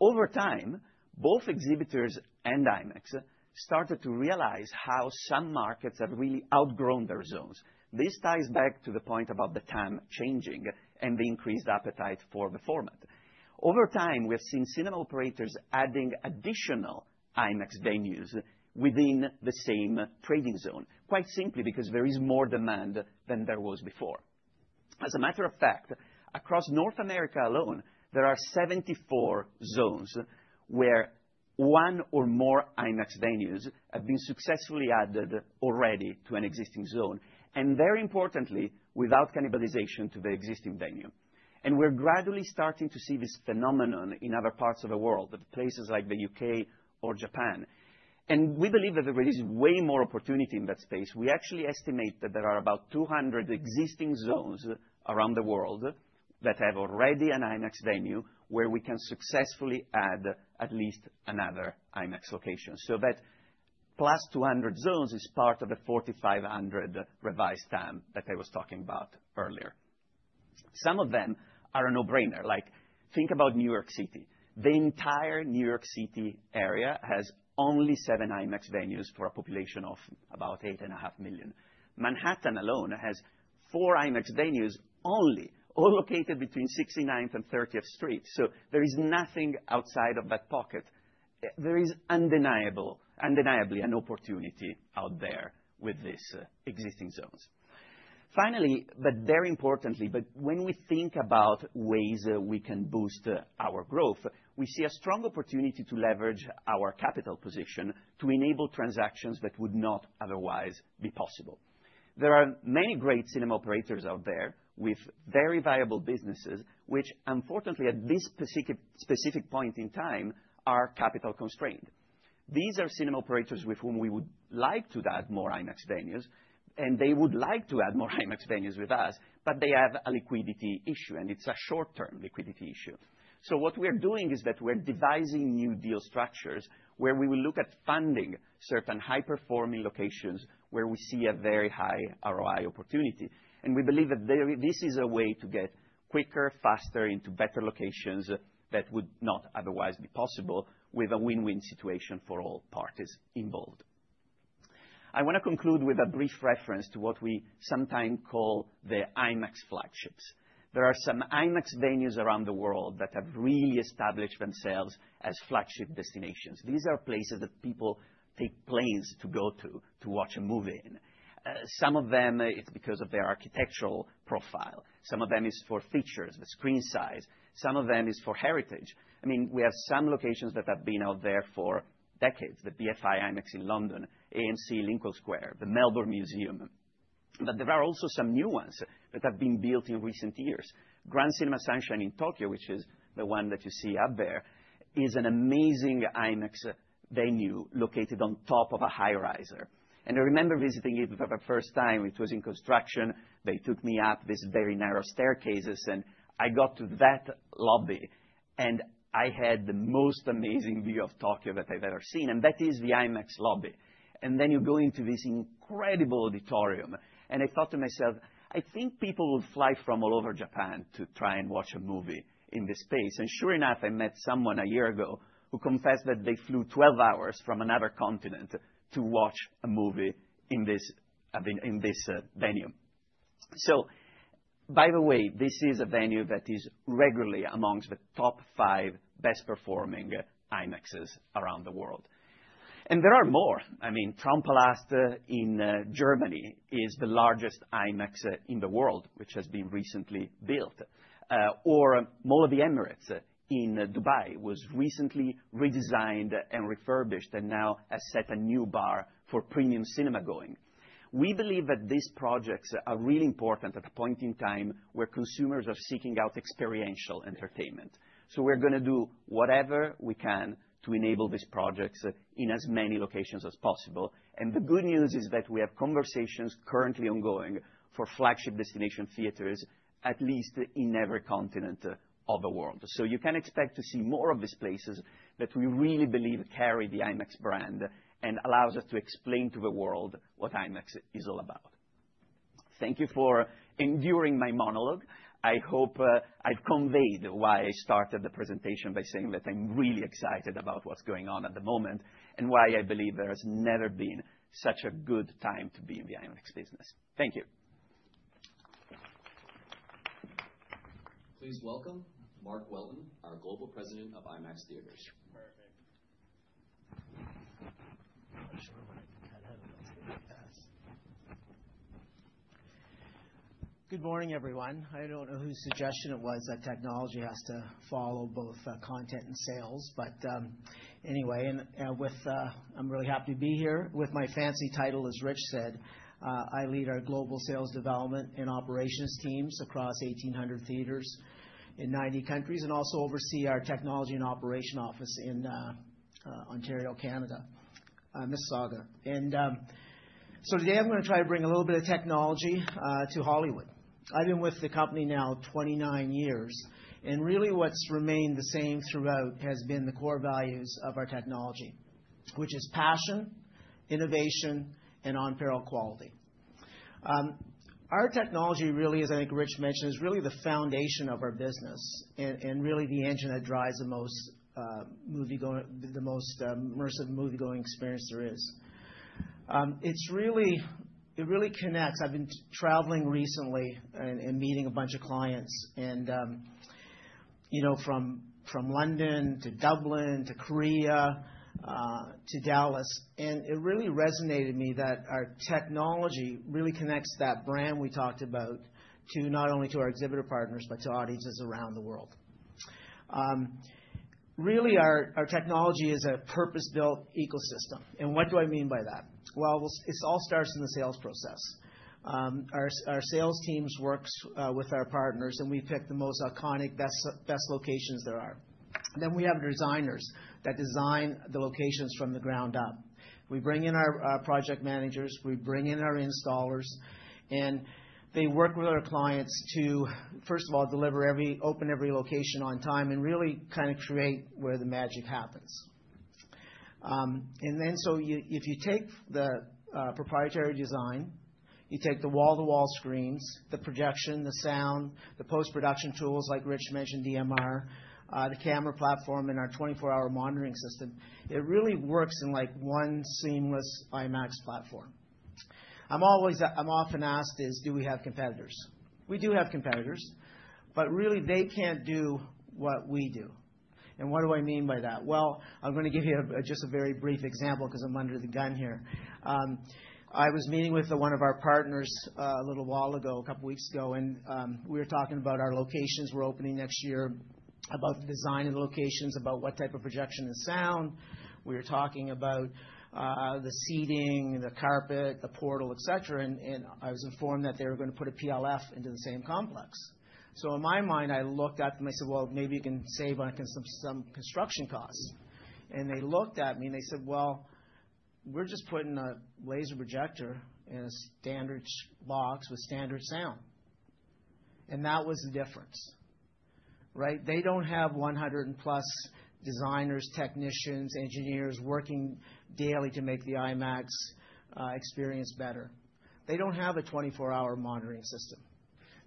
Over time, both exhibitors and IMAX started to realize how some markets have really outgrown their zones. This ties back to the point about the TAM changing and the increased appetite for the format. Over time, we have seen cinema operators adding additional IMAX venues within the same trading zone, quite simply because there is more demand than there was before. As a matter of fact, across North America alone, there are 74 zones where one or more IMAX venues have been successfully added already to an existing zone, and very importantly, without cannibalization to the existing venue, and we're gradually starting to see this phenomenon in other parts of the world, places like the U.K. or Japan, and we believe that there is way more opportunity in that space. We actually estimate that there are about 200 existing zones around the world that have already an IMAX venue where we can successfully add at least another IMAX location. So that plus 200 zones is part of the 4,500 revised TAM that I was talking about earlier. Some of them are a no-brainer, like think about New York City. The entire New York City area has only seven IMAX venues for a population of about 8.5 million. Manhattan alone has four IMAX venues only, all located between 69th and 30th Street. So there is nothing outside of that pocket. There is undeniably an opportunity out there with these existing zones. Finally, but very importantly, when we think about ways we can boost our growth, we see a strong opportunity to leverage our capital position to enable transactions that would not otherwise be possible. There are many great cinema operators out there with very viable businesses, which, unfortunately, at this specific point in time, are capital constrained. These are cinema operators with whom we would like to add more IMAX venues, and they would like to add more IMAX venues with us, but they have a liquidity issue, and it's a short-term liquidity issue. So what we are doing is that we're devising new deal structures where we will look at funding certain high-performing locations where we see a very high ROI opportunity, and we believe that this is a way to get quicker, faster into better locations that would not otherwise be possible with a win-win situation for all parties involved. I want to conclude with a brief reference to what we sometimes call the IMAX flagships. There are some IMAX venues around the world that have really established themselves as flagship destinations. These are places that people take planes to go to, to watch a movie. Some of them, it's because of their architectural profile. Some of them is for features, the screen size. Some of them is for heritage. I mean, we have some locations that have been out there for decades: the BFI IMAX in London, AMC Lincoln Square, the Melbourne Museum. But there are also some new ones that have been built in recent years. Grand Cinema Sunshine in Tokyo, which is the one that you see up there, is an amazing IMAX venue located on top of a high-rise. And I remember visiting it for the first time. It was in construction. They took me up these very narrow staircases, and I got to that lobby, and I had the most amazing view of Tokyo that I've ever seen. And that is the IMAX lobby. Then you go into this incredible auditorium. I thought to myself, I think people will fly from all over Japan to try and watch a movie in this space. Sure enough, I met someone a year ago who confessed that they flew 12 hours from another continent to watch a movie in this venue. By the way, this is a venue that is regularly amongst the top five best-performing IMAXes around the world. There are more. I mean, Traumpalast in Germany is the largest IMAX in the world, which has been recently built. Mall of the Emirates in Dubai was recently redesigned and refurbished and now has set a new bar for premium cinema going. We believe that these projects are really important at a point in time where consumers are seeking out experiential entertainment. So we're going to do whatever we can to enable these projects in as many locations as possible. And the good news is that we have conversations currently ongoing for flagship destination theaters, at least in every continent of the world. So you can expect to see more of these places that we really believe carry the IMAX brand and allows us to explain to the world what IMAX is all about. Thank you for enduring my monologue. I hope I've conveyed why I started the presentation by saying that I'm really excited about what's going on at the moment and why I believe there has never been such a good time to be in the IMAX business. Thank you. Please welcome Mark Welton, our Global President of IMAX Theatres. Perfect. Good morning, everyone. I don't know whose suggestion it was that technology has to follow both content and sales, but anyway, I'm really happy to be here. With my fancy title, as Rich said, I lead our global sales development and operations teams across 1,800 theaters in 90 countries and also oversee our technology and operation office in Mississauga, Ontario, Canada. And so today, I'm going to try to bring a little bit of technology to Hollywood. I've been with the company now 29 years. And really, what's remained the same throughout has been the core values of our technology, which is passion, innovation, and unparalleled quality. Our technology really is, I think Rich mentioned, is really the foundation of our business and really the engine that drives the most immersive movie-going experience there is. It really connects. I've been traveling recently and meeting a bunch of clients, and from London to Dublin to Korea to Dallas. It really resonated with me that our technology really connects that brand we talked about not only to our exhibitor partners, but to audiences around the world. Our technology is a purpose-built ecosystem. What do I mean by that? It all starts in the sales process. Our sales teams work with our partners, and we pick the most iconic, best locations there are. We have designers that design the locations from the ground up. We bring in our project managers. We bring in our installers. They work with our clients to, first of all, open every location on time and really kind of create where the magic happens. And then so if you take the proprietary design, you take the wall-to-wall screens, the projection, the sound, the post-production tools like Rich mentioned, DMR, the camera platform, and our 24-hour monitoring system. It really works in one seamless IMAX platform. I'm often asked, do we have competitors? We do have competitors, but really, they can't do what we do. And what do I mean by that? Well, I'm going to give you just a very brief example because I'm under the gun here. I was meeting with one of our partners a little while ago, a couple of weeks ago, and we were talking about our locations we're opening next year, about the design of the locations, about what type of projection and sound. We were talking about the seating, the carpet, the portal, et cetera. I was informed that they were going to put a PLF into the same complex. In my mind, I looked at them. I said, well, maybe you can save on some construction costs. They looked at me, and they said, well, we're just putting a laser projector in a standard box with standard sound. That was the difference, right? They don't have 100+ designers, technicians, engineers working daily to make the IMAX experience better. They don't have a 24-hour monitoring system.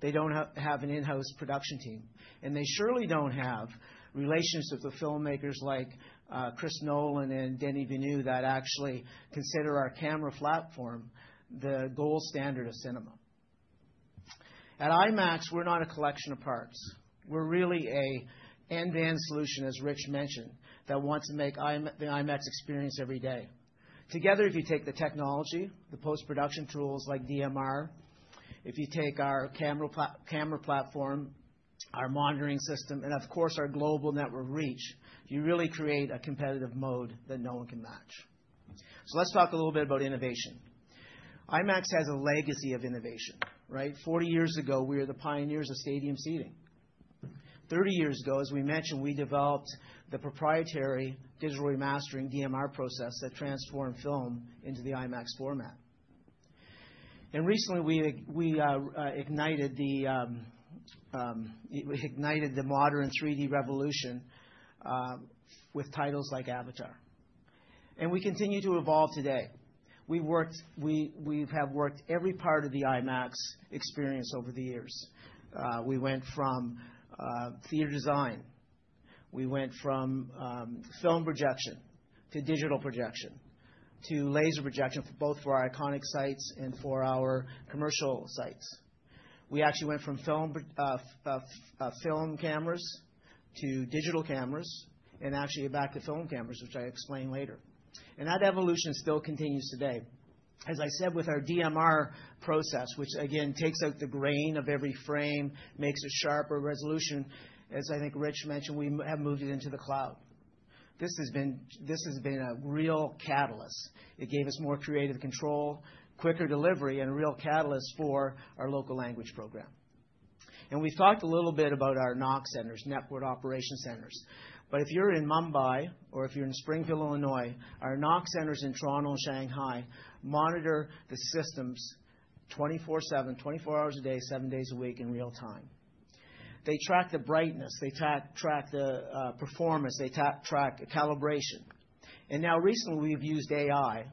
They don't have an in-house production team. They surely don't have relationships with the filmmakers like Chris Nolan and Denis Villeneuve that actually consider our camera platform the gold standard of cinema. At IMAX, we're not a collection of parts. We're really an end-to-end solution, as Rich mentioned, that wants to make the IMAX experience every day. Together, if you take the technology, the post-production tools like DMR, if you take our camera platform, our monitoring system, and of course, our global network reach, you really create a competitive moat that no one can match. So let's talk a little bit about innovation. IMAX has a legacy of innovation, right? 40 years ago, we were the pioneers of stadium seating. 30 years ago, as we mentioned, we developed the proprietary digital remastering DMR process that transformed film into the IMAX format. And recently, we ignited the modern 3D revolution with titles like Avatar. And we continue to evolve today. We have worked every part of the IMAX experience over the years. We went from theater design. We went from film projection to digital projection to laser projection, both for our iconic sites and for our commercial sites. We actually went from film cameras to digital cameras and actually back to film cameras, which I explain later. That evolution still continues today. As I said, with our DMR process, which again takes out the grain of every frame, makes a sharper resolution, as I think Rich mentioned, we have moved it into the cloud. This has been a real catalyst. It gave us more creative control, quicker delivery, and a real catalyst for our local language program. We've talked a little bit about our NOC centers, Network Operations Centres. If you're in Mumbai or if you're in Springfield, Illinois, our NOC centers in Toronto and Shanghai monitor the systems 24/7, 24 hours a day, seven days a week in real time. They track the brightness. They track the performance. They track calibration. And now recently, we've used AI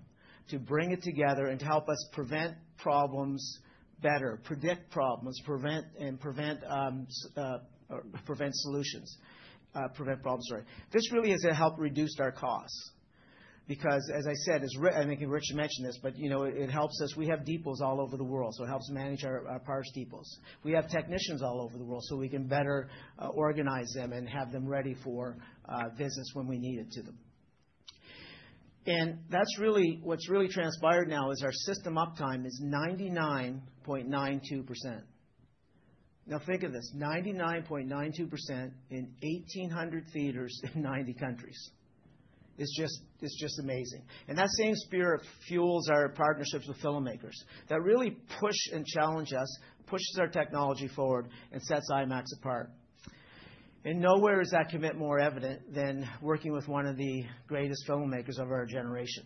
to bring it together and to help us prevent problems better, predict problems, and prevent solutions, prevent problems, right? This really has helped reduce our costs because, as I said, I think Rich mentioned this, but it helps us. We have depots all over the world, so it helps manage our parts depots. We have technicians all over the world, so we can better organize them and have them ready for business when we need it to them. And what's really transpired now is our system uptime is 99.92%. Now think of this, 99.92% in 1,800 theaters in 90 countries. It's just amazing. And that same spirit fuels our partnerships with filmmakers that really push and challenge us, pushes our technology forward, and sets IMAX apart. And nowhere is that commitment more evident than working with one of the greatest filmmakers of our generation.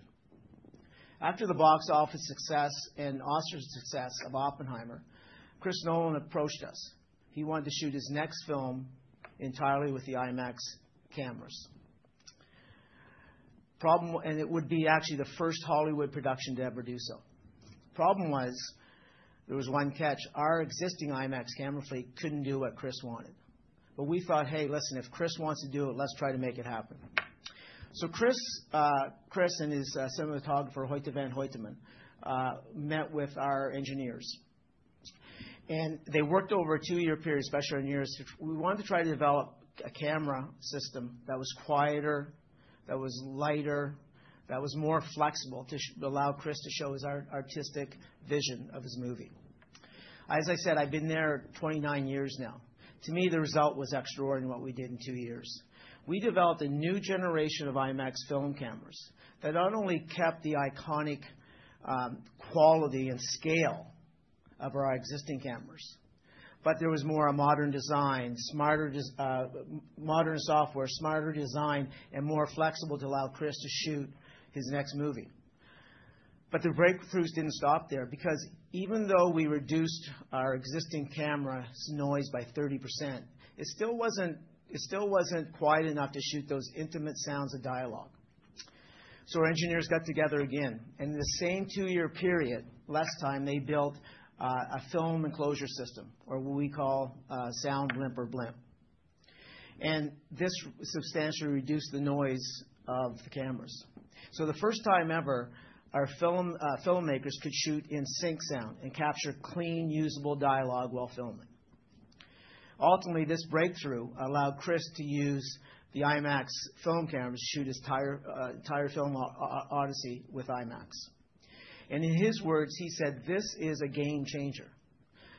After the box office success and Oscars success of Oppenheimer, Chris Nolan approached us. He wanted to shoot his next film entirely with the IMAX cameras, and it would be actually the first Hollywood production to ever do so. Problem was there was one catch. Our existing IMAX camera fleet couldn't do what Chris wanted, but we thought, hey, listen, if Chris wants to do it, let's try to make it happen, so Chris and his cinematographer, Hoyte van Hoytema, met with our engineers, and they worked over a two-year period, especially on noise. We wanted to try to develop a camera system that was quieter, that was lighter, that was more flexible to allow Chris to show his artistic vision of his movie. As I said, I've been there 29 years now. To me, the result was extraordinary in what we did in two years. We developed a new generation of IMAX film cameras that not only kept the iconic quality and scale of our existing cameras, but there was more modern design, modern software, smarter design, and more flexible to allow Chris to shoot his next movie, but the breakthroughs didn't stop there because even though we reduced our existing camera's noise by 30%, it still wasn't quiet enough to shoot those intimate sounds of dialogue, so our engineers got together again, and in the same two-year period, last time, they built a film enclosure system or what we call sound blimp, and this substantially reduced the noise of the cameras, so the first time ever, our filmmakers could shoot in sync sound and capture clean, usable dialogue while filming. Ultimately, this breakthrough allowed Chris to use the IMAX film cameras to shoot his entire film, The Odyssey, with IMAX. And in his words, he said, "This is a game changer.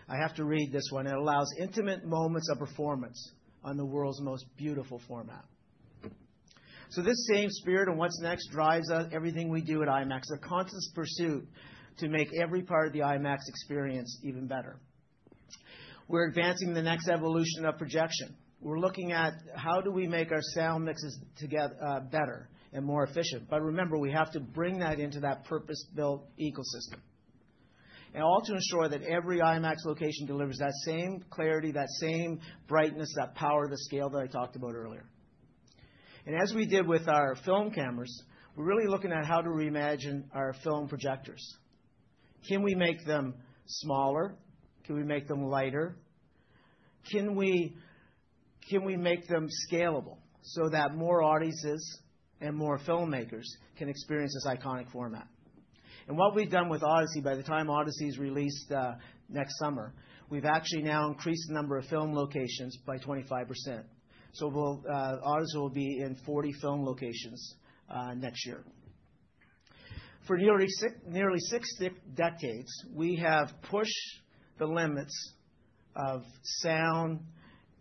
I have to read this one. It allows intimate moments of performance on the world's most beautiful format." So this same spirit and what's next drives everything we do at IMAX, a conscious pursuit to make every part of the IMAX experience even better. We're advancing the next evolution of projection. We're looking at how do we make our sound mixes better and more efficient. But remember, we have to bring that into that purpose-built ecosystem, all to ensure that every IMAX location delivers that same clarity, that same brightness, that power, the scale that I talked about earlier. And as we did with our film cameras, we're really looking at how to reimagine our film projectors. Can we make them smaller? Can we make them lighter? Can we make them scalable so that more audiences and more filmmakers can experience this iconic format? And what we've done with The Odyssey, by the time The Odyssey is released next summer, we've actually now increased the number of film locations by 25%. So The Odyssey will be in 40 film locations next year. For nearly six decades, we have pushed the limits of sound,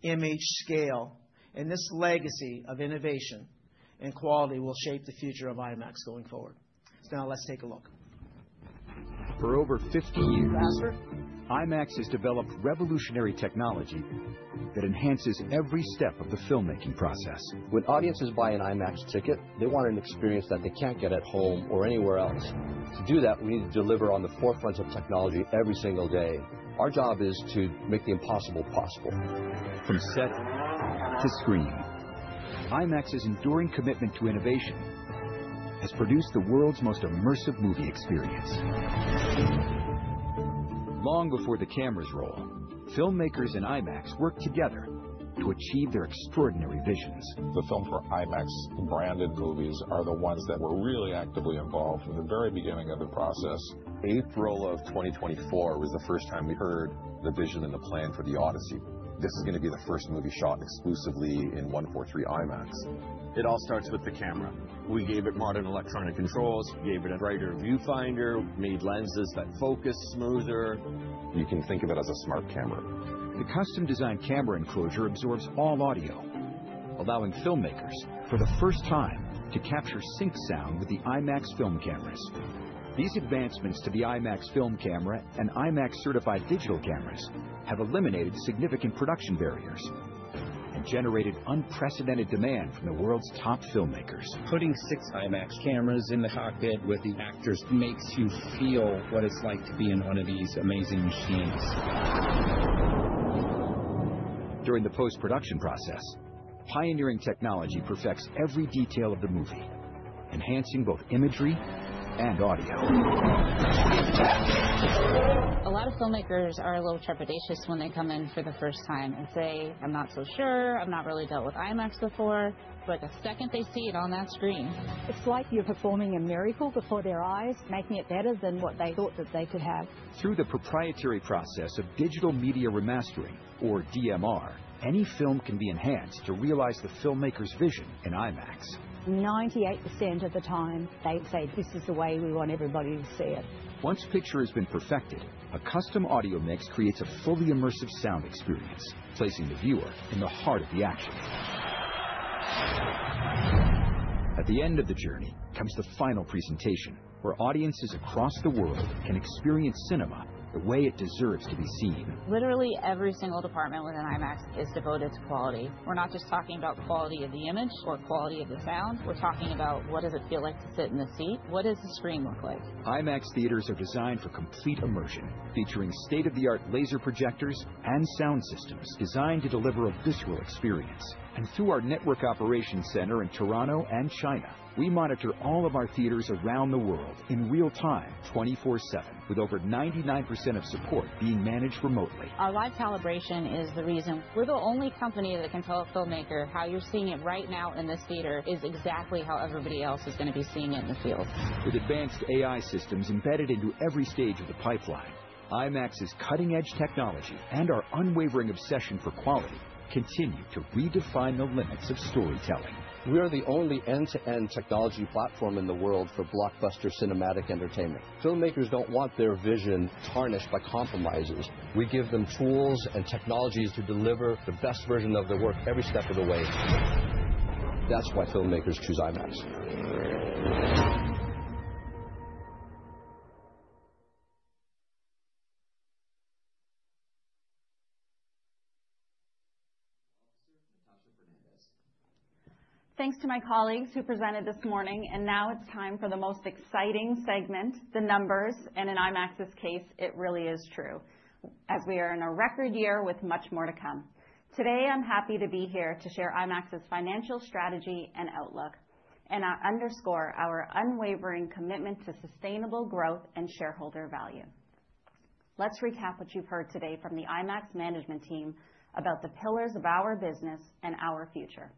image, scale, and this legacy of innovation and quality will shape the future of IMAX going forward. Now let's take a look. For over 50 years, IMAX has developed revolutionary technology that enhances every step of the filmmaking process. When audiences buy an IMAX ticket, they want an experience that they can't get at home or anywhere else. To do that, we need to deliver on the forefront of technology every single day. Our job is to make the impossible possible. From set to screen, IMAX's enduring commitment to innovation has produced the world's most immersive movie experience. Long before the cameras roll, filmmakers and IMAX worked together to achieve their extraordinary visions. The film for IMAX branded movies are the ones that were really actively involved from the very beginning of the process. April of 2024 was the first time we heard the vision and the plan for the The Odyssey. This is going to be the first movie shot exclusively in 1.43 IMAX. It all starts with the camera. We gave it modern electronic controls. We gave it a brighter viewfinder, made lenses that focus smoother. You can think of it as a smart camera. The custom-designed camera enclosure absorbs all audio, allowing filmmakers, for the first time, to capture sync sound with the IMAX film cameras. These advancements to the IMAX film camera and IMAX-certified digital cameras have eliminated significant production barriers and generated unprecedented demand from the world's top filmmakers. Putting six IMAX cameras in the cockpit with the actors makes you feel what it's like to be in one of these amazing machines. During the post-production process, pioneering technology perfects every detail of the movie, enhancing both imagery and audio. A lot of filmmakers are a little trepidatious when they come in for the first time. They say, "I'm not so sure. I've not really dealt with IMAX before." But the second they see it on that screen. It's like you're performing a miracle before their eyes, making it better than what they thought that they could have. Through the proprietary process of digital media remastering, or DMR, any film can be enhanced to realize the filmmaker's vision in IMAX. 98% of the time, they say, "This is the way we want everybody to see it. Once a picture has been perfected, a custom audio mix creates a fully immersive sound experience, placing the viewer in the heart of the action. At the end of the journey comes the final presentation where audiences across the world can experience cinema the way it deserves to be seen. Literally, every single department within IMAX is devoted to quality. We're not just talking about quality of the image or quality of the sound. We're talking about what does it feel like to sit in the seat? What does the screen look like? IMAX Theatres are designed for complete immersion, featuring state-of-the-art laser projectors and sound systems designed to deliver a visceral experience, and through our Network Operations Center in Toronto and China, we monitor all of our theaters around the world in real time 24/7, with over 99% of support being managed remotely. Our live calibration is the reason. We're the only company that can tell a filmmaker how you're seeing it right now in this theater, is exactly how everybody else is going to be seeing it in the field. With advanced AI systems embedded into every stage of the pipeline, IMAX's cutting-edge technology and our unwavering obsession for quality continue to redefine the limits of storytelling. We are the only end-to-end technology platform in the world for blockbuster cinematic entertainment. Filmmakers don't want their vision tarnished by compromises. We give them tools and technologies to deliver the best version of their work every step of the way. That's why filmmakers choose IMAX. Thanks to my colleagues who presented this morning. And now it's time for the most exciting segment, the numbers. And in IMAX's case, it really is true, as we are in a record year with much more to come. Today, I'm happy to be here to share IMAX's financial strategy and outlook, and I underscore our unwavering commitment to sustainable growth and shareholder value. Let's recap what you've heard today from the IMAX management team about the pillars of our business and our future.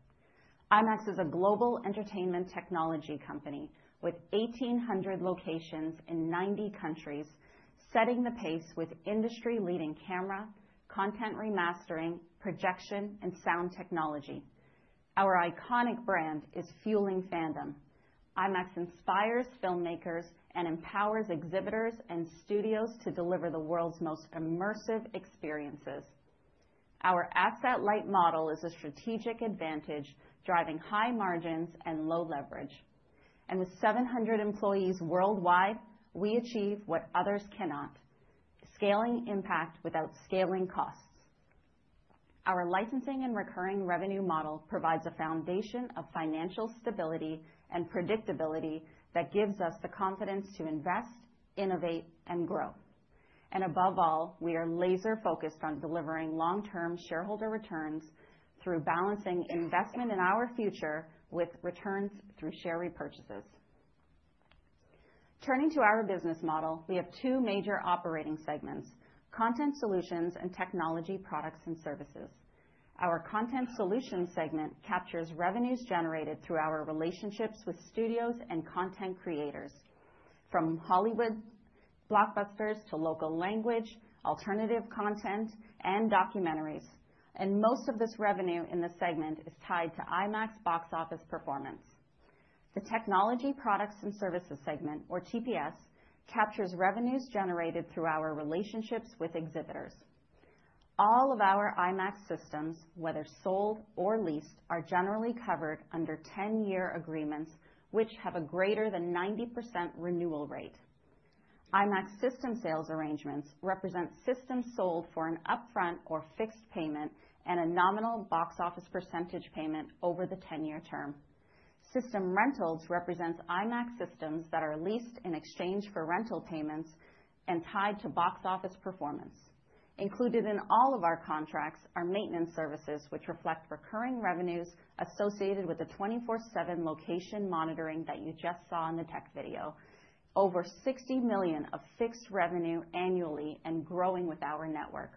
IMAX is a global entertainment technology company with 1,800 locations in 90 countries, setting the pace with industry-leading camera, content remastering, projection, and sound technology. Our iconic brand is fueling fandom. IMAX inspires filmmakers and empowers exhibitors and studios to deliver the world's most immersive experiences. Our asset-light model is a strategic advantage, driving high margins and low leverage. With 700 employees worldwide, we achieve what others cannot: scaling impact without scaling costs. Our licensing and recurring revenue model provides a foundation of financial stability and predictability that gives us the confidence to invest, innovate, and grow. Above all, we are laser-focused on delivering long-term shareholder returns through balancing investment in our future with returns through share repurchases. Turning to our business model, we have two major operating segments: content solutions and technology products and services. Our content solutions segment captures revenues generated through our relationships with studios and content creators, from Hollywood blockbusters to local language, alternative content, and documentaries. Most of this revenue in this segment is tied to IMAX box office performance. The technology products and services segment, or TPS, captures revenues generated through our relationships with exhibitors. All of our IMAX systems, whether sold or leased, are generally covered under 10-year agreements, which have a greater than 90% renewal rate. IMAX system sales arrangements represent systems sold for an upfront or fixed payment and a nominal box office percentage payment over the 10-year term. System rentals represent IMAX systems that are leased in exchange for rental payments and tied to box office performance. Included in all of our contracts are maintenance services, which reflect recurring revenues associated with the 24/7 location monitoring that you just saw in the tech video, over $60 million of fixed revenue annually and growing with our network.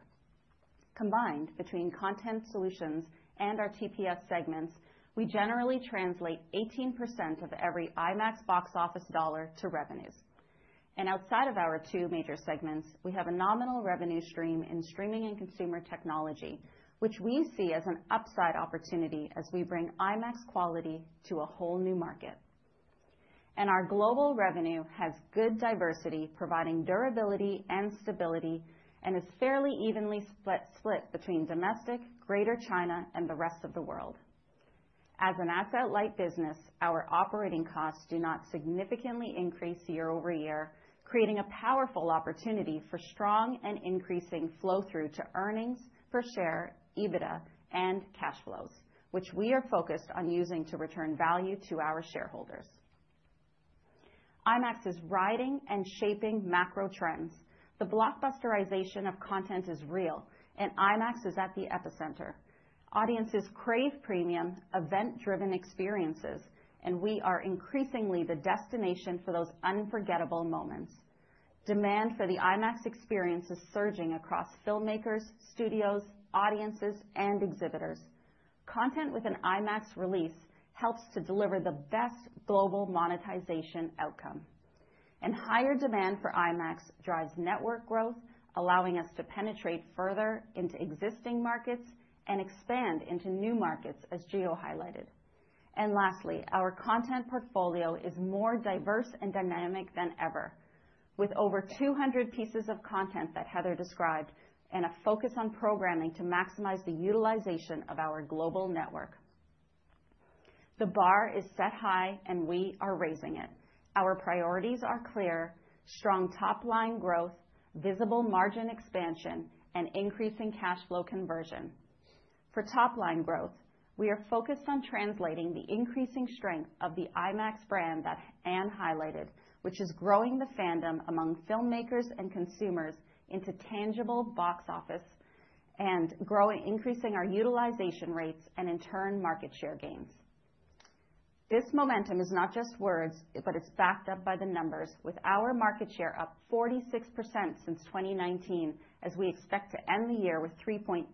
Combined between content solutions and our TPS segments, we generally translate 18% of every IMAX box office dollar to revenues. Outside of our two major segments, we have a nominal revenue stream in streaming and consumer technology, which we see as an upside opportunity as we bring IMAX quality to a whole new market. Our global revenue has good diversity, providing durability and stability, and is fairly evenly split between domestic, Greater China, and the rest of the world. As an asset-light business, our operating costs do not significantly increase year-over-year, creating a powerful opportunity for strong and increasing flow-through to earnings, per share, EBITDA, and cash flows, which we are focused on using to return value to our shareholders. IMAX is riding and shaping macro trends. The blockbusterization of content is real, and IMAX is at the epicenter. Audiences crave premium, event-driven experiences, and we are increasingly the destination for those unforgettable moments. Demand for the IMAX experience is surging across filmmakers, studios, audiences, and exhibitors. Content with an IMAX release helps to deliver the best global monetization outcome. And higher demand for IMAX drives network growth, allowing us to penetrate further into existing markets and expand into new markets, as Gio highlighted. And lastly, our content portfolio is more diverse and dynamic than ever, with over 200 pieces of content that Heather described and a focus on programming to maximize the utilization of our global network. The bar is set high, and we are raising it. Our priorities are clear: strong top-line growth, visible margin expansion, and increasing cash flow conversion. For top-line growth, we are focused on translating the increasing strength of the IMAX brand that Anne highlighted, which is growing the fandom among filmmakers and consumers into tangible box office and increasing our utilization rates and, in turn, market share gains. This momentum is not just words, but it's backed up by the numbers, with our market share up 46% since 2019, as we expect to end the year with 3.8%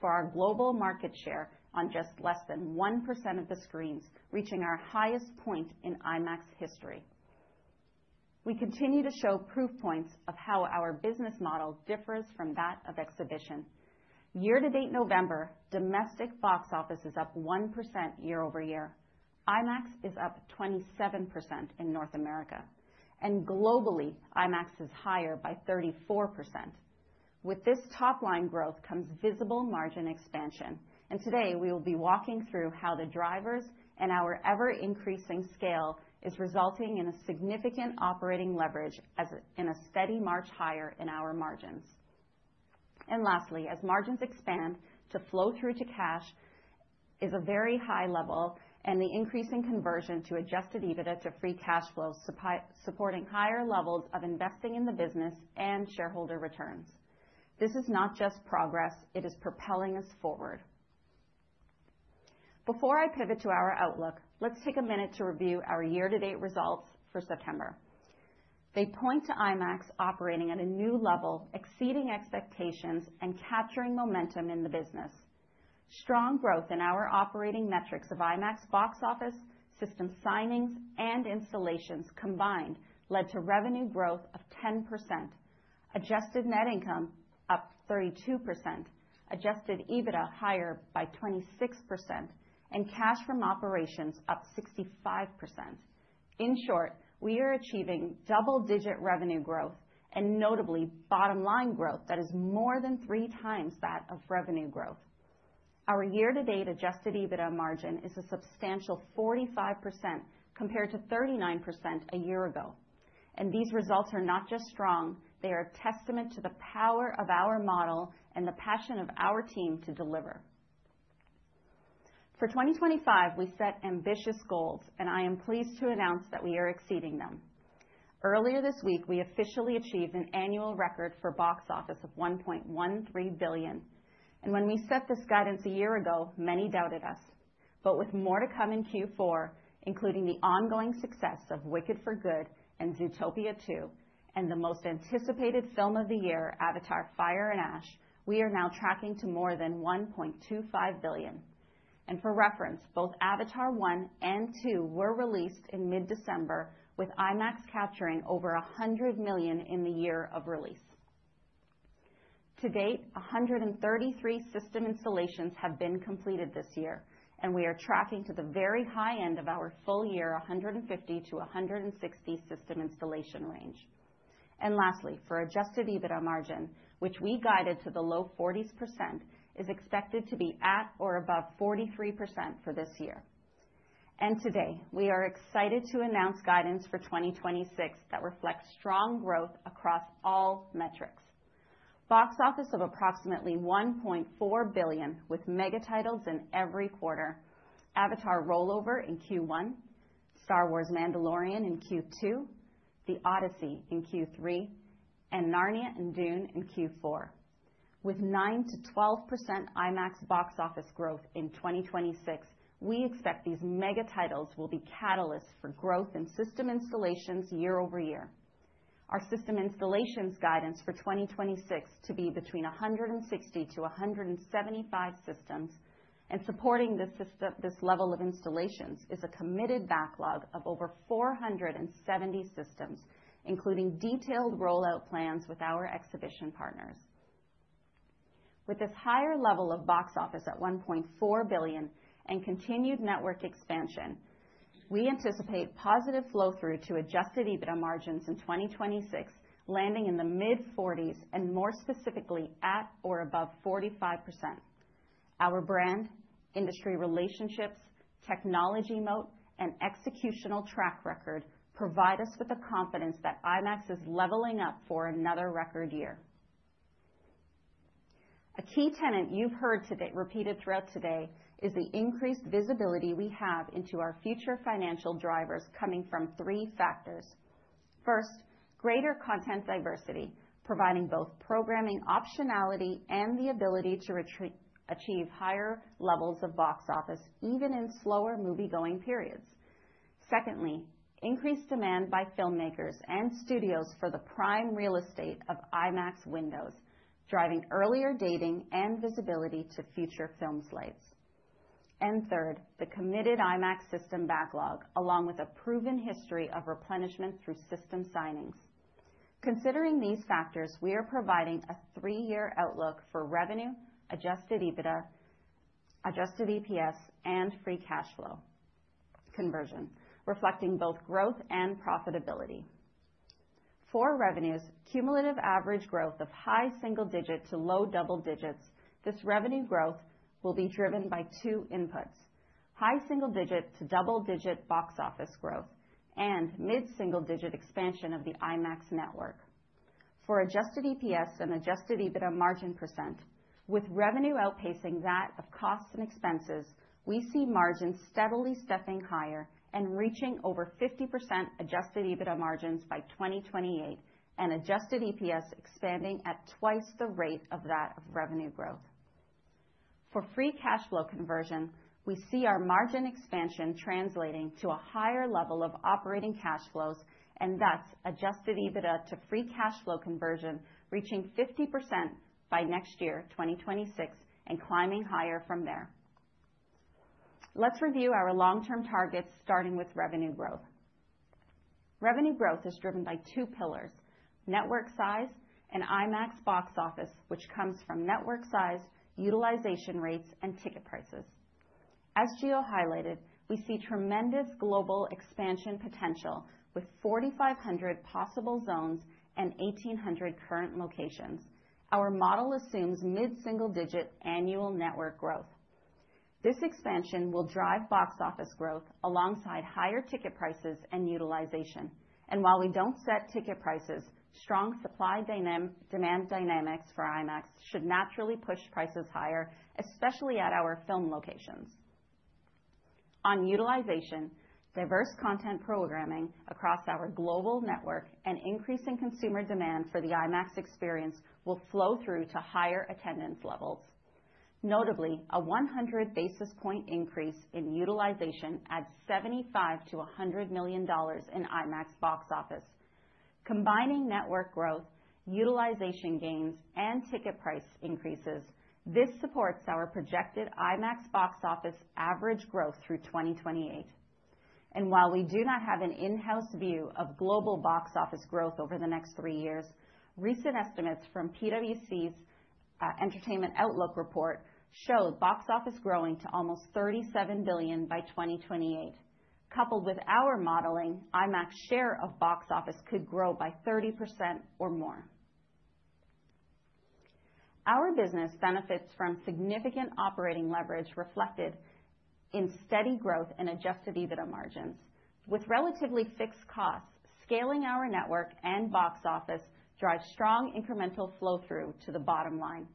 for our global market share on just less than 1% of the screens, reaching our highest point in IMAX history. We continue to show proof points of how our business model differs from that of exhibition. Year-to-date November, domestic box office is up 1% year-over-year. IMAX is up 27% in North America. And globally, IMAX is higher by 34%. With this top-line growth comes visible margin expansion. Today, we will be walking through how the drivers and our ever-increasing scale are resulting in a significant operating leverage and a steady march higher in our margins. Lastly, as margins expand, the flow-through to cash is a very high level, and the increase in conversion to adjusted EBITDA to free cash flows is supporting higher levels of investing in the business and shareholder returns. This is not just progress. It is propelling us forward. Before I pivot to our outlook, let's take a minute to review our year-to-date results for September. They point to IMAX operating at a new level, exceeding expectations and capturing momentum in the business. Strong growth in our operating metrics of IMAX box office, system signings, and installations combined led to revenue growth of 10%, adjusted net income up 32%, adjusted EBITDA higher by 26%, and cash from operations up 65%. In short, we are achieving double-digit revenue growth and notably bottom-line growth that is more than three times that of revenue growth. Our year-to-date adjusted EBITDA margin is a substantial 45% compared to 39% a year ago. And these results are not just strong. They are a testament to the power of our model and the passion of our team to deliver. For 2025, we set ambitious goals, and I am pleased to announce that we are exceeding them. Earlier this week, we officially achieved an annual record for box office of $1.13 billion. And when we set this guidance a year ago, many doubted us. But with more to come in Q4, including the ongoing success of Wicked: For Good and Zootopia 2, and the most anticipated film of the year, Avatar: Fire and Ash, we are now tracking to more than $1.25 billion. And for reference, both Avatar 1 and 2 were released in mid-December, with IMAX capturing over $100 million in the year of release. To date, 133 system installations have been completed this year, and we are tracking to the very high end of our full-year 150-160 system installation range. And lastly, for adjusted EBITDA margin, which we guided to the low 40%, is expected to be at or above 43% for this year. And today, we are excited to announce guidance for 2026 that reflects strong growth across all metrics: box office of approximately $1.4 billion with mega titles in every quarter, Avatar: Fire and Ash in Q1, The Mandalorian and Grogu in Q2, The Odyssey in Q3, and Narnia and Dune: Part Three in Q4. With 9%-12% IMAX box office growth in 2026, we expect these mega titles will be catalysts for growth in system installations year-over-year. Our system installations guidance for 2026 is to be between 160-175 systems, and supporting this level of installations is a committed backlog of over 470 systems, including detailed rollout plans with our exhibition partners. With this higher level of box office at $1.4 billion and continued network expansion, we anticipate positive flow-through to Adjusted EBITDA margins in 2026, landing in the mid-40s and more specifically at or above 45%. Our brand, industry relationships, technology moat, and executional track record provide us with the confidence that IMAX is leveling up for another record year. A key tenet you've heard repeated throughout today is the increased visibility we have into our future financial drivers coming from three factors. First, greater content diversity, providing both programming optionality and the ability to achieve higher levels of box office even in slower movie-going periods. Secondly, increased demand by filmmakers and studios for the prime real estate of IMAX windows, driving earlier dating and visibility to future film slates, and third, the committed IMAX system backlog, along with a proven history of replenishment through system signings. Considering these factors, we are providing a three-year outlook for revenue, Adjusted EBITDA, Adjusted EPS, and free cash flow conversion, reflecting both growth and profitability. For revenues, cumulative average growth of high single-digit to low double digits. This revenue growth will be driven by two inputs: high single-digit to double-digit box office growth and mid-single-digit expansion of the IMAX network. For Adjusted EPS and Adjusted EBITDA margin percent, with revenue outpacing that of costs and expenses, we see margins steadily stepping higher and reaching over 50% Adjusted EBITDA margins by 2028, and Adjusted EPS expanding at twice the rate of that of revenue growth. For Free Cash Flow Conversion, we see our margin expansion translating to a higher level of operating cash flows and thus Adjusted EBITDA to Free Cash Flow Conversion reaching 50% by next year, 2026, and climbing higher from there. Let's review our long-term targets, starting with revenue growth. Revenue growth is driven by two pillars: network size and IMAX box office, which comes from network size, utilization rates, and ticket prices. As Gio highlighted, we see tremendous global expansion potential with 4,500 possible zones and 1,800 current locations. Our model assumes mid-single-digit annual network growth. This expansion will drive box office growth alongside higher ticket prices and utilization. And while we don't set ticket prices, strong supply demand dynamics for IMAX should naturally push prices higher, especially at our film locations. On utilization, diverse content programming across our global network and increasing consumer demand for the IMAX experience will flow through to higher attendance levels. Notably, a 100 basis point increase in utilization adds $75 million-$100 million in IMAX box office. Combining network growth, utilization gains, and ticket price increases, this supports our projected IMAX box office average growth through 2028. And while we do not have an in-house view of global box office growth over the next three years, recent estimates from PwC's Entertainment Outlook report show box office growing to almost $37 billion by 2028. Coupled with our modeling, IMAX share of box office could grow by 30% or more. Our business benefits from significant operating leverage reflected in steady growth in adjusted EBITDA margins. With relatively fixed costs, scaling our network and box office drives strong incremental flow-through to the bottom line.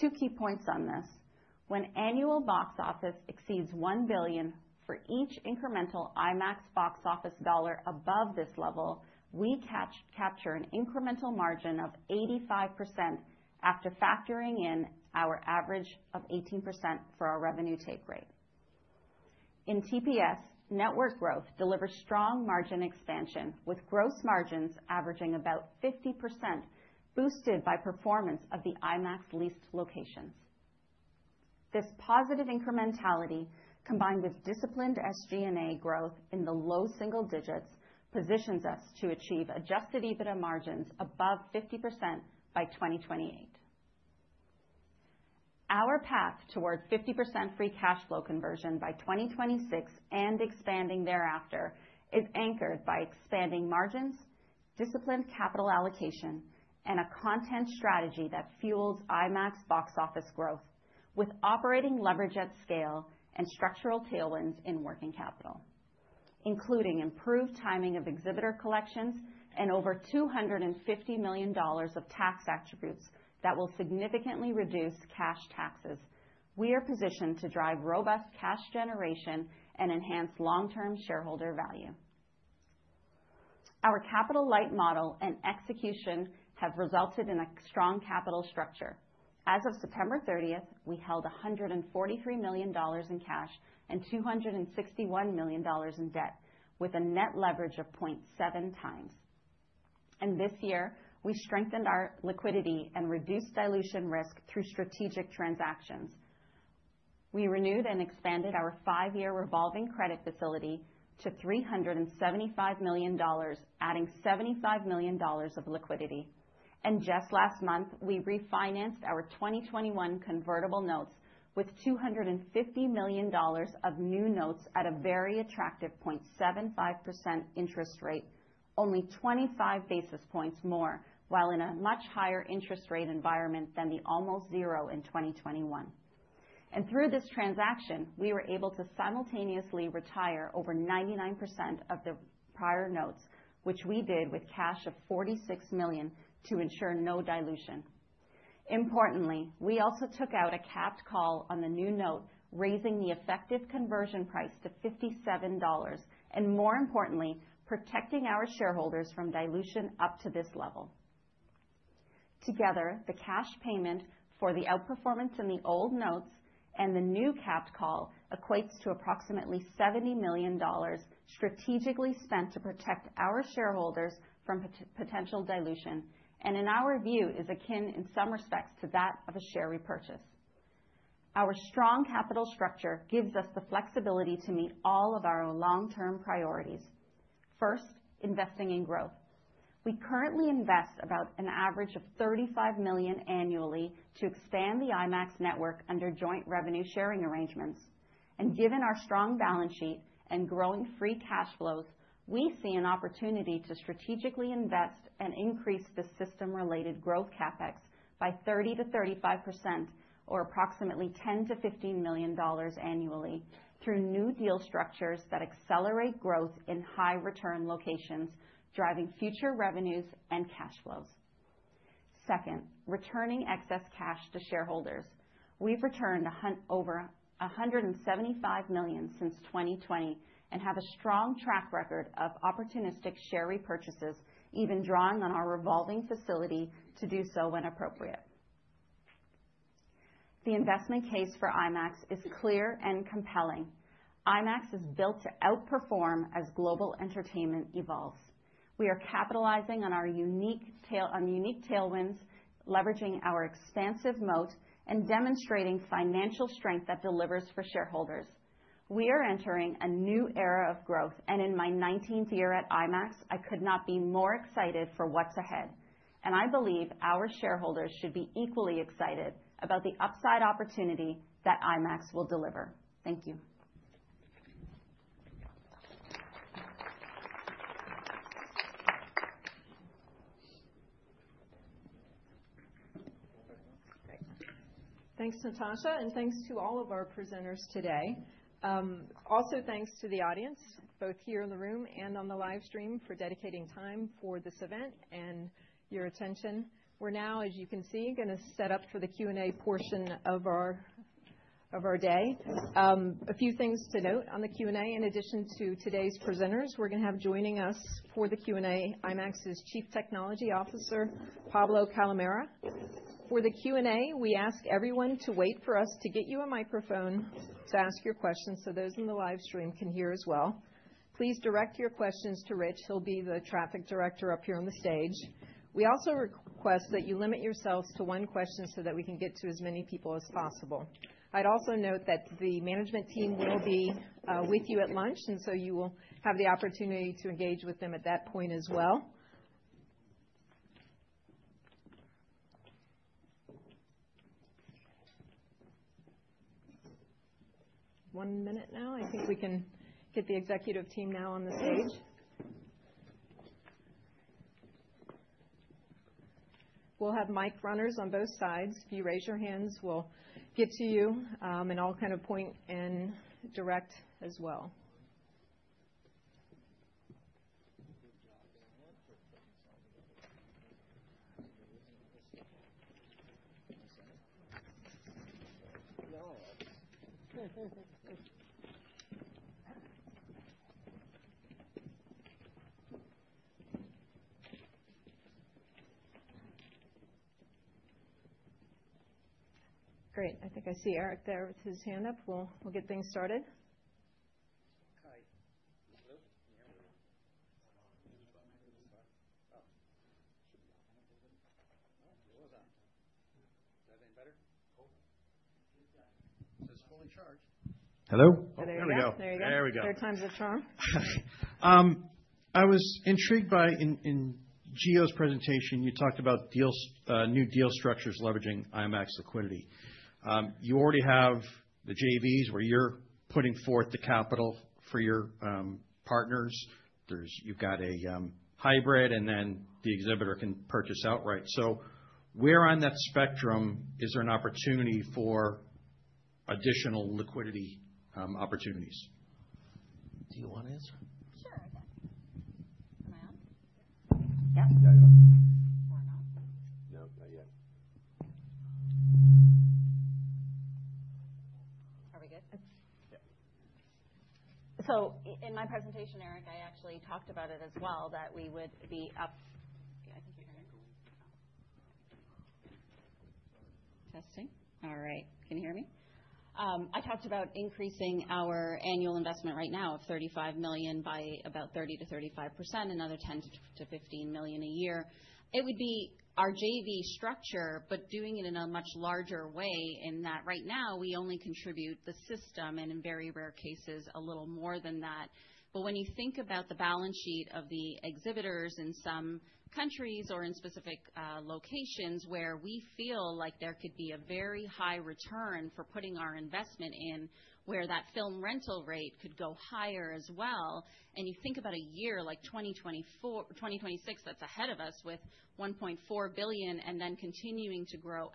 Two key points on this: when annual box office exceeds $1 billion for each incremental IMAX box office dollar above this level, we capture an incremental margin of 85% after factoring in our average of 18% for our revenue take rate. In TPS, network growth delivers strong margin expansion, with gross margins averaging about 50%, boosted by performance of the IMAX leased locations. This positive incrementality, combined with disciplined SG&A growth in the low single digits, positions us to achieve Adjusted EBITDA margins above 50% by 2028. Our path toward 50% free cash flow conversion by 2026 and expanding thereafter is anchored by expanding margins, disciplined capital allocation, and a content strategy that fuels IMAX box office growth, with operating leverage at scale and structural tailwinds in working capital, including improved timing of exhibitor collections and over $250 million of tax attributes that will significantly reduce cash taxes. We are positioned to drive robust cash generation and enhance long-term shareholder value. Our capital light model and execution have resulted in a strong capital structure. As of September 30th, we held $143 million in cash and $261 million in debt, with a net leverage of 0.7x. And this year, we strengthened our liquidity and reduced dilution risk through strategic transactions. We renewed and expanded our five-year revolving credit facility to $375 million, adding $75 million of liquidity. And just last month, we refinanced our 2021 convertible notes with $250 million of new notes at a very attractive 0.75% interest rate, only 25 basis points more, while in a much higher interest rate environment than the almost zero in 2021. Through this transaction, we were able to simultaneously retire over 99% of the prior notes, which we did with cash of $46 million to ensure no dilution. Importantly, we also took out a capped call on the new note, raising the effective conversion price to $57 and, more importantly, protecting our shareholders from dilution up to this level. Together, the cash payment for the outperformance in the old notes and the new capped call equates to approximately $70 million strategically spent to protect our shareholders from potential dilution, and in our view, is akin in some respects to that of a share repurchase. Our strong capital structure gives us the flexibility to meet all of our long-term priorities. First, investing in growth. We currently invest about an average of $35 million annually to expand the IMAX network under joint revenue sharing arrangements. Given our strong balance sheet and growing free cash flows, we see an opportunity to strategically invest and increase the system-related growth CapEx by 30%-35%, or approximately $10 million-$15 million annually, through new deal structures that accelerate growth in high-return locations, driving future revenues and cash flows. Second, returning excess cash to shareholders. We've returned over $175 million since 2020 and have a strong track record of opportunistic share repurchases, even drawing on our revolving facility to do so when appropriate. The investment case for IMAX is clear and compelling. IMAX is built to outperform as global entertainment evolves. We are capitalizing on our unique tailwinds, leveraging our expansive moat, and demonstrating financial strength that delivers for shareholders. We are entering a new era of growth, and in my 19th year at IMAX, I could not be more excited for what's ahead. I believe our shareholders should be equally excited about the upside opportunity that IMAX will deliver. Thank you. Thanks, Natasha, and thanks to all of our presenters today. Also, thanks to the audience, both here in the room and on the live stream, for dedicating time for this event and your attention. We're now, as you can see, going to set up for the Q&A portion of our day. A few things to note on the Q&A. In addition to today's presenters, we're going to have joining us for the Q&A IMAX's Chief Technology Officer, Pablo Calamera. For the Q&A, we ask everyone to wait for us to get you a microphone to ask your questions so those in the live stream can hear as well. Please direct your questions to Rich. He'll be the traffic director up here on the stage. We also request that you limit yourselves to one question so that we can get to as many people as possible. I'd also note that the management team will be with you at lunch, and so you will have the opportunity to engage with them at that point as well. One minute now. I think we can get the executive team now on the stage. We'll have mic runners on both sides. If you raise your hands, we'll get to you and all kind of point and direct as well. Great. I think I see Eric there with his hand up. We'll get things started. Hi. Hello? Yeah. Oh. Should be off. Oh, it was off. Is that any better? So it's fully charged. Hello? There we go. There we go. Third time's the charm. I was intrigued by, in Gio's presentation, you talked about new deal structures leveraging IMAX liquidity. You already have the JVs where you're putting forth the capital for your partners. You've got a hybrid, and then the exhibitor can purchase outright. So where on that spectrum is there an opportunity for additional liquidity opportunities? Do you want to answer? Sure. Am I on? Yep. Yeah, you are. Or not? Nope, not yet. Are we good? Yeah. So in my presentation, Eric, I actually talked about it as well, that we would be up. I think you hear me. Testing. All right. Can you hear me? I talked about increasing our annual investment right now of $35 million by about 30%-35%, another $10 million-$15 million a year. It would be our JV structure, but doing it in a much larger way in that right now we only contribute the system and in very rare cases a little more than that. But when you think about the balance sheet of the exhibitors in some countries or in specific locations where we feel like there could be a very high return for putting our investment in, where that film rental rate could go higher as well, and you think about a year like 2026 that's ahead of us with $1.4 billion and then continuing to grow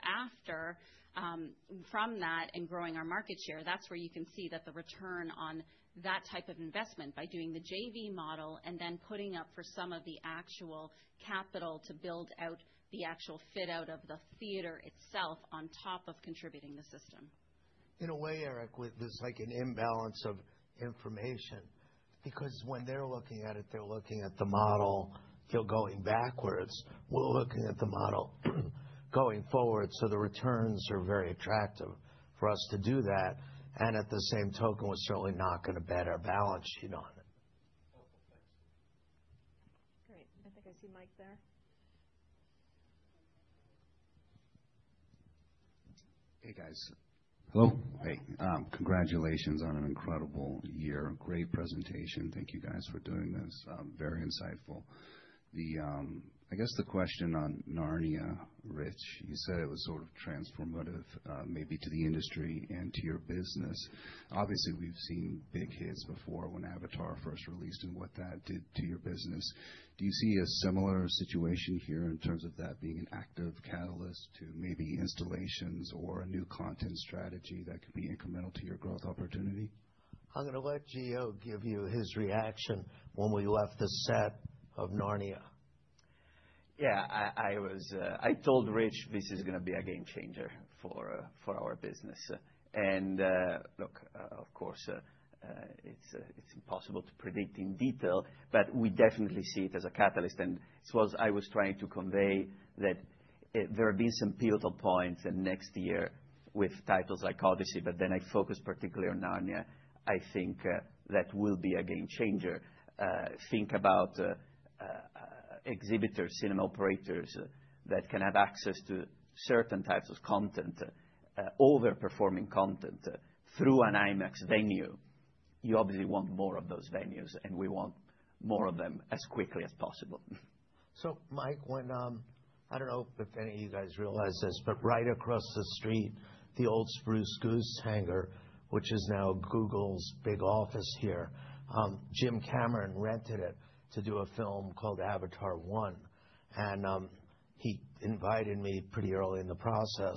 from that and growing our market share, that's where you can see that the return on that type of investment by doing the JV model and then putting up for some of the actual capital to build out the actual fit out of the theater itself on top of contributing the system. In a way, Eric, it's like an imbalance of information because when they're looking at it, they're looking at the model going backwards. We're looking at the model going forward, so the returns are very attractive for us to do that. And at the same token, we're certainly not going to bet our balance sheet on it. Great. I think I see Mike there. Hey, guys. Hello. Hey. Congratulations on an incredible year. Great presentation. Thank you, guys, for doing this. Very insightful. I guess the question on Narnia, Rich, you said it was sort of transformative maybe to the industry and to your business. Obviously, we've seen big hits before when Avatar first released and what that did to your business. Do you see a similar situation here in terms of that being an active catalyst to maybe installations or a new content strategy that could be incremental to your growth opportunity? I'm going to let Gio give you his reaction when we left the set of Narnia. Yeah, I told Rich this is going to be a game changer for our business. And look, of course, it's impossible to predict in detail, but we definitely see it as a catalyst. And I was trying to convey that there have been some pivotal points in next year with titles like The Odyssey, but then I focused particularly on Narnia. I think that will be a game changer. Think about exhibitors, cinema operators that can have access to certain types of content, overperforming content through an IMAX venue. You obviously want more of those venues, and we want more of them as quickly as possible. So Mike, I don't know if any of you guys realize this, but right across the street, the old Spruce Goose hangar, which is now Google's big office here, Jim Cameron rented it to do a film called Avatar 1. And he invited me pretty early in the process,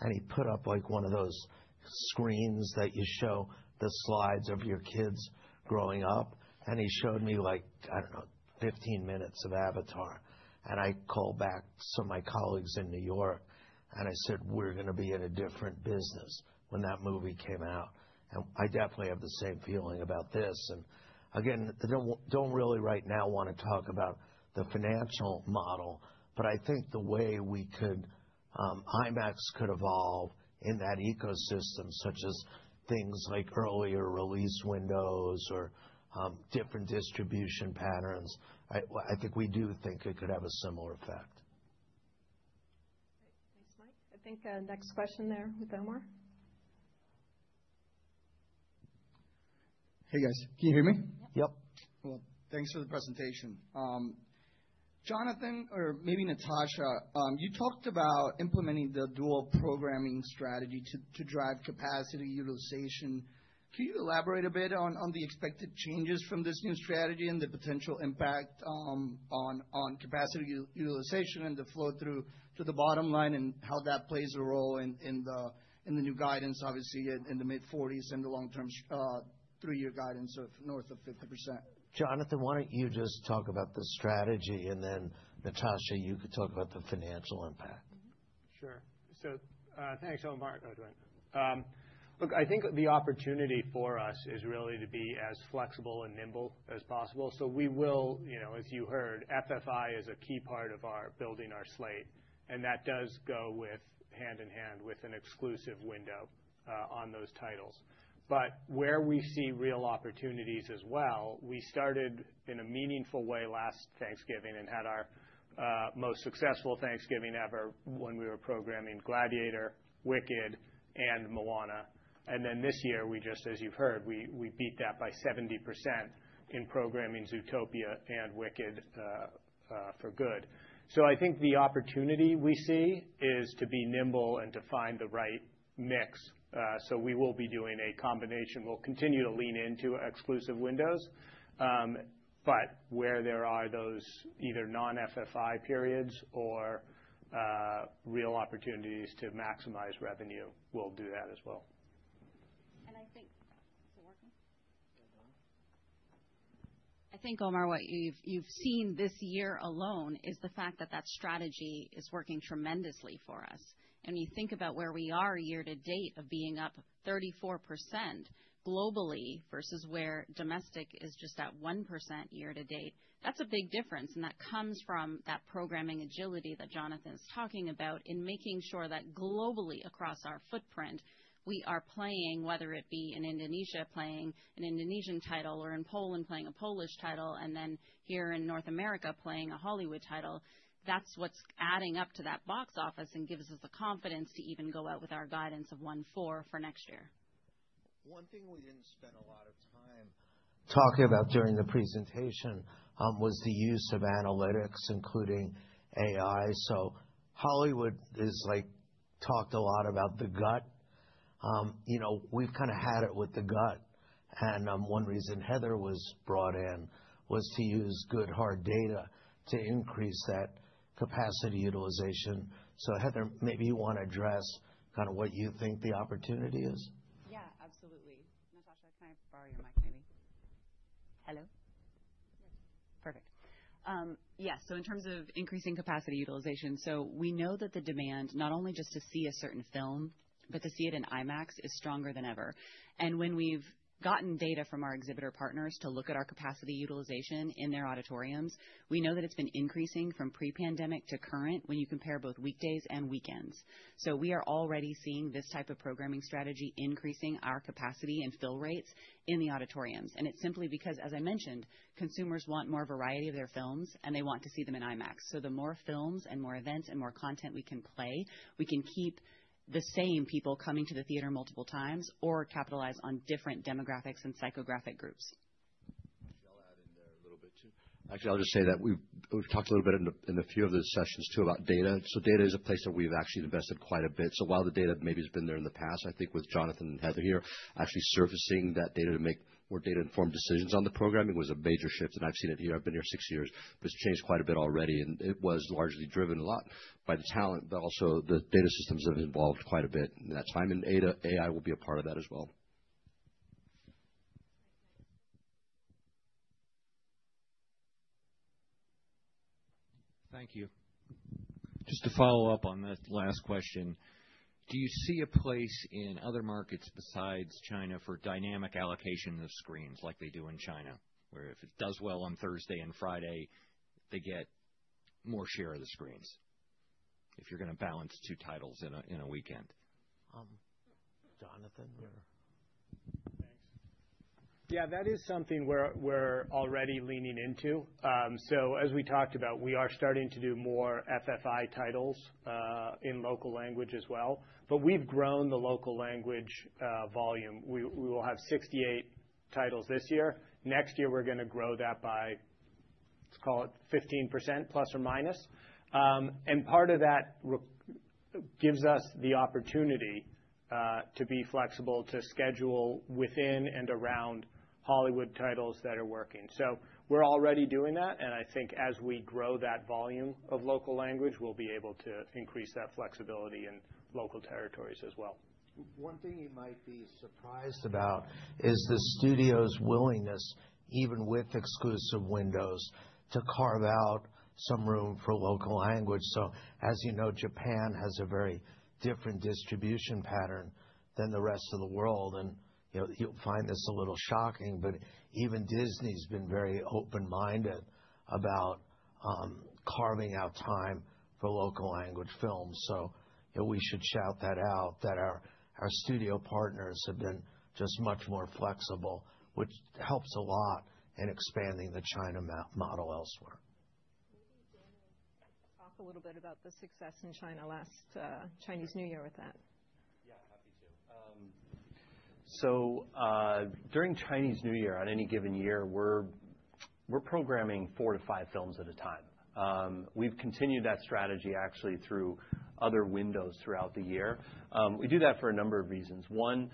and he put up one of those screens that you show the slides of your kids growing up, and he showed me like, I don't know, 15 minutes of Avatar. And I called back some of my colleagues in New York, and I said, "We're going to be in a different business when that movie came out." And I definitely have the same feeling about this. And again, I don't really right now want to talk about the financial model, but I think the way IMAX could evolve in that ecosystem, such as things like earlier release windows or different distribution patterns. I think we do think it could have a similar effect. Great. Thanks, Mike. I think next question there with Omar. Hey, guys. Can you hear me? Yep. Well, thanks for the presentation. Jonathan, or maybe Natasha, you talked about implementing the dual programming strategy to drive capacity utilization. Can you elaborate a bit on the expected changes from this new strategy and the potential impact on capacity utilization and the flow through to the bottom line and how that plays a role in the new guidance, obviously, in the mid-40s and the long-term three-year guidance of north of 50%? Jonathan, why don't you just talk about the strategy, and then Natasha, you could talk about the financial impact. Sure. So thanks, Omar. Look, I think the opportunity for us is really to be as flexible and nimble as possible. So we will, as you heard, FFI is a key part of building our slate, and that does go hand in hand with an exclusive window on those titles. But where we see real opportunities as well, we started in a meaningful way last Thanksgiving and had our most successful Thanksgiving ever when we were programming Gladiator, Wicked, and Moana. And then this year, as you've heard, we beat that by 70% in programming Zootopia and Wicked: For Good. So I think the opportunity we see is to be nimble and to find the right mix. So we will be doing a combination. We'll continue to lean into exclusive windows, but where there are those either non-FFI periods or real opportunities to maximize revenue, we'll do that as well. And I think, is it working? I think, Omar, what you've seen this year alone is the fact that that strategy is working tremendously for us. And when you think about where we are year to date of being up 34% globally versus where domestic is just at 1% year to date, that's a big difference. And that comes from that programming agility that Jonathan is talking about in making sure that globally, across our footprint, we are playing, whether it be in Indonesia playing an Indonesian title or in Poland playing a Polish title, and then here in North America playing a Hollywood title. That's what's adding up to that box office and gives us the confidence to even go out with our guidance of 1.4 for next year. One thing we didn't spend a lot of time talking about during the presentation was the use of analytics, including AI. So Hollywood has talked a lot about the gut. We've kind of had it with the gut. And one reason Heather was brought in was to use good, hard data to increase that capacity utilization. So Heather, maybe you want to address kind of what you think the opportunity is? Yeah, absolutely. Natasha, can I borrow your mic maybe? Hello? Perfect. Yes. So in terms of increasing capacity utilization, we know that the demand not only just to see a certain film, but to see it in IMAX is stronger than ever. When we've gotten data from our exhibitor partners to look at our capacity utilization in their auditoriums, we know that it's been increasing from pre-pandemic to current when you compare both weekdays and weekends. We are already seeing this type of programming strategy increasing our capacity and fill rates in the auditoriums. It's simply because, as I mentioned, consumers want more variety of their films, and they want to see them in IMAX. The more films and more events and more content we can play, we can keep the same people coming to the theater multiple times or capitalize on different demographics and psychographic groups. We'll add in there a little bit too. Actually, I'll just say that we've talked a little bit in a few of the sessions too about data. Data is a place that we've actually invested quite a bit. While the data may be has been there in the past, I think with Jonathan and Heather here actually surfacing that data to make more data-informed decisions on the programming was a major shift. And I've seen it here. I've been here six years. But it's changed quite a bit already. And it was largely driven a lot by the talent, but also the data systems that have evolved quite a bit in that time. And AI will be a part of that as well. Thank you. Just to follow up on that last question, do you see a place in other markets besides China for dynamic allocation of screens like they do in China, where if it does well on Thursday and Friday, they get more share of the screens if you're going to balance two titles in a weekend? Jonathan or? Thanks. Yeah, that is something we're already leaning into. So as we talked about, we are starting to do more FFI titles in local language as well. But we've grown the local language volume. We will have 68 titles this year. Next year, we're going to grow that by, let's call it, 15% plus or minus. And part of that gives us the opportunity to be flexible to schedule within and around Hollywood titles that are working. So we're already doing that. And I think as we grow that volume of local language, we'll be able to increase that flexibility in local territories as well. One thing you might be surprised about is the studio's willingness, even with exclusive windows, to carve out some room for local language. So as you know, Japan has a very different distribution pattern than the rest of the world. And you'll find this a little shocking, but even Disney has been very open-minded about carving out time for local language films. So we should shout that out that our studio partners have been just much more flexible, which helps a lot in expanding the China model elsewhere. Maybe Daniel, talk a little bit about the success in China last Chinese New Year with that. Yeah, happy to. So during Chinese New Year on any given year, we're programming four to five films at a time. We've continued that strategy actually through other windows throughout the year. We do that for a number of reasons. One,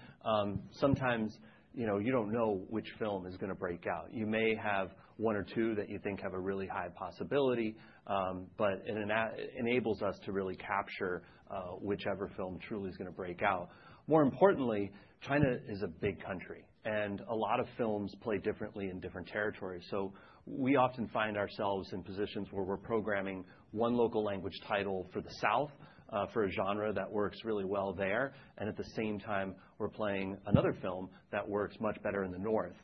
sometimes you don't know which film is going to break out. You may have one or two that you think have a really high possibility, but it enables us to really capture whichever film truly is going to break out. More importantly, China is a big country, and a lot of films play differently in different territories. So we often find ourselves in positions where we're programming one local language title for the South for a genre that works really well there. And at the same time, we're playing another film that works much better in the North,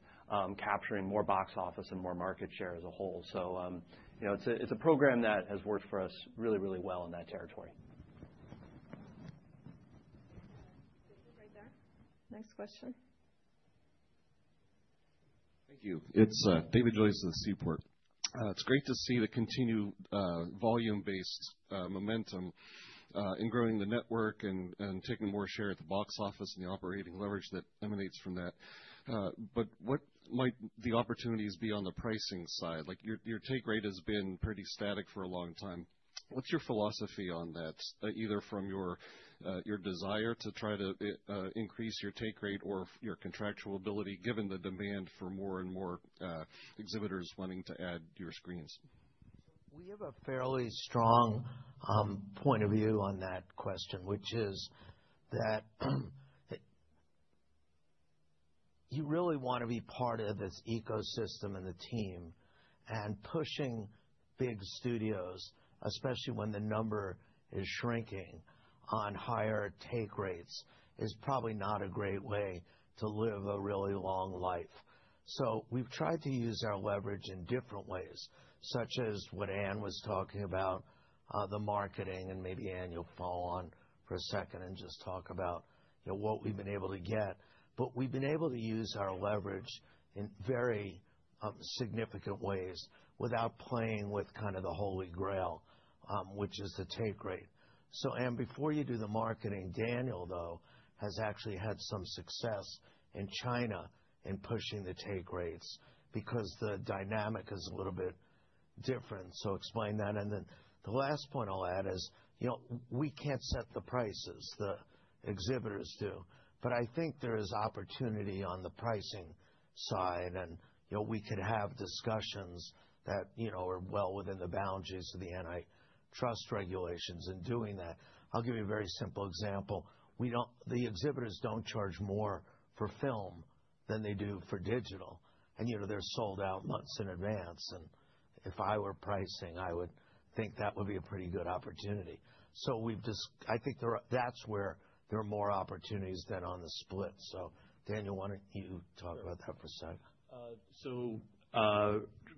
capturing more box office and more market share as a whole. So it's a program that has worked for us really, really well in that territory. Right there. Next question. Thank you. It's David Joyce of the Seaport. It's great to see the continued volume-based momentum in growing the network and taking more share at the box office and the operating leverage that emanates from that. But what might the opportunities be on the pricing side? Your take rate has been pretty static for a long time. What's your philosophy on that, either from your desire to try to increase your take rate or your contractual ability, given the demand for more and more exhibitors wanting to add your screens? We have a fairly strong point of view on that question, which is that you really want to be part of this ecosystem and the team. And pushing big studios, especially when the number is shrinking on higher take rates, is probably not a great way to live a really long life. So we've tried to use our leverage in different ways, such as what Anne was talking about, the marketing. And maybe Anne, you'll follow on for a second and just talk about what we've been able to get. But we've been able to use our leverage in very significant ways without playing with kind of the Holy Grail, which is the take rate. Anne, before you do the marketing, Daniel, though, has actually had some success in China in pushing the take rates because the dynamic is a little bit different. Explain that. The last point I'll add is we can't set the prices. The exhibitors do. I think there is opportunity on the pricing side. We could have discussions that are well within the boundaries of the antitrust regulations in doing that. I'll give you a very simple example. The exhibitors don't charge more for film than they do for digital. They're sold out months in advance. If I were pricing, I would think that would be a pretty good opportunity. That's where there are more opportunities than on the split. Daniel, why don't you talk about that for a second? So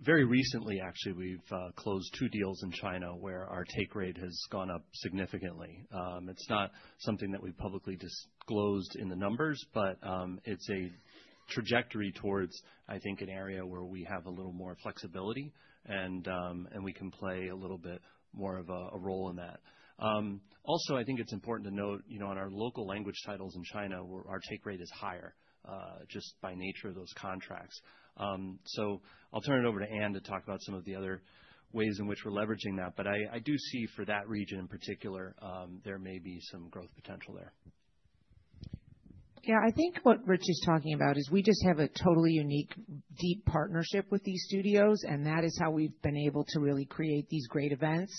very recently, actually, we've closed two deals in China where our take rate has gone up significantly. It's not something that we've publicly disclosed in the numbers, but it's a trajectory towards, I think, an area where we have a little more flexibility, and we can play a little bit more of a role in that. Also, I think it's important to note on our local language titles in China, our take rate is higher just by nature of those contracts. So I'll turn it over to Ann to talk about some of the other ways in which we're leveraging that. But I do see for that region in particular, there may be some growth potential there. Yeah, I think what Rich is talking about is we just have a totally unique, deep partnership with these studios, and that is how we've been able to really create these great events.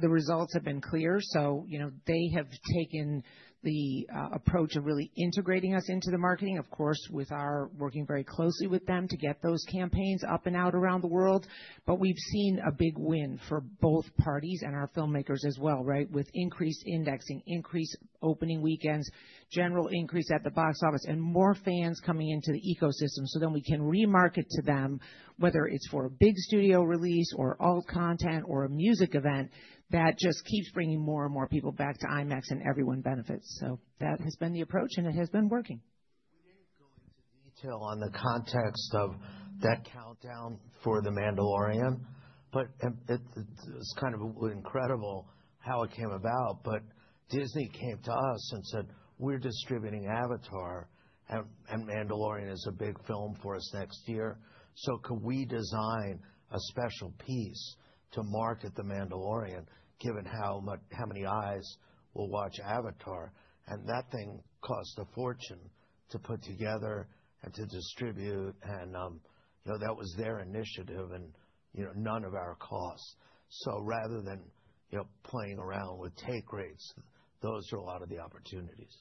The results have been clear. So they have taken the approach of really integrating us into the marketing, of course, with our working very closely with them to get those campaigns up and out around the world. But we've seen a big win for both parties and our filmmakers as well, right, with increased indexing, increased opening weekends, general increase at the box office, and more fans coming into the ecosystem so then we can remarket to them, whether it's for a big studio release or alt content or a music event that just keeps bringing more and more people back to IMAX, and everyone benefits. So that has been the approach, and it has been working. We didn't go into detail on the context of that countdown for The Mandalorian, but it's kind of incredible how it came about. But Disney came to us and said, "We're distributing Avatar, and Mandalorian is a big film for us next year. So could we design a special piece to market The Mandalorian, given how many eyes will watch Avatar?" And that thing cost a fortune to put together and to distribute. And that was their initiative and none of our costs. So rather than playing around with take rates, those are a lot of the opportunities.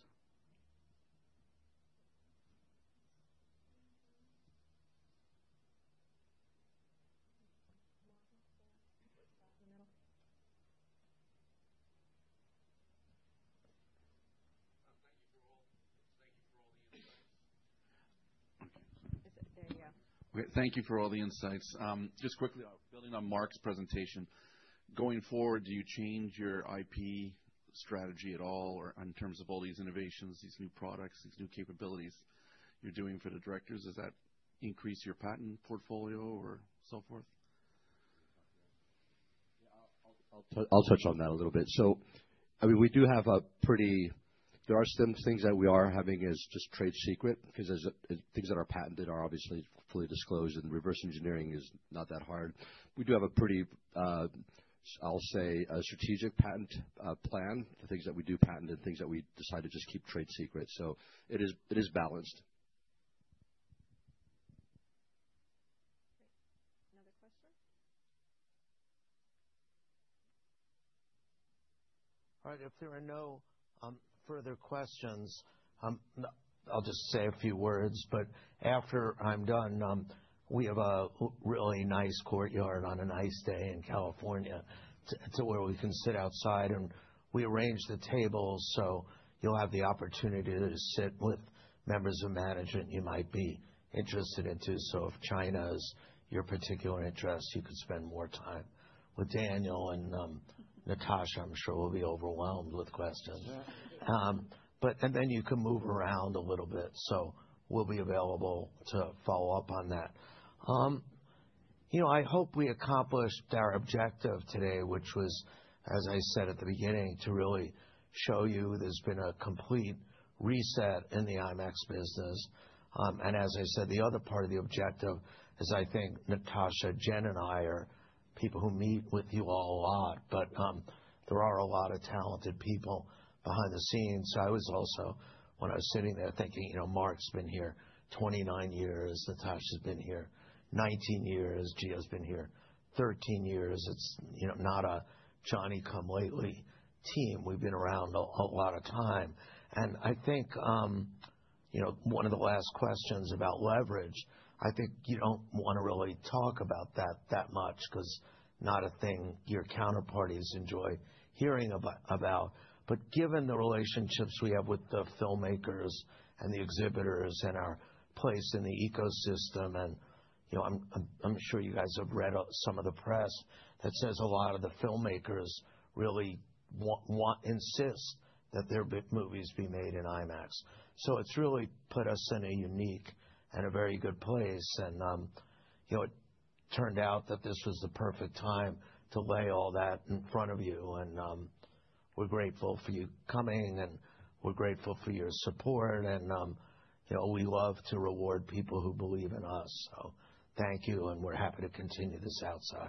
Thank you for all the insights. There you go. Okay. Thank you for all the insights. Just quickly, building on Mark's presentation, going forward, do you change your IP strategy at all in terms of all these innovations, these new products, these new capabilities you're doing for the directors? Does that increase your patent portfolio or so forth? Yeah, I'll touch on that a little bit. So I mean, we do have a pretty there are some things that we are having as just trade secret because things that are patented are obviously fully disclosed, and reverse engineering is not that hard. We do have a pretty, I'll say, strategic patent plan for things that we do patent and things that we decide to just keep trade secret. So it is balanced. Great. Another question? All right. If there are no further questions, I'll just say a few words. But after I'm done, we have a really nice courtyard on a nice day in California to where we can sit outside. And we arranged the tables, so you'll have the opportunity to sit with members of management you might be interested in too. So if China is your particular interest, you could spend more time with Daniel. And Natasha, I'm sure, will be overwhelmed with questions. And then you can move around a little bit. So we'll be available to follow up on that. I hope we accomplished our objective today, which was, as I said at the beginning, to really show you there's been a complete reset in the IMAX business. And as I said, the other part of the objective is I think Natasha, Jen, and I are people who meet with you all a lot, but there are a lot of talented people behind the scenes. So I was also, when I was sitting there, thinking Mark's been here 29 years. Natasha's been here 19 years. Gio's been here 13 years. It's not a Johnny-come-lately team. We've been around a lot of time. And I think one of the last questions about leverage, I think you don't want to really talk about that that much because not a thing your counterparties enjoy hearing about. But given the relationships we have with the filmmakers and the exhibitors and our place in the ecosystem, and I'm sure you guys have read some of the press that says a lot of the filmmakers really insist that their movies be made in IMAX. So it's really put us in a unique and a very good place. And it turned out that this was the perfect time to lay all that in front of you. And we're grateful for you coming, and we're grateful for your support. And we love to reward people who believe in us. So thank you, and we're happy to continue this outside.